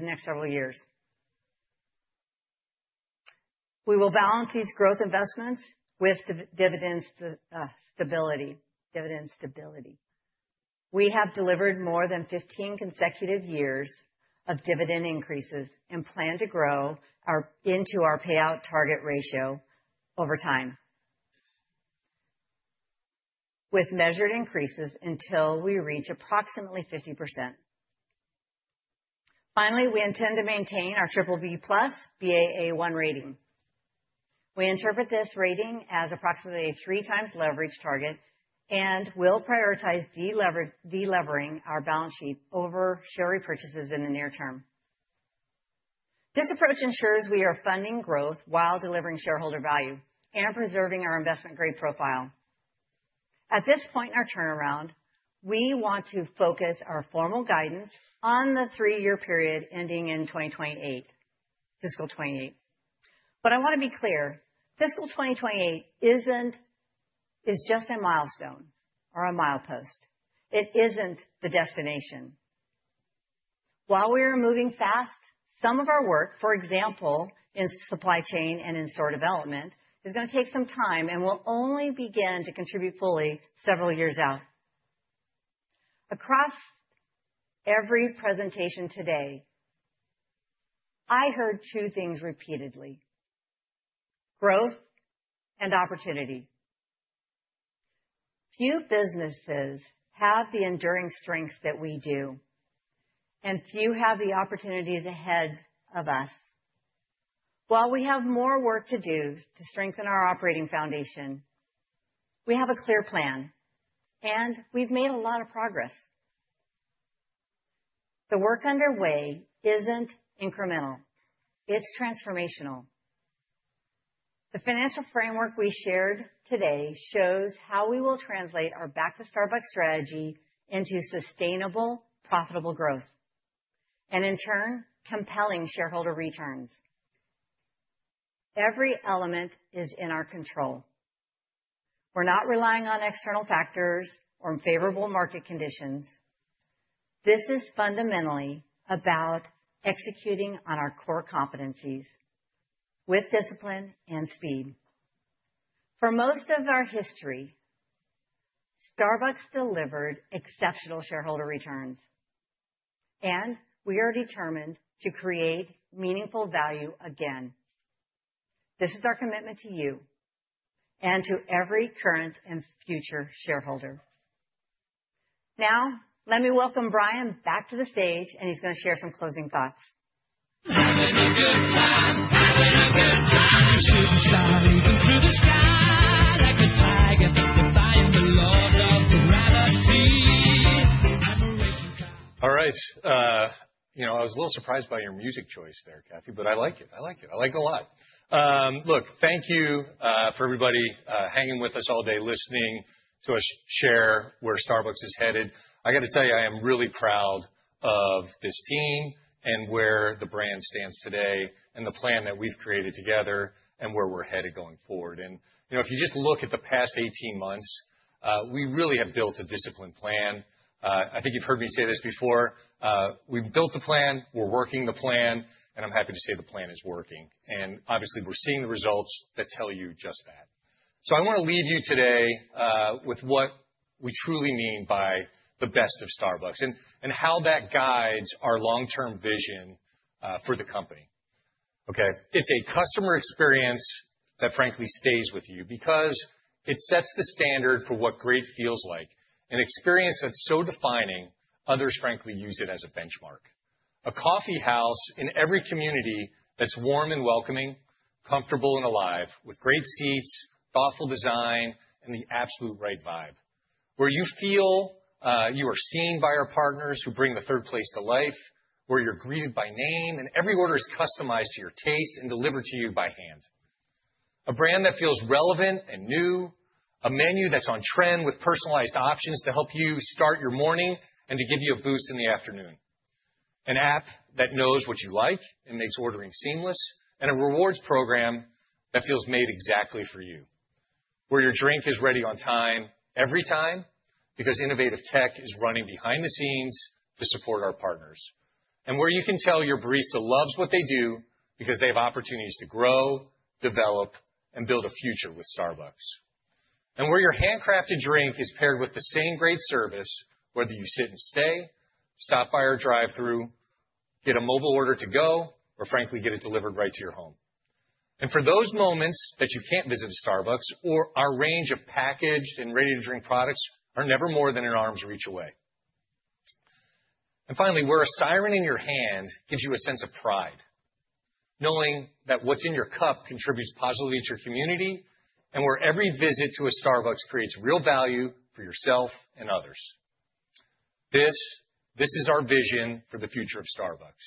next several years. We will balance these growth investments with dividend stability. We have delivered more than 15 consecutive years of dividend increases and plan to grow into our payout target ratio over time with measured increases until we reach approximately 50%. Finally, we intend to maintain our BBB+ Baa1 rating. We interpret this rating as approximately a 3x leverage target and will prioritize delevering our balance sheet over share repurchases in the near term. This approach ensures we are funding growth while delivering shareholder value and preserving our investment-grade profile. At this point in our turnaround, we want to focus our formal guidance on the three-year period ending in 2028, fiscal 2028. But I want to be clear, fiscal 2028 is just a milestone or a milepost. It isn't the destination. While we are moving fast, some of our work, for example, in supply chain and in store development, is going to take some time and will only begin to contribute fully several years out. Across every presentation today, I heard two things repeatedly: growth and opportunity. Few businesses have the enduring strengths that we do, and few have the opportunities ahead of us. While we have more work to do to strengthen our operating foundation, we have a clear plan, and we've made a lot of progress. The work underway isn't incremental. It's transformational. The financial framework we shared today shows how we will translate our Back to Starbucks strategy into sustainable, profitable growth and, in turn, compelling shareholder returns. Every element is in our control. We're not relying on external factors or favorable market conditions. This is fundamentally about executing on our core competencies with discipline and speed. For most of our history, Starbucks delivered exceptional shareholder returns, and we are determined to create meaningful value again. This is our commitment to you and to every current and future shareholder. Now, let me welcome Brian back to the stage, and he's going to share some closing thoughts. Having a good time, having a good time. You shoot the stars, you shoot the stars, you shoot the stars. Like a tiger, you're flying below the gravity. All right. You know, I was a little surprised by your music choice there, Cathy, but I like it. I like it. I like it a lot. Look, thank you for everybody hanging with us all day, listening to us share where Starbucks is headed. I got to tell you, I am really proud of this team and where the brand stands today and the plan that we've created together and where we're headed going forward. And you know, if you just look at the past 18 months, we really have built a disciplined plan. I think you've heard me say this before. We've built the plan. We're working the plan, and I'm happy to say the plan is working. And obviously, we're seeing the results that tell you just that. So I want to leave you today with what we truly mean by the best of Starbucks and how that guides our long-term vision for the company. Okay. It's a customer experience that, frankly, stays with you because it sets the standard for what great feels like, an experience that's so defining, others, frankly, use it as a benchmark. A coffeehouse in every community that's warm and welcoming, comfortable and alive, with great seats, thoughtful design, and the absolute right vibe. Where you feel you are seen by our partners who bring the Third Place to life, where you're greeted by name and every order is customized to your taste and delivered to you by hand. A brand that feels relevant and new, a menu that's on trend with personalized options to help you start your morning and to give you a boost in the afternoon. An app that knows what you like and makes ordering seamless, and a Rewards program that feels made exactly for you. Where your drink is ready on time every time because innovative tech is running behind the scenes to support our partners. And where you can tell your barista loves what they do because they have opportunities to grow, develop, and build a future with Starbucks. And where your handcrafted drink is paired with the same great service, whether you sit and stay, stop by our drive-thru, get a mobile order to go, or, frankly, get it delivered right to your home. And for those moments that you can't visit a Starbucks, our range of packaged and ready-to-drink products are never more than an arm's reach away. And finally, where a Siren in your hand gives you a sense of pride, knowing that what's in your cup contributes positively to your community, and where every visit to a Starbucks creates real value for yourself and others. This is our vision for the future of Starbucks.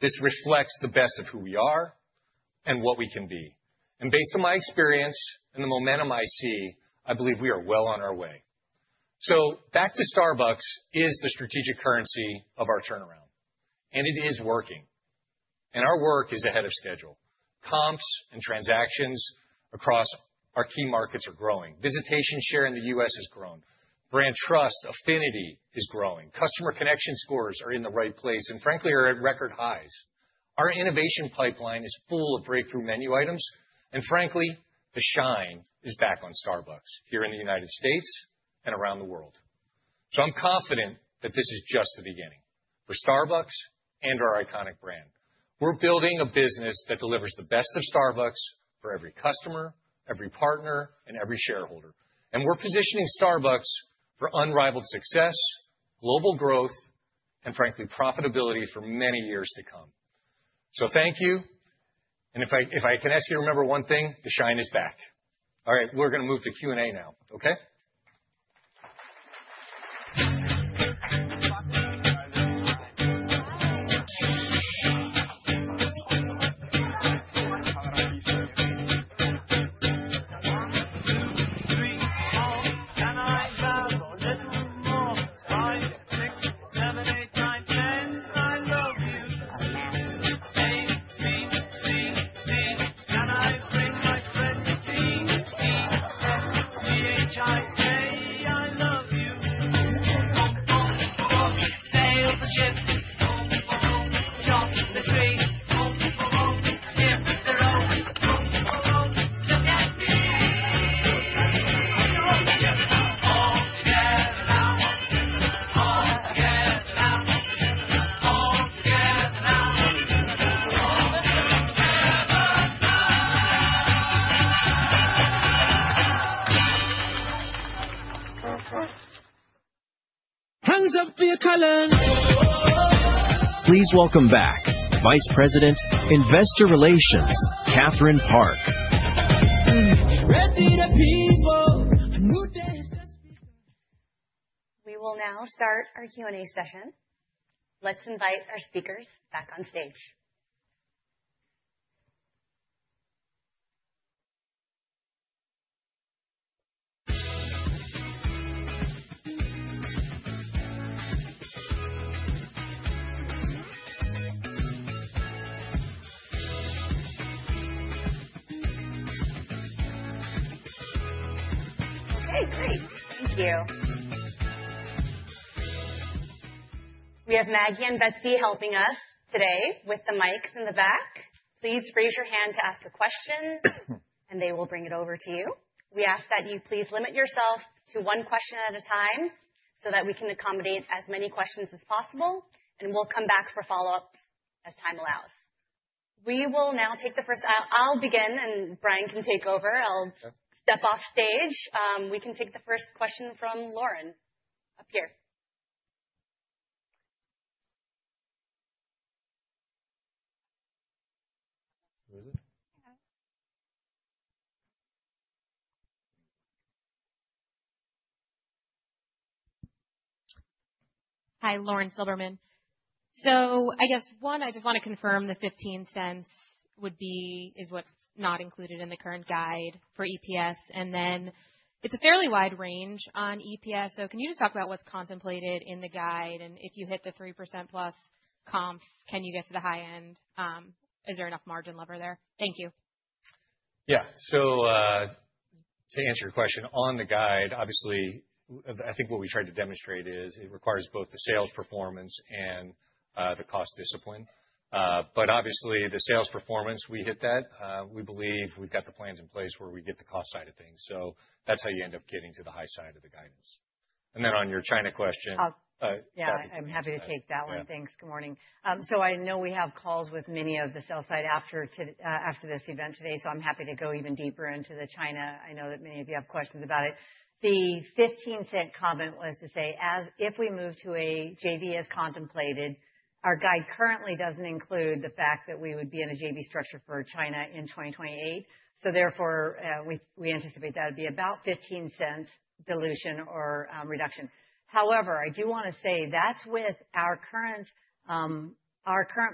This reflects the best of who we are and what we can be. Based on my experience and the momentum I see, I believe we are well on our way. So Back to Starbucks is the strategic currency of our turnaround, and it is working. Our work is ahead of schedule. Comps and transactions across our key markets are growing. Visitation share in the U.S. has grown. Brand trust, affinity is growing. Customer connection scores are in the right place and, frankly, are at record highs. Our innovation pipeline is full of breakthrough menu items, and, frankly, the shine is back on Starbucks here in the United States and around the world. So I'm confident that this is just the beginning for Starbucks and our iconic brand. We're building a business that delivers the best of Starbucks for every customer, every partner, and every shareholder. We're positioning Starbucks for unrivaled success, global growth, and, frankly, profitability for many years to come. Thank you. If I can ask you to remember one thing, the shine is back. All right. We're going to move to Q&A now, okay? 3, 4, can I have a little more? 5, 6, 7, 8, 9, 10, I love you. A, B, C, D, can I bring my friend? T, E, F, G, H, I, J, I love you. Boom, boom, boom, boom, sail the ship. Boom, boom, boom, chop the tree. Boom, boom, boom, skip the rope. Boom, boom, boom, look at me. All together now, all together now. All together now, all together now. All together now, all together now. Hands up for your colors. Please welcome back Vice President, Investor Relations, Catherine Park. We will now start our Q&A session. Let's invite our speakers back on stage. Okay, great. Thank you. We have Maggie and Betsy helping us today with the mics in the back. Please raise your hand to ask a question, and they will bring it over to you. We ask that you please limit yourself to one question at a time so that we can accommodate as many questions as possible, and we'll come back for follow-ups as time allows. We will now take the first. I'll begin, and Brian can take over. I'll step off stage. We can take the first question from Lauren up here. Hi, Lauren Silberman. So I guess, one, I just want to confirm the $0.15 would be—is what's not included in the current guide for EPS. And then it's a fairly wide range on EPS. So can you just talk about what's contemplated in the guide? And if you hit the 3%+ comps, can you get to the high end? Is there enough margin lever there? Thank you. Yeah. So to answer your question, on the guide, obviously, I think what we tried to demonstrate is it requires both the sales performance and the cost discipline. But obviously, the sales performance, we hit that. We believe we've got the plans in place where we get the cost side of things. So that's how you end up getting to the high side of the guidance. And then on your China question. Yeah, I'm happy to take that one. Thanks. Good morning. So I know we have calls with many of the sell-side after this event today, so I'm happy to go even deeper into the China. I know that many of you have questions about it. The $0.15 comment was to say, as if we move to a JV as contemplated, our guide currently doesn't include the fact that we would be in a JV structure for China in 2028. So therefore, we anticipate that would be about $0.15 dilution or reduction. However, I do want to say that's with our current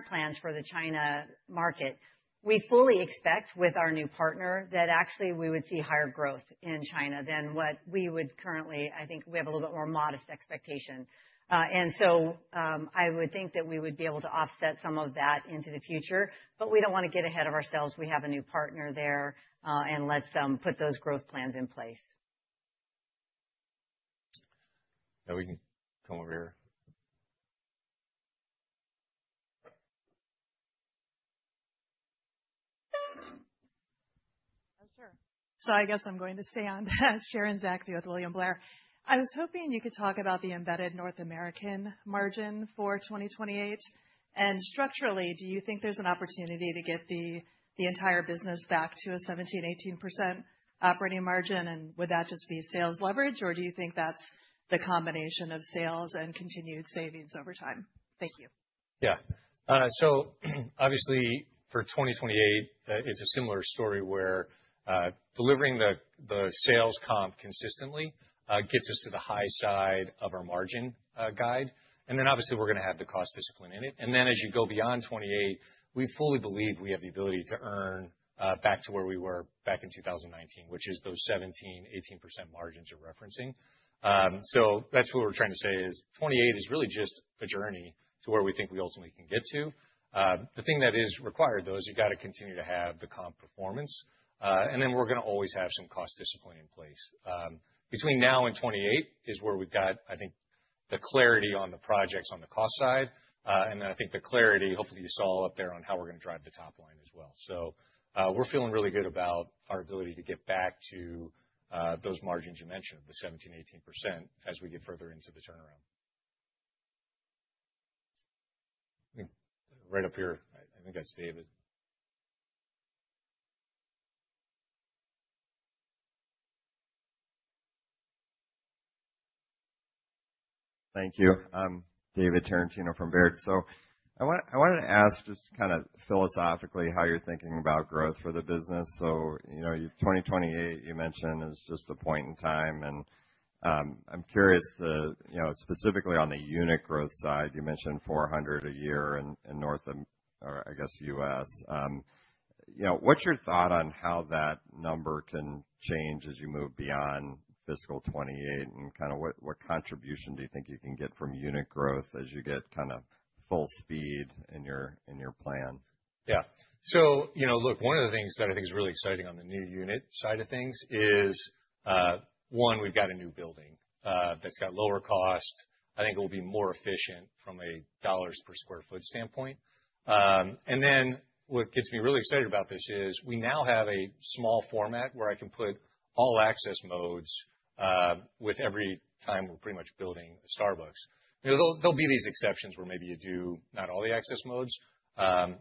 plans for the China market. We fully expect with our new partner that actually we would see higher growth in China than what we would currently—I think we have a little bit more modest expectation. And so I would think that we would be able to offset some of that into the future, but we don't want to get ahead of ourselves. We have a new partner there, and let's put those growth plans in place. Yeah, we can come over here. Oh, sure. So I guess I'm going to stay on as Sharon Zackfia with William Blair. I was hoping you could talk about the embedded North American margin for 2028. And structurally, do you think there's an opportunity to get the entire business back to a 17%-18% operating margin? And would that just be sales leverage, or do you think that's the combination of sales and continued savings over time? Thank you. Yeah. So obviously, for 2028, it's a similar story where delivering the sales comp consistently gets us to the high side of our margin guide. And then obviously, we're going to have the cost discipline in it. And then as you go beyond 2028, we fully believe we have the ability to earn back to where we were back in 2019, which is those 17%-18% margins you're referencing. So that's what we're trying to say is 2028 is really just a journey to where we think we ultimately can get to. The thing that is required, though, is you got to continue to have the comp performance. And then we're going to always have some cost discipline in place. Between now and 2028 is where we've got, I think, the clarity on the projects on the cost side. And then I think the clarity, hopefully, you saw up there on how we're going to drive the top line as well. So we're feeling really good about our ability to get back to those margins you mentioned of the 17%-18% as we get further into the turnaround. Right up here, I think that's David. Thank you. David Tarantino from Baird. So I wanted to ask just kind of philosophically how you're thinking about growth for the business. So 2028, you mentioned, is just a point in time. And I'm curious, specifically on the unit growth side, you mentioned 400 a year in North or, I guess, U.S. What's your thought on how that number can change as you move beyond fiscal 2028? And kind of what contribution do you think you can get from unit growth as you get kind of full speed in your plan? Yeah. So look, one of the things that I think is really exciting on the new unit side of things is, one, we've got a new building that's got lower cost. I think it will be more efficient from a dollars per sq ft standpoint. And then what gets me really excited about this is we now have a small format where I can put all access modes with every time we're pretty much building a Starbucks. There'll be these exceptions where maybe you do not all the access modes. There'll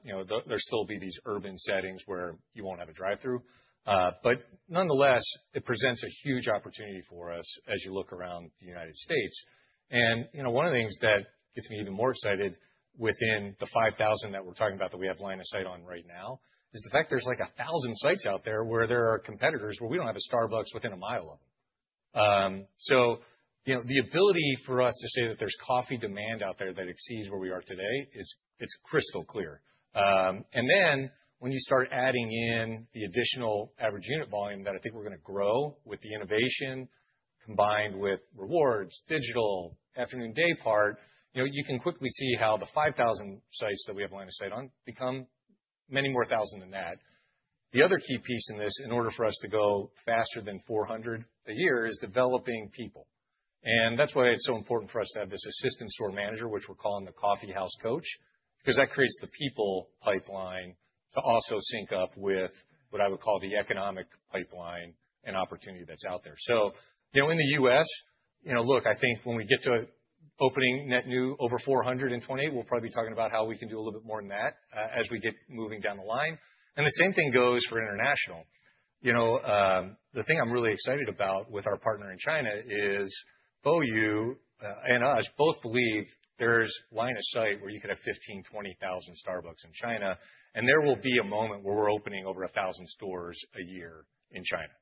still be these urban settings where you won't have a drive-thru. But nonetheless, it presents a huge opportunity for us as you look around the United States. And one of the things that gets me even more excited within the 5,000 that we're talking about that we have line of sight on right now is the fact there's like 1,000 sites out there where there are competitors where we don't have a Starbucks within a mile of them. So the ability for us to say that there's coffee demand out there that exceeds where we are today, it's crystal clear. And then when you start adding in the additional average unit volume that I think we're going to grow with the innovation combined with rewards, digital, afternoon, daypart, you can quickly see how the 5,000 sites that we have line of sight on become many more thousand than that. The other key piece in this, in order for us to go faster than 400 a year, is developing people. And that's why it's so important for us to have this assistant store manager, which we're calling the Coffee House Coach, because that creates the people pipeline to also sync up with what I would call the economic pipeline and opportunity that's out there. So in the U.S., look, I think when we get to opening net new over 400 in 2028, we'll probably be talking about how we can do a little bit more than that as we get moving down the line. And the same thing goes for international. The thing I'm really excited about with our partner in China is, both you and I both believe there's line of sight where you could have 15,000-20,000 Starbucks in China. And there will be a moment where we're opening over 1,000 stores a year in China.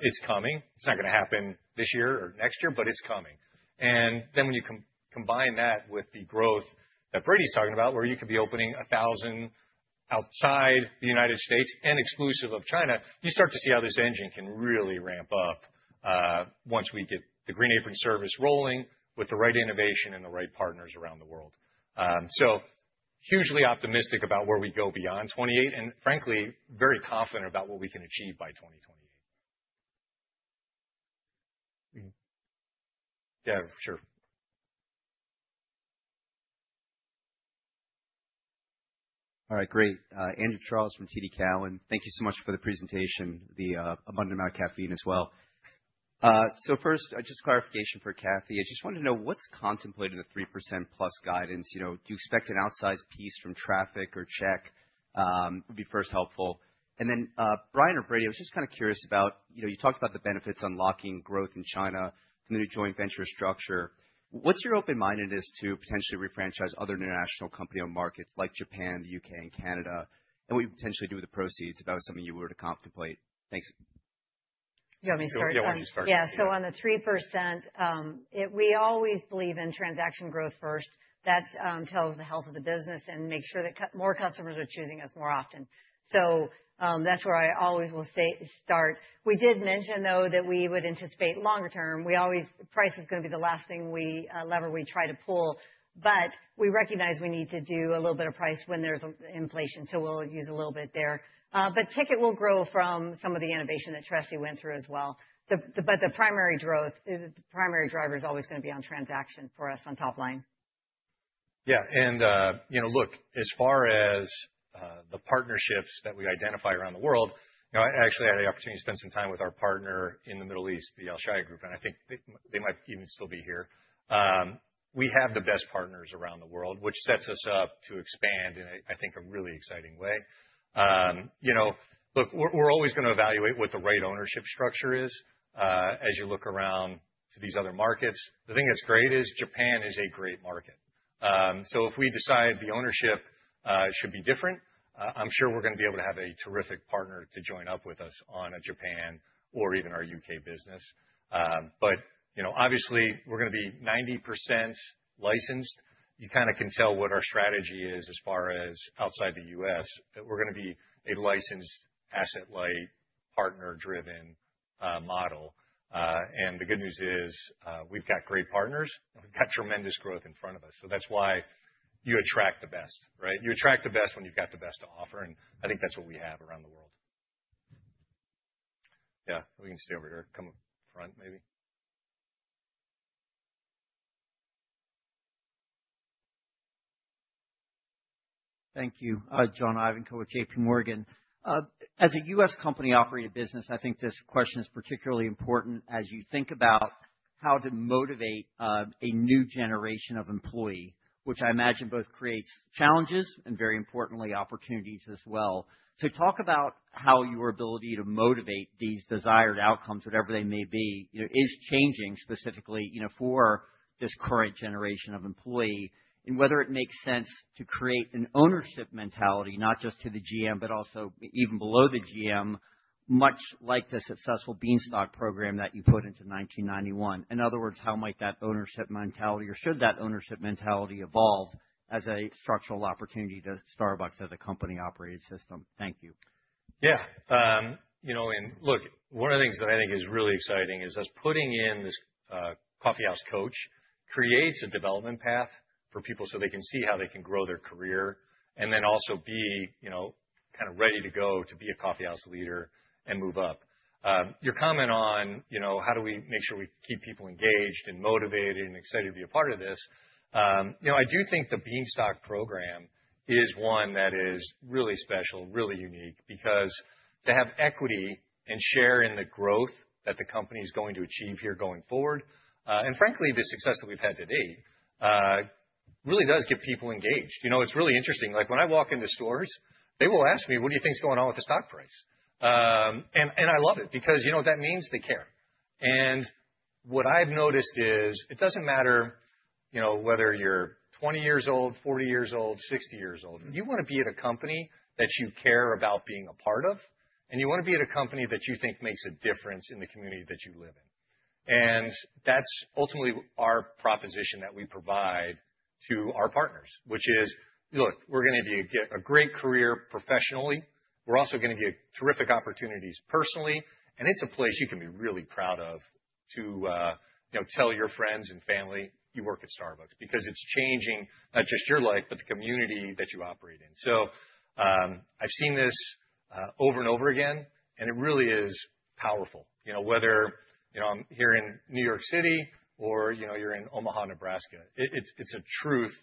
It's coming. It's not going to happen this year or next year, but it's coming. And then when you combine that with the growth that Brady's talking about, where you could be opening 1,000 outside the United States and exclusive of China, you start to see how this engine can really ramp up once we get the Green Apron Service rolling with the right innovation and the right partners around the world. So hugely optimistic about where we go beyond 2028 and, frankly, very confident about what we can achieve by 2028. Yeah, sure. All right. Great. Andrew Charles from TD Cowen. Thank you so much for the presentation, the abundant amount of caffeine as well. So first, just a clarification for Cathy. I just wanted to know what's contemplated in the 3%+ guidance. Do you expect an outsized piece from traffic or check? Would be first helpful? And then Brian or Brady, I was just kind of curious about you talked about the benefits unlocking growth in China from the new joint venture structure. What's your open-mindedness to potentially refranchise other international company-owned markets like Japan, the U.K., and Canada? And what you potentially do with the proceeds if that was something you were to contemplate? Thanks. Yeah, let me start. Yeah. So on the 3%, we always believe in transaction growth first. That tells the health of the business and makes sure that more customers are choosing us more often. So that's where I always will start. We did mention, though, that we would anticipate longer term. The price is going to be the last thing we lever we try to pull. But we recognize we need to do a little bit of price when there's inflation. So we'll use a little bit there. But ticket will grow from some of the innovation that Tressie went through as well. But the primary driver is always going to be on transaction for us on top line. Yeah. And look, as far as the partnerships that we identify around the world, I actually had the opportunity to spend some time with our partner in the Middle East, the Alshaya Group. And I think they might even still be here. We have the best partners around the world, which sets us up to expand in, I think, a really exciting way. Look, we're always going to evaluate what the right ownership structure is as you look around to these other markets. The thing that's great is Japan is a great market. So if we decide the ownership should be different, I'm sure we're going to be able to have a terrific partner to join up with us on a Japan or even our U.K. business. But obviously, we're going to be 90% licensed. You kind of can tell what our strategy is as far as outside the U.S. that we're going to be a licensed asset-light partner-driven model. And the good news is we've got great partners and we've got tremendous growth in front of us. So that's why you attract the best, right? You attract the best when you've got the best to offer. And I think that's what we have around the world. Yeah, we can stay over here. Come up front, maybe. Thank you. John Ivanko with JP Morgan. As a U.S. company-operated business, I think this question is particularly important as you think about how to motivate a new generation of employee, which I imagine both creates challenges and, very importantly, opportunities as well. So talk about how your ability to motivate these desired outcomes, whatever they may be, is changing specifically for this current generation of employee and whether it makes sense to create an ownership mentality, not just to the GM, but also even below the GM, much like the successful Bean Stock program that you put into 1991. In other words, how might that ownership mentality or should that ownership mentality evolve as a structural opportunity to Starbucks as a company-operated system? Thank you. Yeah. And look, one of the things that I think is really exciting is us putting in this Coffee House Coach creates a development path for people so they can see how they can grow their career and then also be kind of ready to go to be a coffeehouse leader and move up. Your comment on how do we make sure we keep people engaged and motivated and excited to be a part of this, I do think the Bean Stock program is one that is really special, really unique because to have equity and share in the growth that the company is going to achieve here going forward, and frankly, the success that we've had to date really does get people engaged. It's really interesting. When I walk into stores, they will ask me, "What do you think's going on with the stock price?" I love it because that means they care. What I've noticed is it doesn't matter whether you're 20 years old, 40 years old, 60 years old. You want to be at a company that you care about being a part of, and you want to be at a company that you think makes a difference in the community that you live in. That's ultimately our proposition that we provide to our partners, which is, look, we're going to be a great career professionally. We're also going to be at terrific opportunities personally. It's a place you can be really proud of to tell your friends and family you work at Starbucks because it's changing not just your life, but the community that you operate in. So I've seen this over and over again, and it really is powerful. Whether I'm here in New York City or you're in Omaha, Nebraska, it's a truth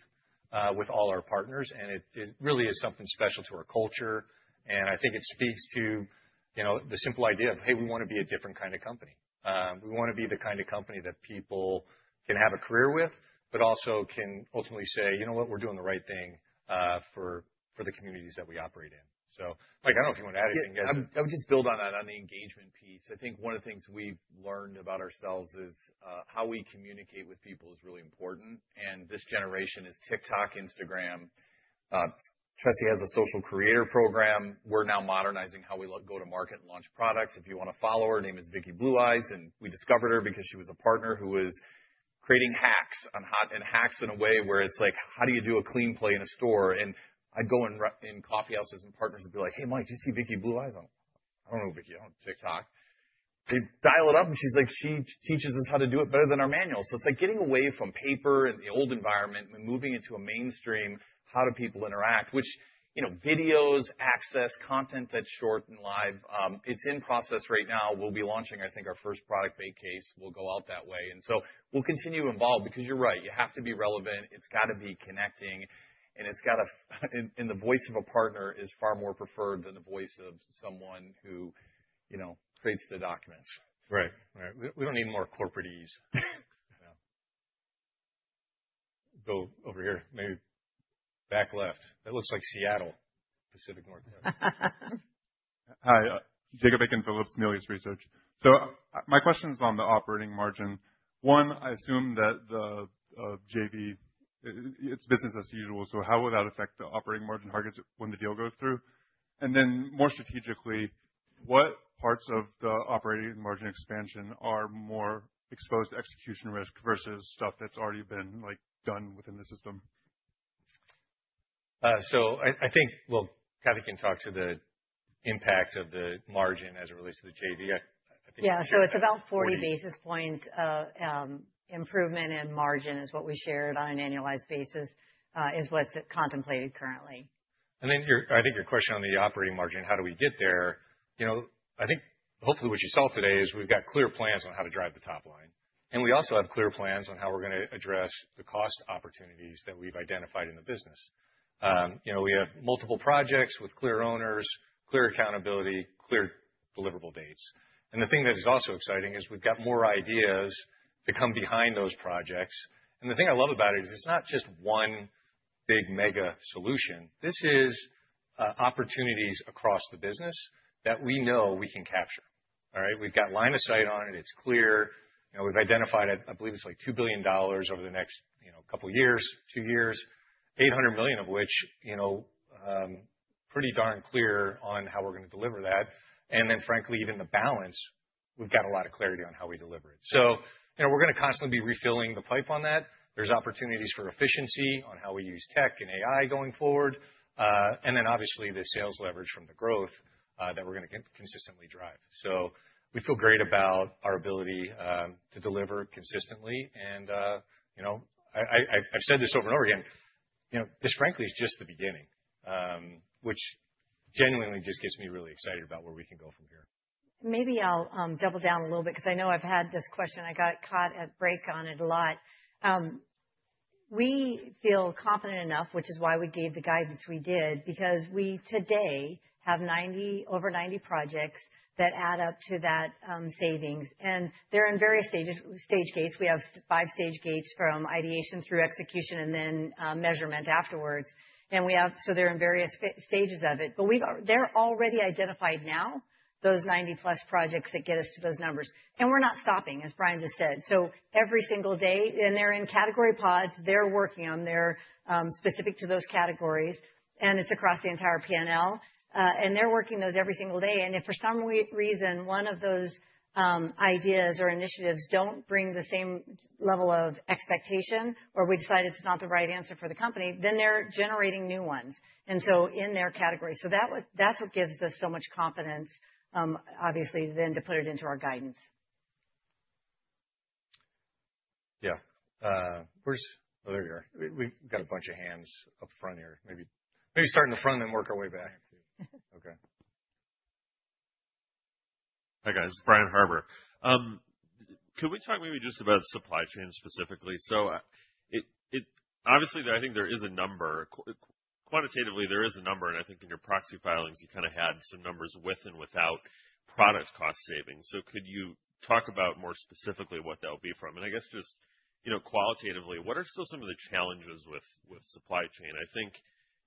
with all our partners, and it really is something special to our culture. And I think it speaks to the simple idea of, "Hey, we want to be a different kind of company. We want to be the kind of company that people can have a career with, but also can ultimately say, 'You know what? We're doing the right thing for the communities that we operate in.'" So Mike, I don't know if you want to add anything. I would just build on that, on the engagement piece. I think one of the things we've learned about ourselves is how we communicate with people is really important. And this generation is TikTok, Instagram. Tressie has a social creator program. We're now modernizing how we go to market and launch products. If you want to follow her, her name is Vicki Blue Eyes. And we discovered her because she was a partner who was creating hacks and hacks in a way where it's like, "How do you do a Clean Play in a store?" And I'd go in coffeehouses and partners and be like, "Hey, Mike, do you see Vicki Blue Eyes on?" "I don't know, Vicki. I don't TikTok." They'd dial it up, and she's like, "She teaches us how to do it better than our manuals." So it's like getting away from paper and the old environment and moving into a mainstream, how do people interact, which videos, access, content that's short and live, it's in process right now. We'll be launching, I think, our first product beta case. We'll go out that way. And so we'll continue to evolve because you're right. You have to be relevant. It's got to be connecting. And the voice of a partner is far more preferred than the voice of someone who creates the documents. Right. Right. We don't need more corporate ease. Go over here, maybe back left. That looks like Seattle, Pacific Northwest. Jacob Aiken-Phillips, Melius Research. So my question is on the operating margin. One, I assume that JV, it's business as usual. So how will that affect the operating margin targets when the deal goes through? And then more strategically, what parts of the operating margin expansion are more exposed to execution risk versus stuff that's already been done within the system? So I think, well, Cathy can talk to the impact of the margin as it relates to the JV. So it's about 40 basis points improvement in margin is what we shared on an annualized basis is what's contemplated currently. And then I think your question on the operating margin, how do we get there? I think hopefully what you saw today is we've got clear plans on how to drive the top line. And we also have clear plans on how we're going to address the cost opportunities that we've identified in the business. We have multiple projects with clear owners, clear accountability, clear deliverable dates. And the thing that is also exciting is we've got more ideas to come behind those projects. And the thing I love about it is it's not just one big mega solution. This is opportunities across the business that we know we can capture. All right? We've got line of sight on it. It's clear. We've identified, I believe it's like $2 billion over the next couple of years, two years, $800 million of which, pretty darn clear on how we're going to deliver that. And then, frankly, even the balance, we've got a lot of clarity on how we deliver it. So we're going to constantly be refilling the pipe on that. There's opportunities for efficiency on how we use tech and AI going forward. And then, obviously, the sales leverage from the growth that we're going to consistently drive. So we feel great about our ability to deliver consistently. And I've said this over and over again, this, frankly, is just the beginning, which genuinely just gets me really excited about where we can go from here. Maybe I'll double down a little bit because I know I've had this question. I got caught at break on it a lot. We feel confident enough, which is why we gave the guidance we did, because we today have over 90 projects that add up to that savings. They're in various stage gates. We have five stage gates from ideation through execution and then measurement afterwards. So they're in various stages of it. But they're already identified now, those 90-plus projects that get us to those numbers. We're not stopping, as Brian just said. Every single day, and they're in category pods. They're working on their specific to those categories. It's across the entire P&L. They're working those every single day. If for some reason one of those ideas or initiatives don't bring the same level of expectation or we decide it's not the right answer for the company, then they're generating new ones in their category. So that's what gives us so much confidence, obviously, then to put it into our guidance. Yeah. Where's oh, there you are. We've got a bunch of hands up front here. Maybe start in the front and then work our way back. Okay. Hi, guys. Brian Harbour. Could we talk maybe just about supply chain specifically? So obviously, I think there is a number. Quantitatively, there is a number. And I think in your proxy filings, you kind of had some numbers with and without product cost savings. So could you talk about more specifically what that would be from? And I guess just qualitatively, what are still some of the challenges with supply chain? I think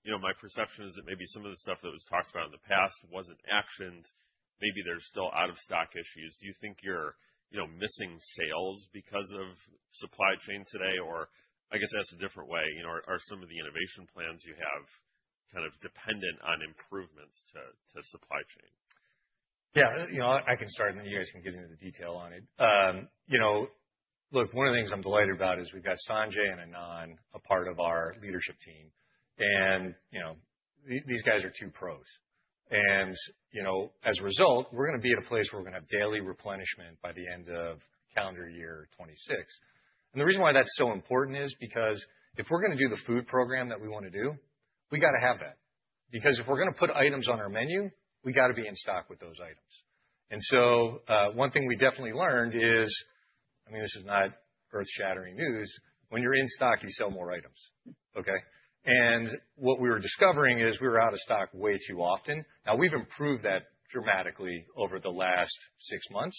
my perception is that maybe some of the stuff that was talked about in the past wasn't actioned. Maybe there's still out-of-stock issues. Do you think you're missing sales because of supply chain today? Or I guess ask a different way. Are some of the innovation plans you have kind of dependent on improvements to supply chain? Yeah. I can start, and then you guys can get into the detail on it. Look, one of the things I'm delighted about is we've got Sanjay and Anand a part of our leadership team. And these guys are two pros. And as a result, we're going to be at a place where we're going to have daily replenishment by the end of calendar year 2026. And the reason why that's so important is because if we're going to do the food program that we want to do, we got to have that. Because if we're going to put items on our menu, we got to be in stock with those items. And so one thing we definitely learned is, I mean, this is not earth-shattering news. When you're in stock, you sell more items. Okay? And what we were discovering is we were out of stock way too often. Now, we've improved that dramatically over the last six months,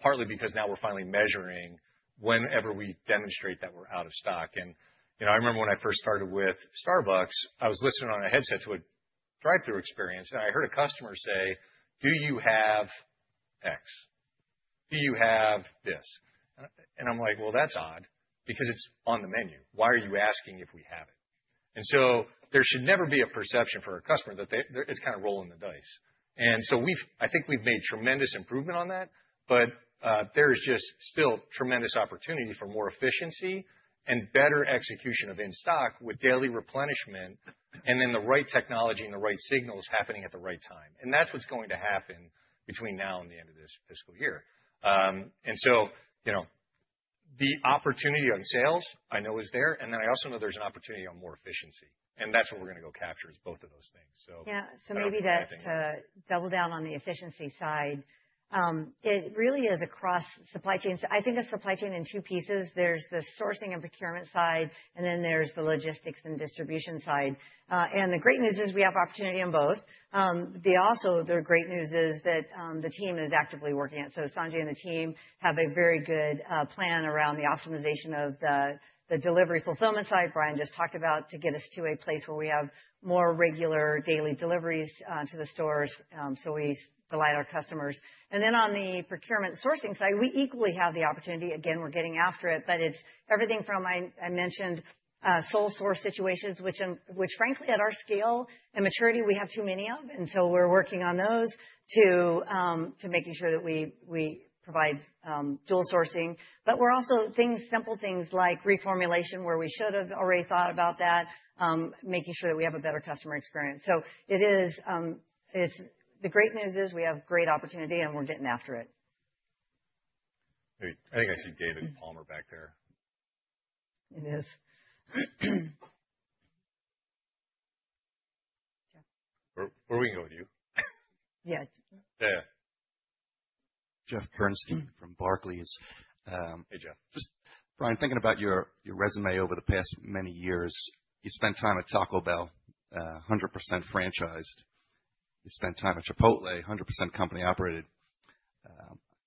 partly because now we're finally measuring whenever we demonstrate that we're out of stock. And I remember when I first started with Starbucks, I was listening on a headset to a drive-thru experience, and I heard a customer say, "Do you have X? Do you have this?" And I'm like, "Well, that's odd because it's on the menu. Why are you asking if we have it?" And so there should never be a perception for a customer that it's kind of rolling the dice. And so I think we've made tremendous improvement on that, but there is just still tremendous opportunity for more efficiency and better execution of in-stock with daily replenishment and then the right technology and the right signals happening at the right time. And that's what's going to happen between now and the end of this fiscal year. And so the opportunity on sales, I know is there. And then I also know there's an opportunity on more efficiency. And that's what we're going to go capture is both of those things. So that's my thing. Yeah. So maybe to double down on the efficiency side, it really is across supply chains. I think of supply chain in two pieces. There's the sourcing and procurement side, and then there's the logistics and distribution side. And the great news is we have opportunity on both. Also, the great news is that the team is actively working at it. So Sanjay and the team have a very good plan around the optimization of the delivery fulfillment side Brian just talked about to get us to a place where we have more regular daily deliveries to the stores. So we delight our customers. And then on the procurement sourcing side, we equally have the opportunity. Again, we're getting after it, but it's everything from, I mentioned, sole source situations, which, frankly, at our scale and maturity, we have too many of. And so we're working on those to making sure that we provide dual sourcing. But we're also doing simple things like reformulation where we should have already thought about that, making sure that we have a better customer experience. So the great news is we have great opportunity, and we're getting after it. I think I see David Palmer back there. It is. Or we can go with you. Yeah. Yeah. Jeff Bernstein from Barclays. Hey, Jeff. Just Brian, thinking about your resume over the past many years, you spent time at Taco Bell, 100% franchised. You spent time at Chipotle, 100% company operated.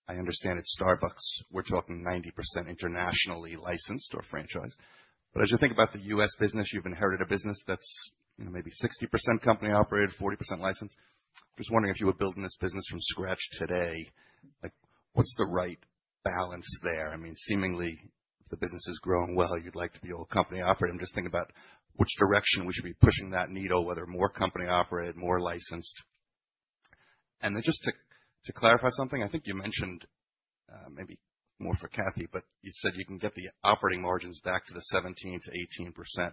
I understand at Starbucks, we're talking 90% internationally licensed or franchised. But as you think about the U.S. business, you've inherited a business that's maybe 60% company operated, 40% licensed. Just wondering if you were building this business from scratch today, what's the right balance there? I mean, seemingly, if the business is growing well, you'd like to be all company operated. I'm just thinking about which direction we should be pushing that needle, whether more company operated, more licensed. And then just to clarify something, I think you mentioned maybe more for Cathy, but you said you can get the operating margins back to the 17%-18%.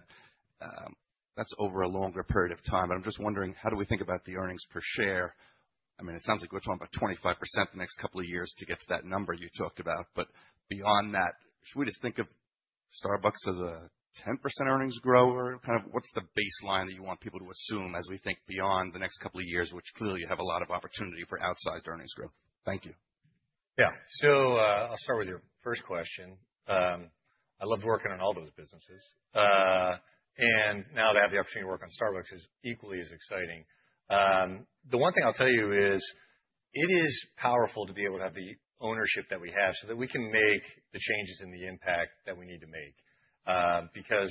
That's over a longer period of time. But I'm just wondering, how do we think about the earnings per share? I mean, it sounds like we're talking about 25% in the next couple of years to get to that number you talked about. But beyond that, should we just think of Starbucks as a 10% earnings grower? Kind of what's the baseline that you want people to assume as we think beyond the next couple of years, which clearly you have a lot of opportunity for outsized earnings growth? Thank you. Yeah. So I'll start with your first question. I loved working on all those businesses. And now to have the opportunity to work on Starbucks is equally as exciting. The one thing I'll tell you is it is powerful to be able to have the ownership that we have so that we can make the changes and the impact that we need to make. Because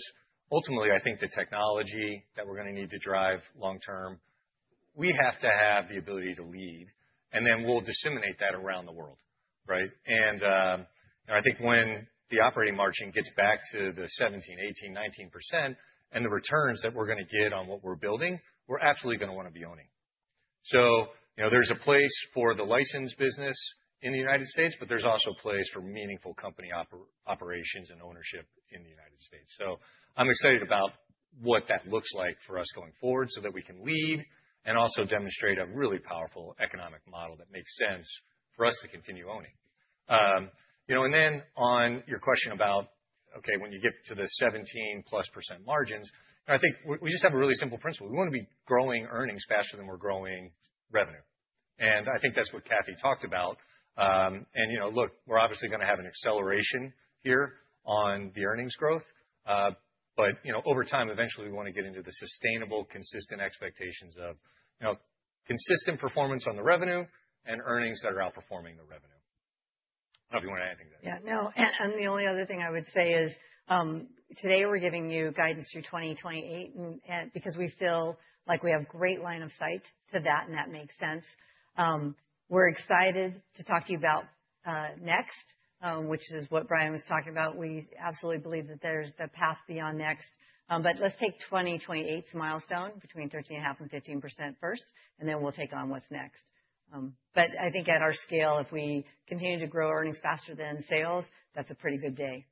ultimately, I think the technology that we're going to need to drive long-term, we have to have the ability to lead. And then we'll disseminate that around the world. Right? And I think when the operating margin gets back to the 17%, 18%, 19% and the returns that we're going to get on what we're building, we're absolutely going to want to be owning. So there's a place for the license business in the United States, but there's also a place for meaningful company operations and ownership in the United States. So I'm excited about what that looks like for us going forward so that we can lead and also demonstrate a really powerful economic model that makes sense for us to continue owning. And then on your question about, okay, when you get to the 17%+ margins, I think we just have a really simple principle. We want to be growing earnings faster than we're growing revenue. And I think that's what Cathy talked about. And look, we're obviously going to have an acceleration here on the earnings growth. But over time, eventually, we want to get into the sustainable, consistent expectations of consistent performance on the revenue and earnings that are outperforming the revenue. I don't know if you want to add anything to that. Yeah. No. The only other thing I would say is today we're giving you guidance through 2028 because we feel like we have great line of sight to that, and that makes sense. We're excited to talk to you about next, which is what Brian was talking about. We absolutely believe that there's the path beyond next. But let's take 2028's milestone between 13.5%-15% first, and then we'll take on what's next. But I think at our scale, if we continue to grow earnings faster than sales, that's a pretty good day.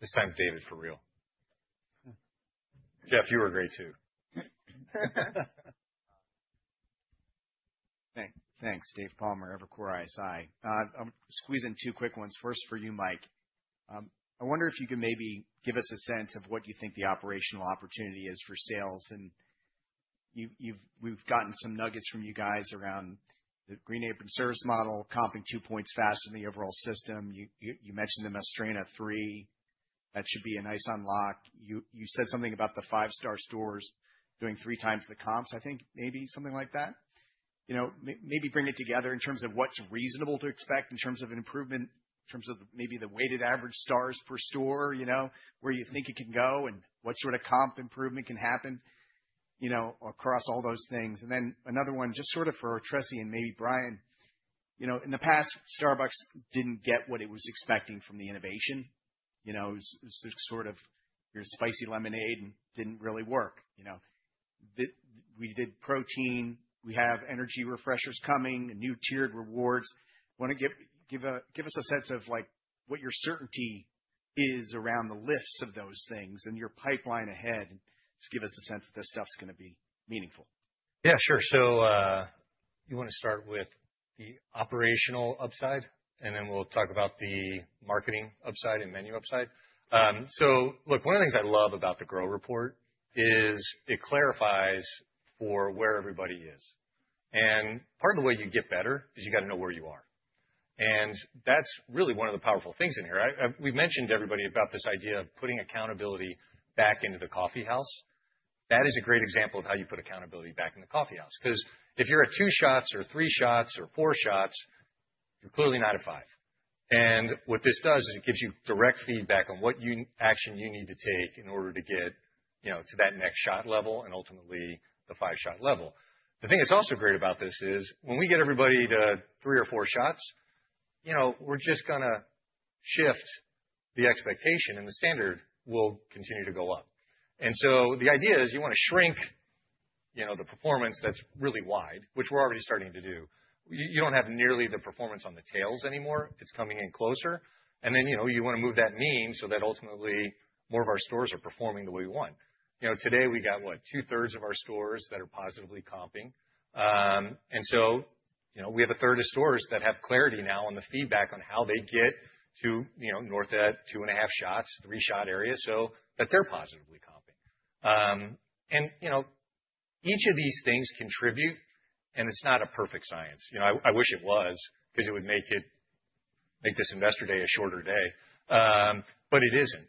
This time, David for real. Jeff, you were great too. Thanks. David Palmer, Evercore ISI. I'm squeezing two quick ones. First for you, Mike. I wonder if you can maybe give us a sense of what you think the operational opportunity is for sales. We've gotten some nuggets from Green Apron Service model, comping 2 points faster than the overall system. You mentioned the Mastrena III. That should be a nice unlock. You said something about the five-star stores doing three times the comps, I think, maybe something like that. Maybe bring it together in terms of what's reasonable to expect in terms of improvement, in terms of maybe the weighted average Stars per store, where you think it can go and what sort of comp improvement can happen across all those things. Then another one, just sort of for our Tressie and maybe Brian. In the past, Starbucks didn't get what it was expecting from the innovation. It was sort of your spicy lemonade and didn't really work. We did protein. We have Energy Refreshers coming and new tiered rewards. Want to give us a sense of what your certainty is around the lifts of those things and your pipeline ahead to give us a sense that this stuff's going to be meaningful? Yeah, sure. So you want to start with the operational upside, and then we'll talk about the marketing upside and menu upside. So look, one of the things I love about GROW report is it clarifies for where everybody is. And part of the way you get better is you got to know where you are. And that's really one of the powerful things in here. We've mentioned to everybody about this idea of putting accountability back into the coffeehouse. That is a great example of how you put accountability back in the coffeehouse. Because if you're at 2 shots or 3 shots or 4 shots, you're clearly not at 5. What this does is it gives you direct feedback on what action you need to take in order to get to that next shot level and ultimately the five-shot level. The thing that's also great about this is when we get everybody to three or four shots, we're just going to shift the expectation, and the standard will continue to go up. And so the idea is you want to shrink the performance that's really wide, which we're already starting to do. You don't have nearly the performance on the tails anymore. It's coming in closer. And then you want to move that mean so that ultimately more of our stores are performing the way we want. Today, we got, what, two-thirds of our stores that are positively comping. We have a third of stores that have clarity now on the feedback on how they get to north at 2.5 shots, 3-shot area so that they're positively comping. Each of these things contribute, and it's not a perfect science. I wish it was because it would make this investor day a shorter day. But it isn't.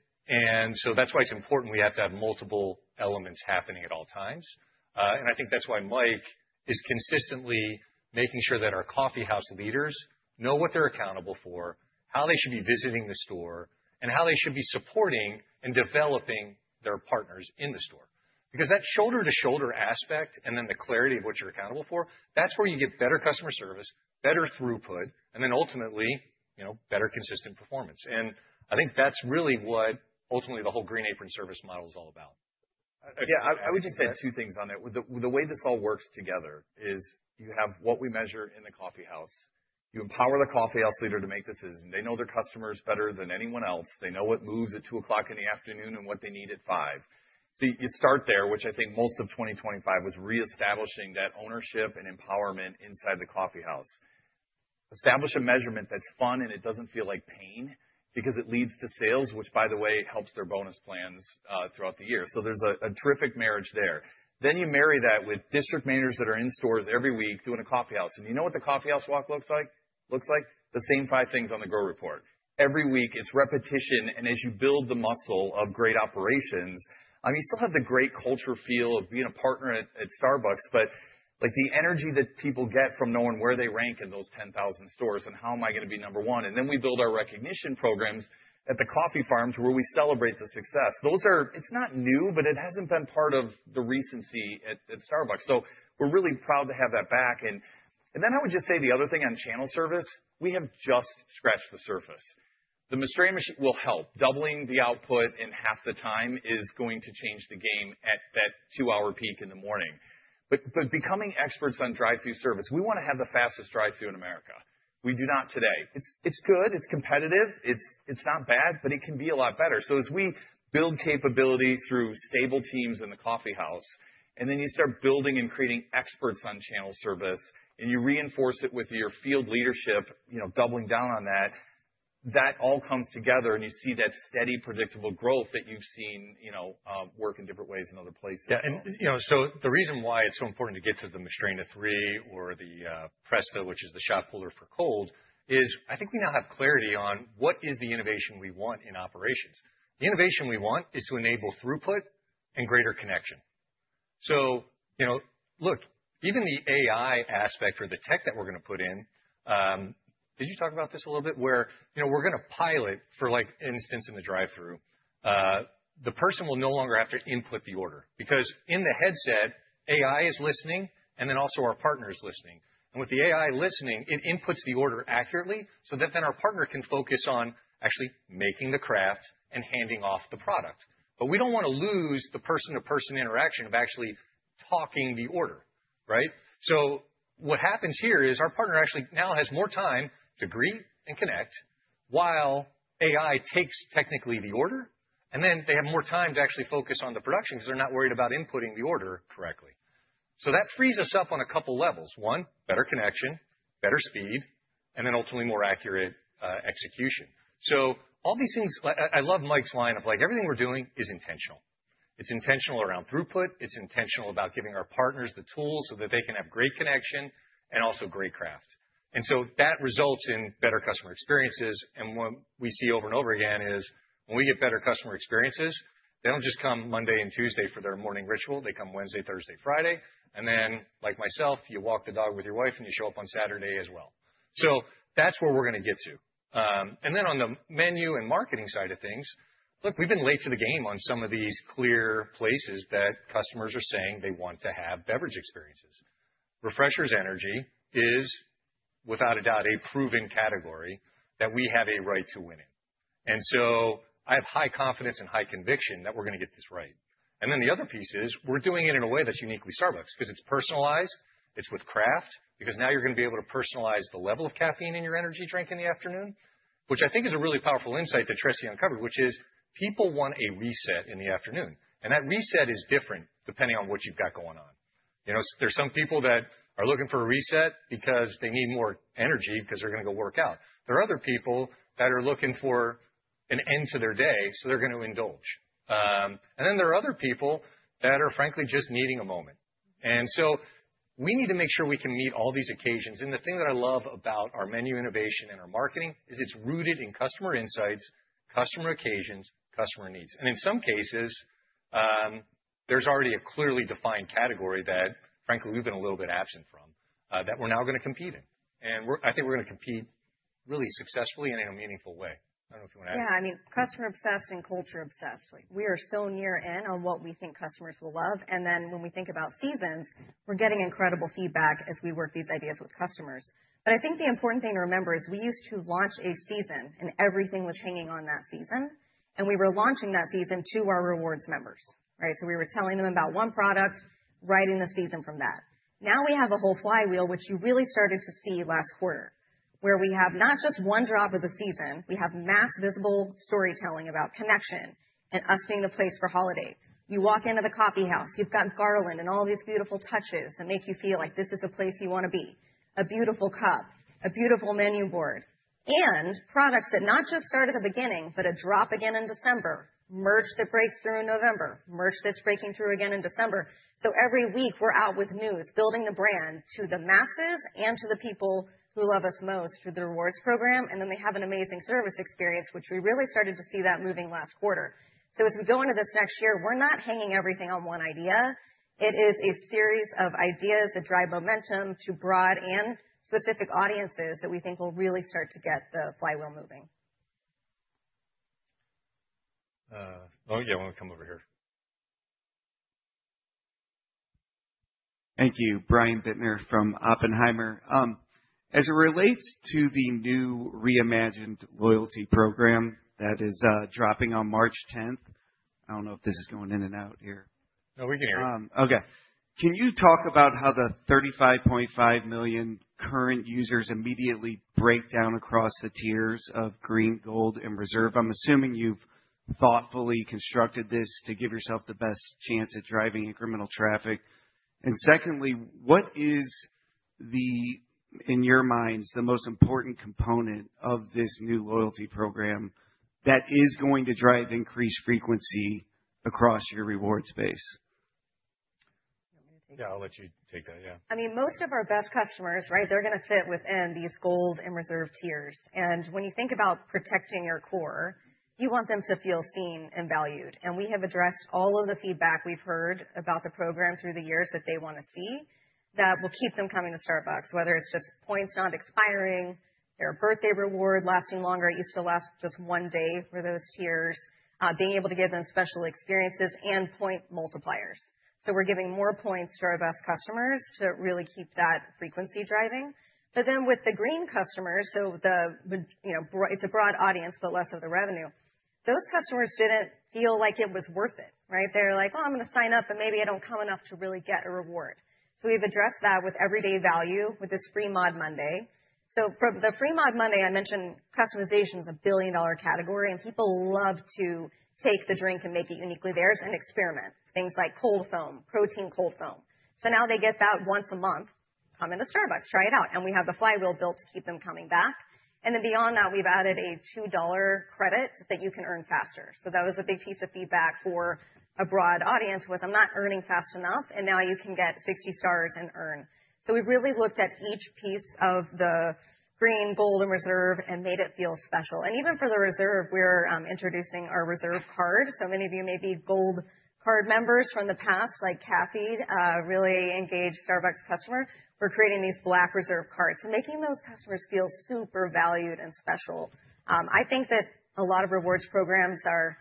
That's why it's important we have to have multiple elements happening at all times. I think that's why Mike is consistently making sure that our coffeehouse leaders know what they're accountable for, how they should be visiting the store, and how they should be supporting and developing their partners in the store. Because that shoulder-to-shoulder aspect and then the clarity of what you're accountable for, that's where you get better customer service, better throughput, and then ultimately better consistent performance. I think that's really Green Apron Service model is all about. Yeah. I would just add two things on it. The way this all works together is you have what we measure in the coffeehouse. You empower the coffeehouse leader to make decisions. They know their customers better than anyone else. They know what moves at 2:00 P.M. and what they need at 5:00 P.M. So you start there, which I think most of 2025 was reestablishing that ownership and empowerment inside the coffeehouse. Establish a measurement that's fun and it doesn't feel like pain because it leads to sales, which, by the way, helps their bonus plans throughout the year. So there's a terrific marriage there. Then you marry that with district managers that are in stores every week doing a coffeehouse. You know what the coffeehouse walk looks like? It looks like the same five things GROW report. Every week, it's repetition. As you build the muscle of great operations, I mean, you still have the great culture feel of being a partner at Starbucks, but the energy that people get from knowing where they rank in those 10,000 stores and how am I going to be number one? We build our recognition programs at the coffee farms where we celebrate the success. It's not new, but it hasn't been part of the recency at Starbucks. So we're really proud to have that back. I would just say the other thing on channel service, we have just scratched the surface. The Mastrena will help. Doubling the output in half the time is going to change the game at that 2-hour peak in the morning. But becoming experts on drive-through service, we want to have the fastest drive-through in America. We do not today. It's good. It's competitive. It's not bad, but it can be a lot better. So as we build capability through stable teams in the coffeehouse, and then you start building and creating experts on channel service, and you reinforce it with your field leadership, doubling down on that, that all comes together, and you see that steady, predictable growth that you've seen work in different ways in other places. Yeah. So the reason why it's so important to get to the Mastrena III or the Presta, which is the shot puller for cold, is I think we now have clarity on what is the innovation we want in operations. The innovation we want is to enable throughput and greater connection. So look, even the AI aspect or the tech that we're going to put in, did you talk about this a little bit where we're going to pilot, for instance, in the drive-through, the person will no longer have to input the order? Because in the headset, AI is listening, and then also our partner is listening. And with the AI listening, it inputs the order accurately so that then our partner can focus on actually making the craft and handing off the product. But we don't want to lose the person-to-person interaction of actually talking the order. Right? So what happens here is our partner actually now has more time to greet and connect while AI takes technically the order, and then they have more time to actually focus on the production because they're not worried about inputting the order correctly. So that frees us up on a couple of levels. One, better connection, better speed, and then ultimately more accurate execution. So all these things, I love Mike's line of everything we're doing is intentional. It's intentional around throughput. It's intentional about giving our partners the tools so that they can have great connection and also great craft. And so that results in better customer experiences. And what we see over and over again is when we get better customer experiences, they don't just come Monday and Tuesday for their morning ritual. They come Wednesday, Thursday, Friday. And then, like myself, you walk the dog with your wife, and you show up on Saturday as well. So that's where we're going to get to. And then on the menu and marketing side of things, look, we've been late to the game on some of these clear places that customers are saying they want to have beverage experiences. Refreshers energy is, without a doubt, a proven category that we have a right to win in. And so I have high confidence and high conviction that we're going to get this right. And then the other piece is we're doing it in a way that's uniquely Starbucks because it's personalized. It's with craft because now you're going to be able to personalize the level of caffeine in your energy drink in the afternoon, which I think is a really powerful insight that Tressie uncovered, which is people want a reset in the afternoon. That reset is different depending on what you've got going on. There's some people that are looking for a reset because they need more energy because they're going to go work out. There are other people that are looking for an end to their day, so they're going to indulge. There are other people that are, frankly, just needing a moment. We need to make sure we can meet all these occasions. The thing that I love about our menu innovation and our marketing is it's rooted in customer insights, customer occasions, customer needs. And in some cases, there's already a clearly defined category that, frankly, we've been a little bit absent from that we're now going to compete in. And I think we're going to compete really successfully in a meaningful way. I don't know if you want to add. Yeah. I mean, customer-obsessed and culture-obsessed. We are so near in on what we think customers will love. And then when we think about seasons, we're getting incredible feedback as we work these ideas with customers. But I think the important thing to remember is we used to launch a season, and everything was hanging on that season. And we were launching that season to our rewards members. Right? So we were telling them about one product, writing the season from that. Now we have a whole flywheel, which you really started to see last quarter, where we have not just one drop of the season. We have mass visible storytelling about connection and us being the place for holiday. You walk into the coffeehouse, you've got garland and all these beautiful touches that make you feel like this is a place you want to be, a beautiful cup, a beautiful menu board, and products that not just start at the beginning, but a drop again in December, merch that breaks through in November, merch that's breaking through again in December. So every week we're out with news, building the brand to the masses and to the people who love us most through the Rewards program. And then they have an amazing service experience, which we really started to see that moving last quarter. So as we go into this next year, we're not hanging everything on one idea. It is a series of ideas that drive momentum to broad and specific audiences that we think will really start to get the flywheel moving. Oh, yeah. I want to come over here. Thank you. Brian Bittner from Oppenheimer. As it relates to the new reimagined loyalty program that is dropping on March 10th, I don't know if this is going in and out here. No, we can hear you. Okay. Can you talk about how the 35.5 million current users immediately break down across the tiers of Green, Gold, and Reserve? I'm assuming you've thoughtfully constructed this to give yourself the best chance at driving incremental traffic. And secondly, what is, in your minds, the most important component of this new loyalty program that is going to drive increased frequency across your rewards space? Yeah, I'll let you take that. Yeah. I mean, most of our best customers, right, they're going to fit within these Gold and Reserve tiers. And when you think about protecting your core, you want them to feel seen and valued. And we have addressed all of the feedback we've heard about the program through the years that they want to see that will keep them coming to Starbucks, whether it's just points not expiring, their birthday reward lasting longer. It used to last just one day for those tiers, being able to give them special experiences and point multipliers. So we're giving more points to our best customers to really keep that frequency driving. But then with the Green customers, so it's a broad audience, but less of the revenue, those customers didn't feel like it was worth it. Right? They're like, "Oh, I'm going to sign up, but maybe I don't come enough to really get a reward." So we've addressed that with everyday value with this Free Mod Monday. So the Free Mod Monday, I mentioned customization is a billion-dollar category, and people love to take the drink and make it uniquely theirs and experiment with things like cold foam, protein cold foam. So now they get that once a month, come into Starbucks, try it out. And we have the flywheel built to keep them coming back. And then beyond that, we've added a $2 credit that you can earn faster. So that was a big piece of feedback for a broad audience was, "I'm not earning fast enough," and now you can get 60 stars and earn. So we've really looked at each piece of the Green, Gold, and Reserve and made it feel special. And even for the Reserve, we're introducing our Reserve Card. So many of you may be Gold Card members from the past, like Cathy, really engaged Starbucks customer. We're creating these black Reserve Cards and making those customers feel super valued and special. I think that a lot of Rewards programs are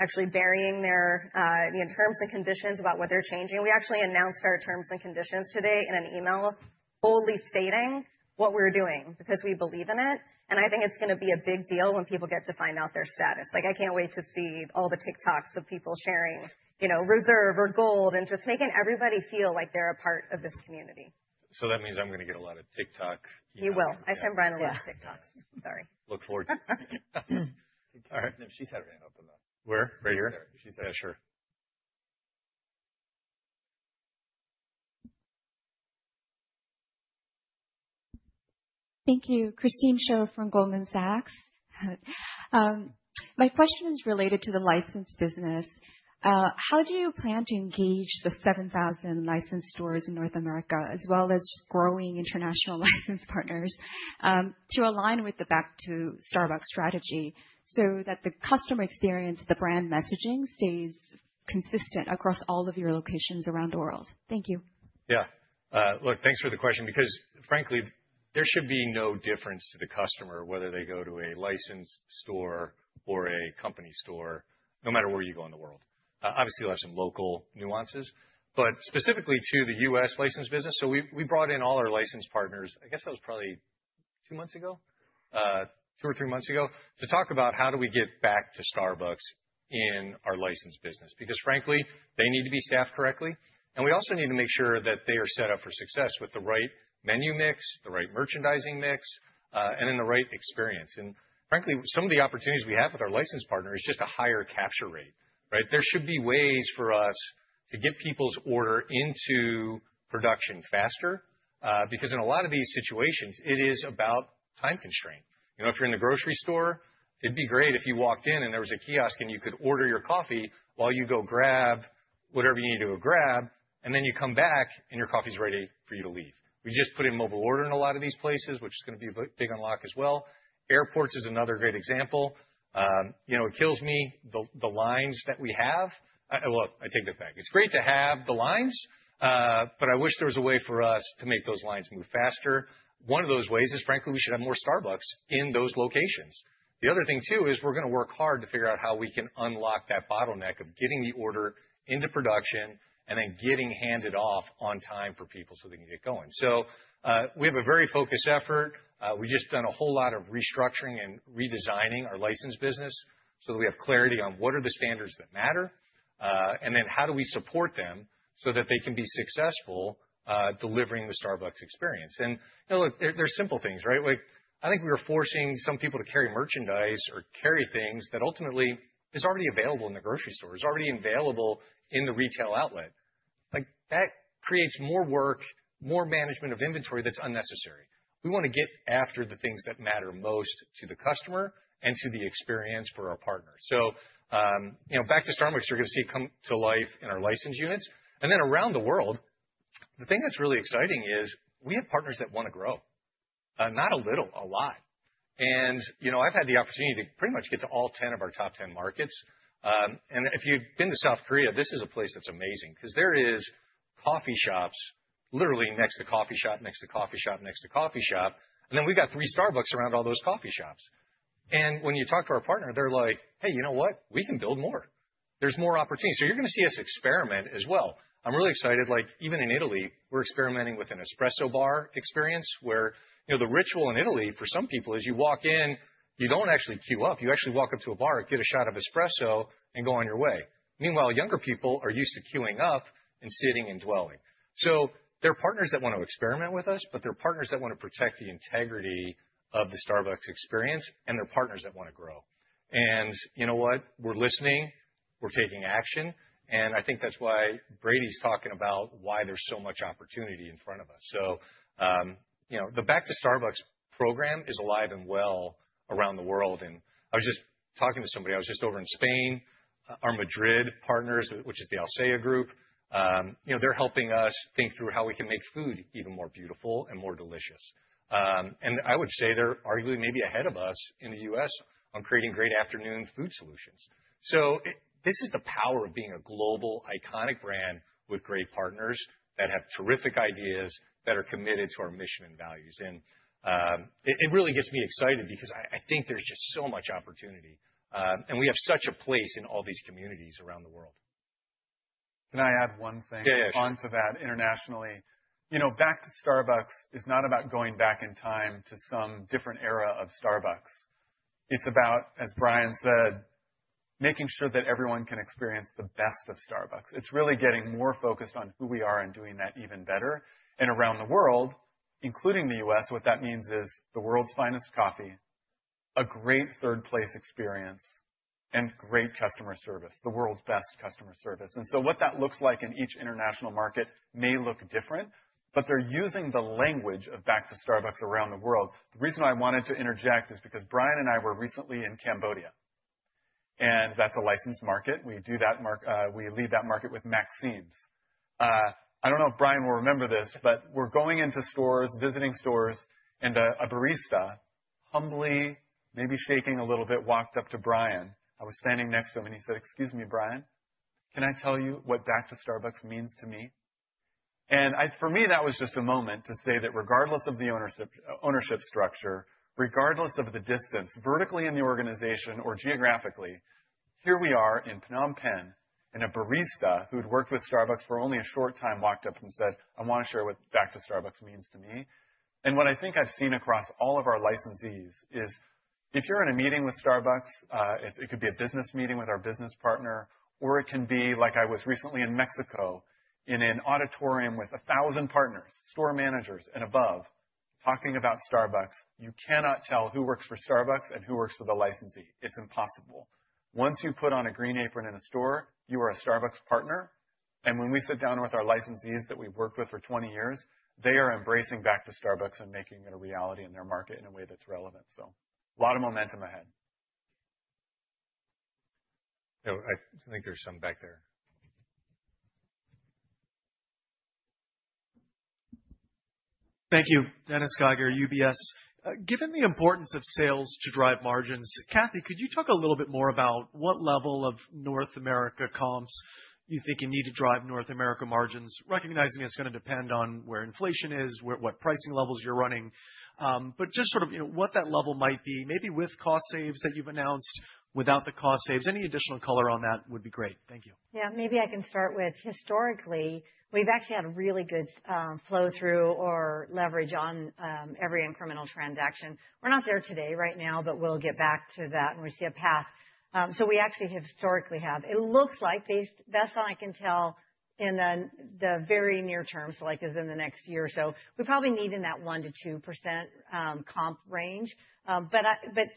actually burying their terms and conditions about what they're changing. We actually announced our terms and conditions today in an email boldly stating what we're doing because we believe in it. And I think it's going to be a big deal when people get to find out their status. I can't wait to see all the TikToks of people sharing Reserve or Gold and just making everybody feel like they're a part of this community. So that means I'm going to get a lot of TikTok. You will. I send Brian a lot of TikToks. Sorry. Look forward to it. All right. She's had her hand up in the-Where? Right here. Yeah, sure. Thank you. Christine Cho from Goldman Sachs. My question is related to the licensed business. How do you plan to engage the 7,000 licensed stores in North America, as well as growing international licensed partners, to align with the Back to Starbucks strategy so that the customer experience, the brand messaging stays consistent across all of your locations around the world? Thank you. Yeah. Look, thanks for the question because, frankly, there should be no difference to the customer whether they go to a licensed store or a company store, no matter where you go in the world. Obviously, there are some local nuances, but specifically to the U.S. licensed business. So we brought in all our licensed partners. I guess that was probably 2 months ago, 2 or 3 months ago, to talk about how do we get back to Starbucks in our license business because, frankly, they need to be staffed correctly. And we also need to make sure that they are set up for success with the right menu mix, the right merchandising mix, and then the right experience. And frankly, some of the opportunities we have with our license partners is just a higher capture rate. Right? There should be ways for us to get people's order into production faster because in a lot of these situations, it is about time constraint. If you're in the grocery store, it'd be great if you walked in and there was a kiosk and you could order your coffee while you go grab whatever you need to go grab, and then you come back and your coffee's ready for you to leave. We just put in mobile order in a lot of these places, which is going to be a big unlock as well. Airports is another great example. It kills me the lines that we have. Well, I take that back. It's great to have the lines, but I wish there was a way for us to make those lines move faster. One of those ways is, frankly, we should have more Starbucks in those locations. The other thing, too, is we're going to work hard to figure out how we can unlock that bottleneck of getting the order into production and then getting handed off on time for people so they can get going. So we have a very focused effort. We've just done a whole lot of restructuring and redesigning our license business so that we have clarity on what are the standards that matter, and then how do we support them so that they can be successful delivering the Starbucks experience. And look, there are simple things. Right? I think we were forcing some people to carry merchandise or carry things that ultimately is already available in the grocery store, is already available in the retail outlet. That creates more work, more management of inventory that's unnecessary. We want to get after the things that matter most to the customer and to the experience for our partners. So Back to Starbucks, you're going to see it come to life in our license units. And then around the world, the thing that's really exciting is we have partners that want to grow. Not a little, a lot. And I've had the opportunity to pretty much get to all 10 of our top 10 markets. And if you've been to South Korea, this is a place that's amazing because there are coffee shops literally next to coffee shop, next to coffee shop, next to coffee shop. And then we've got three Starbucks around all those coffee shops. And when you talk to our partner, they're like, "Hey, you know what? We can build more. There's more opportunities." So you're going to see us experiment as well. I'm really excited. Even in Italy, we're experimenting with an espresso bar experience where the ritual in Italy for some people is you walk in, you don't actually queue up. You actually walk up to a bar, get a shot of espresso, and go on your way. Meanwhile, younger people are used to queuing up and sitting and dwelling. So there are partners that want to experiment with us, but there are partners that want to protect the integrity of the Starbucks experience, and there are partners that want to grow. And you know what? We're listening. We're taking action. And I think that's why Brady's talking about why there's so much opportunity in front of us. So the Back to Starbucks program is alive and well around the world. And I was just talking to somebody. I was just over in Spain. Our Madrid partners, which is the Alsea, they're helping us think through how we can make food even more beautiful and more delicious. And I would say they're arguably maybe ahead of us in the U.S. on creating great afternoon food solutions. So this is the power of being a global, iconic brand with great partners that have terrific ideas that are committed to our mission and values. And it really gets me excited because I think there's just so much opportunity. And we have such a place in all these communities around the world. Can I add one thing onto that internationally? Back to Starbucks is not about going back in time to some different era of Starbucks. It's about, as Brian said, making sure that everyone can experience the best of Starbucks. It's really getting more focused on who we are and doing that even better. Around the world, including the U.S., what that means is the world's finest coffee, a great Third Place experience, and great customer service, the world's best customer service. So what that looks like in each international market may look different, but they're using the language of Back to Starbucks around the world. The reason I wanted to interject is because Brian and I were recently in Cambodia. That's a licensed market. We lead that market with Maxim's. I don't know if Brian will remember this, but we're going into stores, visiting stores, and a barista, humbly, maybe shaking a little bit, walked up to Brian. I was standing next to him, and he said, "Excuse me, Brian, can I tell you what Back to Starbucks means to me?" For me, that was just a moment to say that regardless of the ownership structure, regardless of the distance vertically in the organization or geographically, here we are in Phnom Penh and a barista who'd worked with Starbucks for only a short time walked up and said, "I want to share what Back to Starbucks means to me." What I think I've seen across all of our licensees is if you're in a meeting with Starbucks, it could be a business meeting with our business partner, or it can be like I was recently in Mexico in an auditorium with 1,000 partners, store managers and above, talking about Starbucks. You cannot tell who works for Starbucks and who works for the licensee. It's impossible. Once you put on a green apron in a store, you are a Starbucks partner. And when we sit down with our licensees that we've worked with for 20 years, they are embracing Back to Starbucks and making it a reality in their market in a way that's relevant. So a lot of momentum ahead. I think there's some back there. Thank you. Dennis Geiger, UBS. Given the importance of sales to drive margins, Cathy, could you talk a little bit more about what level of North America comps you think you need to drive North America margins, recognizing it's going to depend on where inflation is, what pricing levels you're running, but just sort of what that level might be, maybe with cost saves that you've announced, without the cost saves. Any additional color on that would be great. Thank you. Yeah, maybe I can start with historically, we've actually had really good flow-through or leverage on every incremental transaction. We're not there today right now, but we'll get back to that when we see a path. So we actually historically have, it looks like, based on what I can tell in the very near term, so like as in the next year or so, we probably need in that 1%-2% comp range. But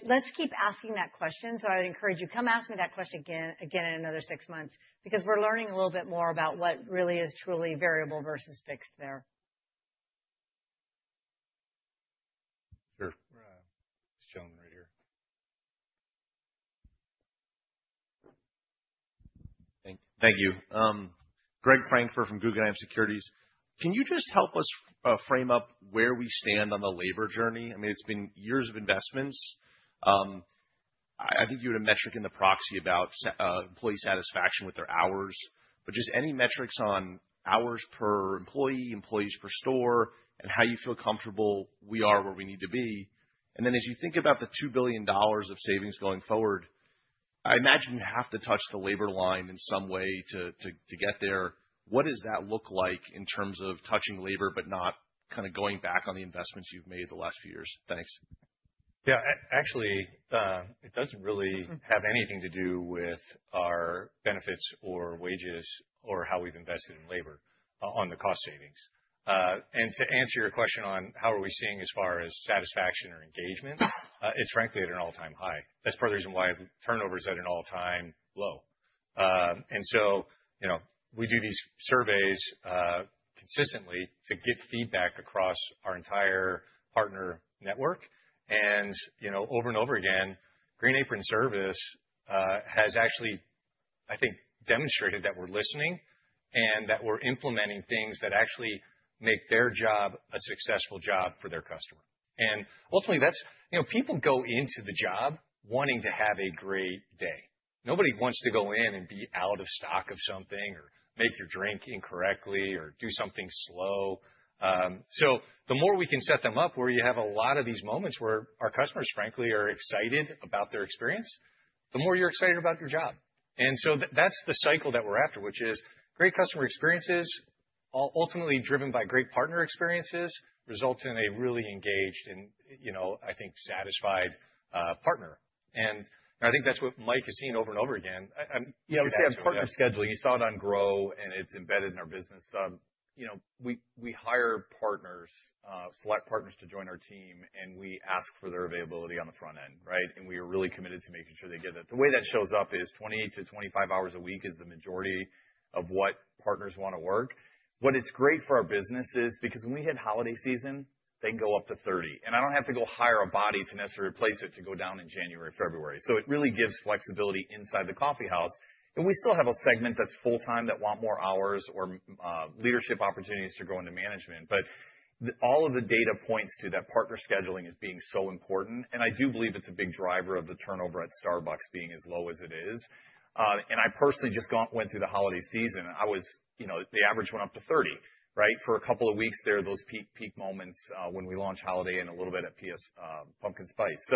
let's keep asking that question. So I would encourage you, come ask me that question again in another six months because we're learning a little bit more about what really is truly variable versus fixed there. Sure. This gentleman right here. Thank you. Greg Francfort from Guggenheim Securities. Can you just help us frame up where we stand on the labor journey? I mean, it's been years of investments. I think you had a metric in the proxy about employee satisfaction with their hours, but just any metrics on hours per employee, employees per store, and how you feel comfortable we are where we need to be. Then as you think about the $2 billion of savings going forward, I imagine you have to touch the labor line in some way to get there. What does that look like in terms of touching labor but not kind of going back on the investments you've made the last few years? Thanks. Yeah. Actually, it doesn't really have anything to do with our benefits or wages or how we've invested in labor on the cost savings. To answer your question on how are we seeing as far as satisfaction or engagement, it's frankly at an all-time high. That's part of the reason why turnover is at an all-time low. We do these surveys consistently to get feedback across our entire partner network. Over and over again, Green Apron Service has actually, I think, demonstrated that we're listening and that we're implementing things that actually make their job a successful job for their customer. Ultimately, people go into the job wanting to have a great day. Nobody wants to go in and be out of stock of something or make your drink incorrectly or do something slow. The more we can set them up where you have a lot of these moments where our customers, frankly, are excited about their experience, the more you're excited about your job. That's the cycle that we're after, which is great customer experiences, ultimately driven by great partner experiences, results in a really engaged and, I think, satisfied partner. I think that's what Mike has seen over and over again. Yeah. I would say on partner scheduling, you saw it on Grow, and it's embedded in our business. We hire partners, select partners to join our team, and we ask for their availability on the front end. Right? We are really committed to making sure they get it. The way that shows up is 20-25 hours a week is the majority of what partners want to work. What it's great for our business is because when we hit holiday season, they can go up to 30. I don't have to go hire a body to necessarily replace it to go down in January, February. So it really gives flexibility inside the coffeehouse. We still have a segment that's full-time that want more hours or leadership opportunities to grow into management. All of the data points to that partner scheduling is being so important. I do believe it's a big driver of the turnover at Starbucks being as low as it is. I personally just went through the holiday season. The average went up to 30. Right? For a couple of weeks, there are those peak moments when we launch holiday and a little bit at PS Pumpkin Spice.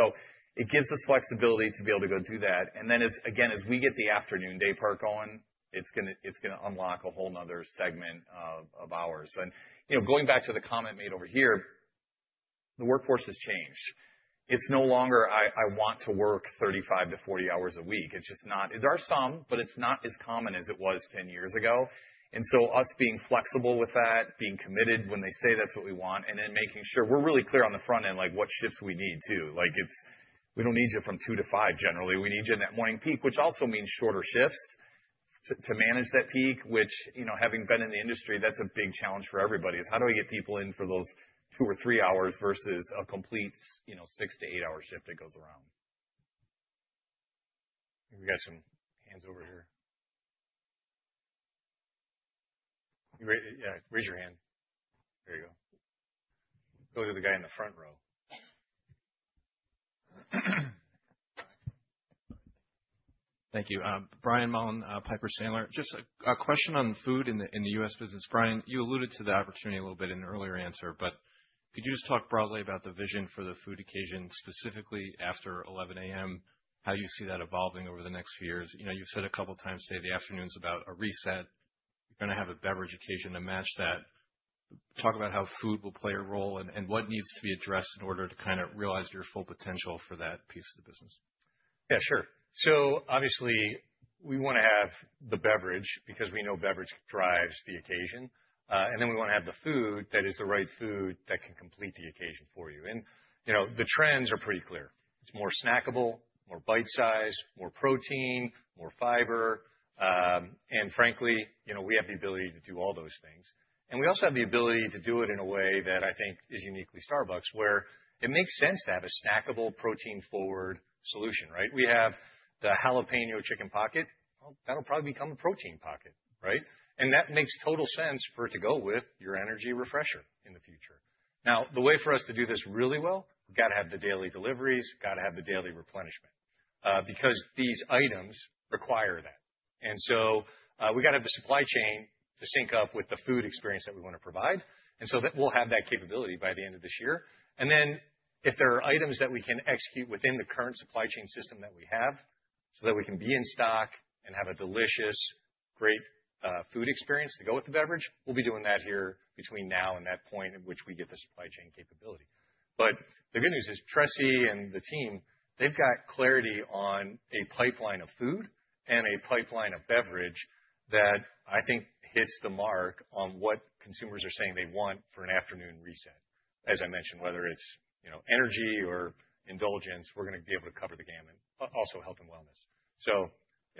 It gives us flexibility to be able to go do that. Then, again, as we get the afternoon daypart going, it's going to unlock a whole nother segment of hours. Going back to the comment made over here, the workforce has changed. It's no longer, "I want to work 35-40 hours a week." It's just not. There are some, but it's not as common as it was 10 years ago. And so us being flexible with that, being committed when they say that's what we want, and then making sure we're really clear on the front end what shifts we need, too. We don't need you from 2:00 P.M. to 5:00 P.M., generally. We need you in that morning peak, which also means shorter shifts to manage that peak, which, having been in the industry, that's a big challenge for everybody, is, "How do I get people in for those 2 or 3 hours versus a complete 6-8-hour shift that goes around?" We've got some hands over here. Yeah. Raise your hand. There you go. Go to the guy in the front row. Thank you. Brian Mullan, Piper Sandler. Just a question on food in the U.S. business. Brian, you alluded to the opportunity a little bit in an earlier answer, but could you just talk broadly about the vision for the food occasion, specifically after 11:00 A.M., how you see that evolving over the next few years? You've said a couple of times today the afternoon's about a reset. You're going to have a beverage occasion to match that. Talk about how food will play a role and what needs to be addressed in order to kind of realize your full potential for that piece of the business. Yeah, sure. So obviously, we want to have the beverage because we know beverage drives the occasion. And then we want to have the food that is the right food that can complete the occasion for you. And the trends are pretty clear. It's more snackable, more bite-size, more protein, more fiber. Frankly, we have the ability to do all those things. We also have the ability to do it in a way that I think is uniquely Starbucks, where it makes sense to have a snackable protein-forward solution. Right? We have the Jalapeño Chicken Pocket. That'll probably become a protein pocket. Right? That makes total sense for it to go with your Energy Refresher in the future. Now, the way for us to do this really well, we've got to have the daily deliveries, got to have the daily replenishment because these items require that. So we've got to have the supply chain to sync up with the food experience that we want to provide. That we'll have that capability by the end of this year. And then if there are items that we can execute within the current supply chain system that we have so that we can be in stock and have a delicious, great food experience to go with the beverage, we'll be doing that here between now and that point at which we get the supply chain capability. But the good news is Tressie and the team, they've got clarity on a pipeline of food and a pipeline of beverage that I think hits the mark on what consumers are saying they want for an afternoon reset. As I mentioned, whether it's energy or indulgence, we're going to be able to cover the gamut. Also, health and wellness. So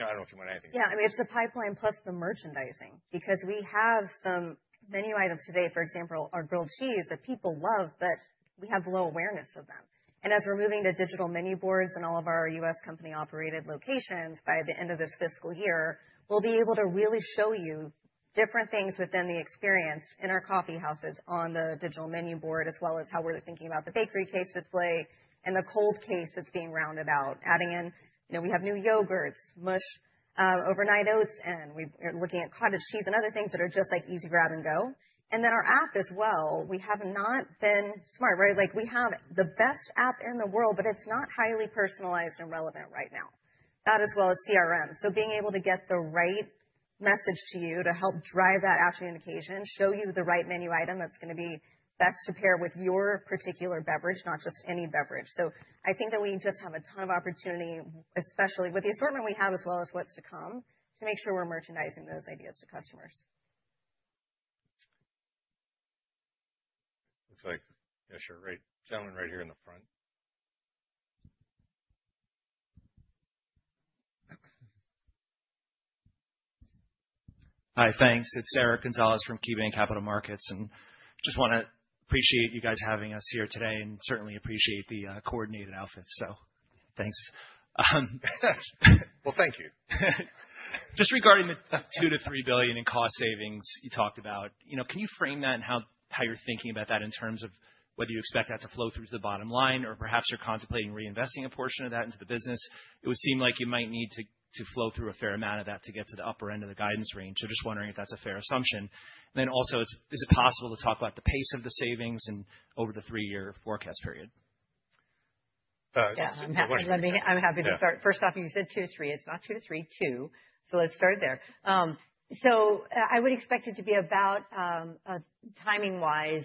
I don't know if you want anything. Yeah. I mean, it's the pipeline plus the merchandising because we have some menu items today, for example, our grilled cheese that people love, but we have low awareness of them. As we're moving to digital menu boards in all of our U.S. company-operated locations by the end of this fiscal year, we'll be able to really show you different things within the experience in our coffeehouses on the digital menu board, as well as how we're thinking about the bakery case display and the cold case that's being rounded out, adding in we have new yogurts, MU.S.H overnight oats, and we're looking at cottage cheese and other things that are just like easy grab and go. Then our app as well, we have not been smart. Right? We have the best app in the world, but it's not highly personalized and relevant right now. That as well as CRM. So being able to get the right message to you to help drive that afternoon occasion, show you the right menu item that's going to be best to pair with your particular beverage, not just any beverage. So I think that we just have a ton of opportunity, especially with the assortment we have as well as what's to come, to make sure we're merchandising those ideas to customers. Looks like. Yeah, sure. Right. Gentleman right here in the front. Hi, thanks. It's Eric Gonzalez from KeyBanc Capital Markets. And just want to appreciate you guys having us here today and certainly appreciate the coordinated outfits. So thanks. Well, thank you. Just regarding the $2 billion-$3 billion in cost savings you talked about, can you frame that and how you're thinking about that in terms of whether you expect that to flow through to the bottom line or perhaps you're contemplating reinvesting a portion of that into the business? It would seem like you might need to flow through a fair amount of that to get to the upper end of the guidance range. So just wondering if that's a fair assumption. And then also, is it possible to talk about the pace of the savings and over the three-year forecast period? Yeah. I'm happy to start. First off, you said 2 to 3. It's not 2 to 3, $2 billion. So let's start there. So I would expect it to be about timing-wise,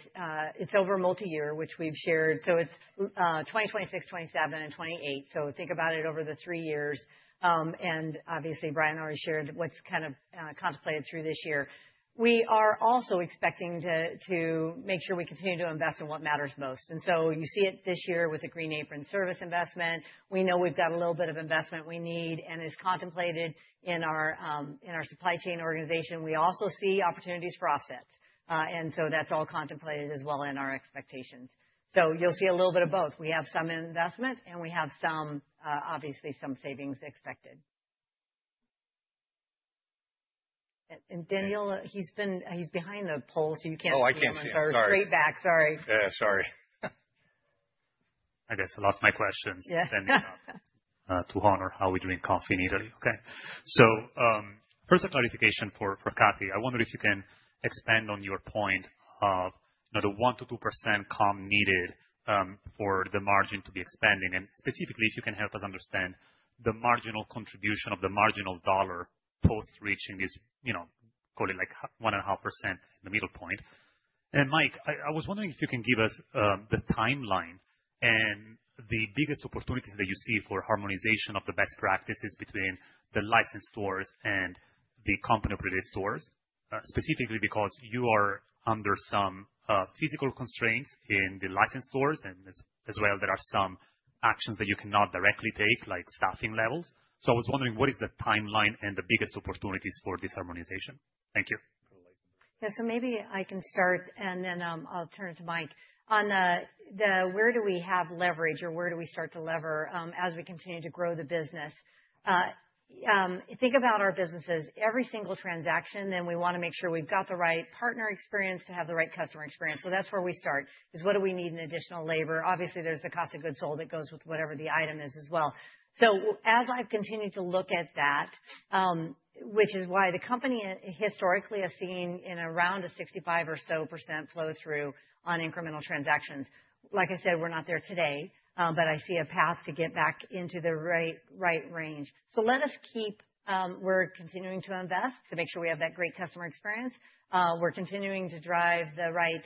it's over multi-year, which we've shared. So it's 2026, 2027, and 2028. So think about it over the three years. And obviously, Brian already shared what's kind of contemplated through this year. We are also expecting to make sure we continue to invest in what matters most. And so you see it this year with the Green Apron Service investment. We know we've got a little bit of investment we need and is contemplated in our supply chain organization. We also see opportunities for offsets. And so that's all contemplated as well in our expectations. So you'll see a little bit of both. We have some investment and we have obviously some savings expected. And Daniel, he's behind the pole, so you can't see him. Oh, I can't see him. Sorry. Straight back. Sorry. Yeah, sorry. I guess I lost my questions. Yeah. Then you're not. To honor how we're doing comps in Italy. Okay. So first, a clarification for Cathy. I wonder if you can expand on your point of the 1%-2% comp needed for the margin to be expanding. And specifically, if you can help us understand the marginal contribution of the marginal dollar post-reaching this, call it like 1.5% in the middle point. And Mike, I was wondering if you can give us the timeline and the biggest opportunities that you see for harmonization of the best practices between the licensed stores and the company-operated stores, specifically because you are under some physical constraints in the licensed stores. And as well, there are some actions that you cannot directly take, like staffing levels. So I was wondering, what is the timeline and the biggest opportunities for this harmonization? Thank you. Yeah. So maybe I can start, and then I'll turn it to Mike. On the where do we have leverage or where do we start to lever as we continue to grow the business? Think about our businesses. Every single transaction, then we want to make sure we've got the right partner experience to have the right customer experience. So that's where we start, is what do we need in additional labor? Obviously, there's the cost of goods sold that goes with whatever the item is as well. So as I've continued to look at that, which is why the company historically has seen in around a 65% or so flow-through on incremental transactions. Like I said, we're not there today, but I see a path to get back into the right range. So let us keep we're continuing to invest to make sure we have that great customer experience. We're continuing to drive the right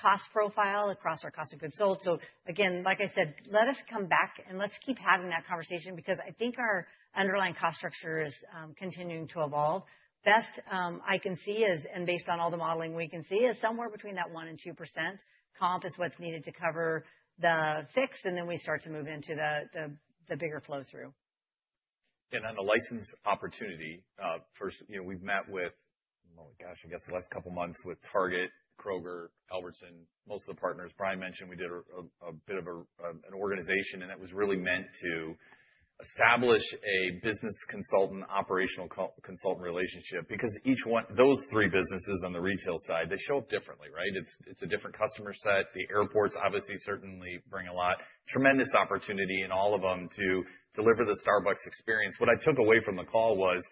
cost profile across our cost of goods sold. So again, like I said, let us come back and let's keep having that conversation because I think our underlying cost structure is continuing to evolve. Best I can see is, and based on all the modeling we can see, is somewhere between that 1%-2% comp is what's needed to cover the fix, and then we start to move into the bigger flow-through. Yeah. And then the license opportunity. First, we've met with, oh my gosh, I guess the last couple of months with Target, Kroger, Albertsons, most of the partners. Brian mentioned we did a bit of an organization, and it was really meant to establish a business consultant, operational consultant relationship because those three businesses on the retail side, they show up differently. Right? It's a different customer set. The airports, obviously, certainly bring a lot. Tremendous opportunity in all of them to deliver the Starbucks experience. What I took away from the call was,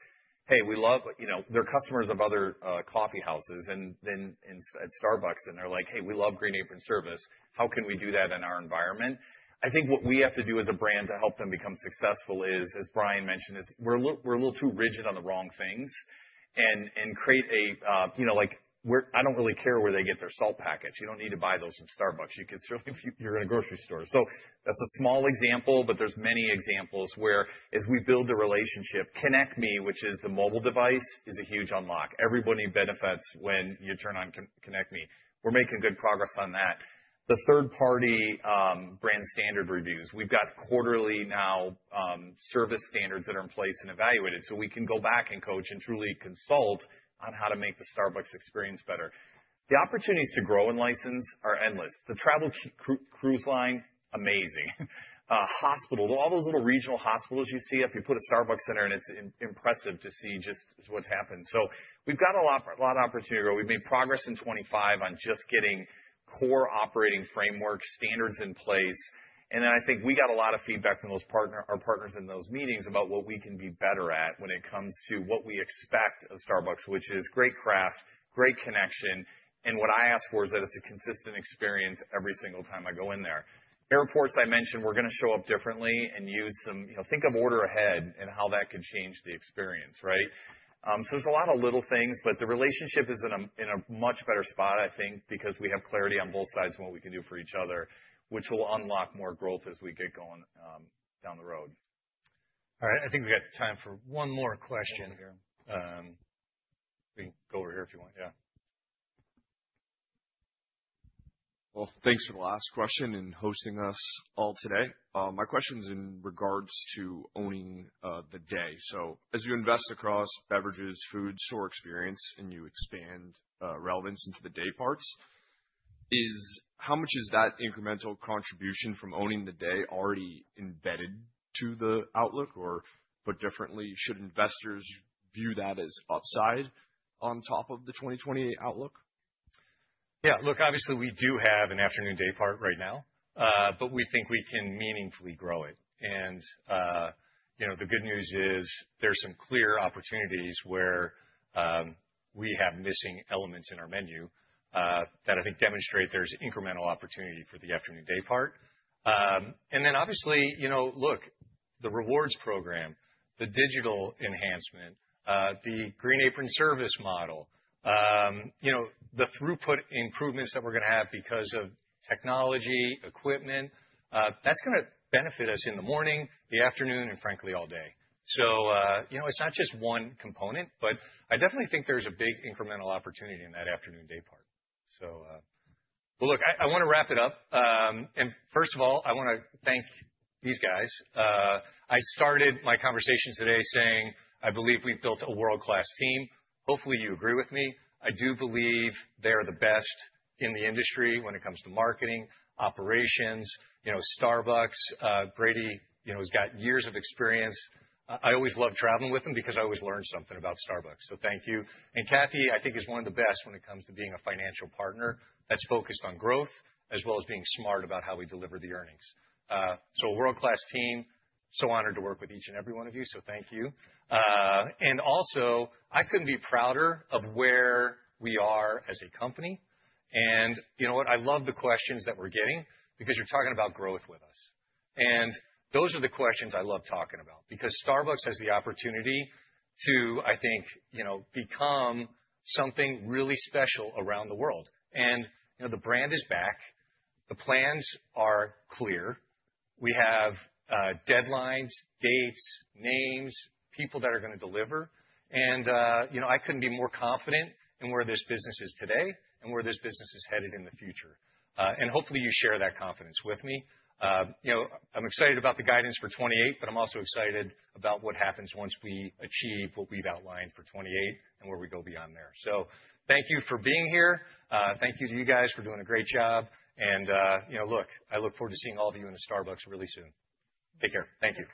"Hey, we love their customers of other coffeehouses and at Starbucks, and they're like, 'Hey, we love Green Apron Service. How can we do that in our environment?'" I think what we have to do as a brand to help them become successful is, as Brian mentioned, is we're a little too rigid on the wrong things and create a—I don't really care where they get their salt package. You don't need to buy those from Starbucks. You can certainly if you're in a grocery store. So that's a small example, but there's many examples where, as we build the relationship, ConnectME, which is the mobile device, is a huge unlock. Everybody benefits when you turn on ConnectME. We're making good progress on that. The third-party brand standard reviews. We've got quarterly now service standards that are in place and evaluated. So we can go back and coach and truly consult on how to make the Starbucks experience better. The opportunities to grow and license are endless. The travel cruise line, amazing. Hospitals, all those little regional hospitals you see up, you put a Starbucks in there, and it's impressive to see just what's happened. So we've got a lot of opportunity to grow. We've made progress in 2025 on just getting core operating framework standards in place. And then I think we got a lot of feedback from our partners in those meetings about what we can be better at when it comes to what we expect of Starbucks, which is great craft, great connection. And what I ask for is that it's a consistent experience every single time I go in there. Airports, I mentioned, we're going to show up differently and use some think of order ahead and how that could change the experience. Right? So there's a lot of little things, but the relationship is in a much better spot, I think, because we have clarity on both sides and what we can do for each other, which will unlock more growth as we get going down the road. All right. I think we've got time for one more question. We can go over here if you want. Yeah. Well, thanks for the last question and hosting us all today. My question is in regards to owning the day. So as you invest across beverages, food, store experience, and you expand relevance into the dayparts, how much is that incremental contribution from owning the day already embedded to the outlook? Or put differently, should investors view that as upside on top of the 2028 outlook? Yeah. Look, obviously, we do have an afternoon daypart right now, but we think we can meaningfully grow it. And the good news is there's some clear opportunities where we have missing elements in our menu that I think demonstrate there's incremental opportunity for the afternoon daypart. And then obviously, look, Green Apron Service model, the throughput improvements that we're going to have because of technology, equipment, that's going to benefit us in the morning, the afternoon, and frankly, all day. So it's not just one component, but I definitely think there's a big incremental opportunity in that afternoon daypart. So well, look, I want to wrap it up. And first of all, I want to thank these guys. I started my conversation today saying, "I believe we've built a world-class team." Hopefully, you agree with me. I do believe they are the best in the industry when it comes to marketing, operations. Starbucks' Brady has got years of experience. I always love traveling with them because I always learn something about Starbucks. So thank you. And Cathy, I think, is one of the best when it comes to being a financial partner that's focused on growth as well as being smart about how we deliver the earnings. So a world-class team, so honored to work with each and every one of you. So thank you. Also, I couldn't be prouder of where we are as a company. You know what? I love the questions that we're getting because you're talking about growth with us. Those are the questions I love talking about because Starbucks has the opportunity to, I think, become something really special around the world. The brand is back. The plans are clear. We have deadlines, dates, names, people that are going to deliver. I couldn't be more confident in where this business is today and where this business is headed in the future. Hopefully, you share that confidence with me. I'm excited about the guidance for 2028, but I'm also excited about what happens once we achieve what we've outlined for 2028 and where we go beyond there. So thank you for being here. Thank you to you guys for doing a great job. Look, I look forward to seeing all of you in a Starbucks really soon. Take care. Thank you.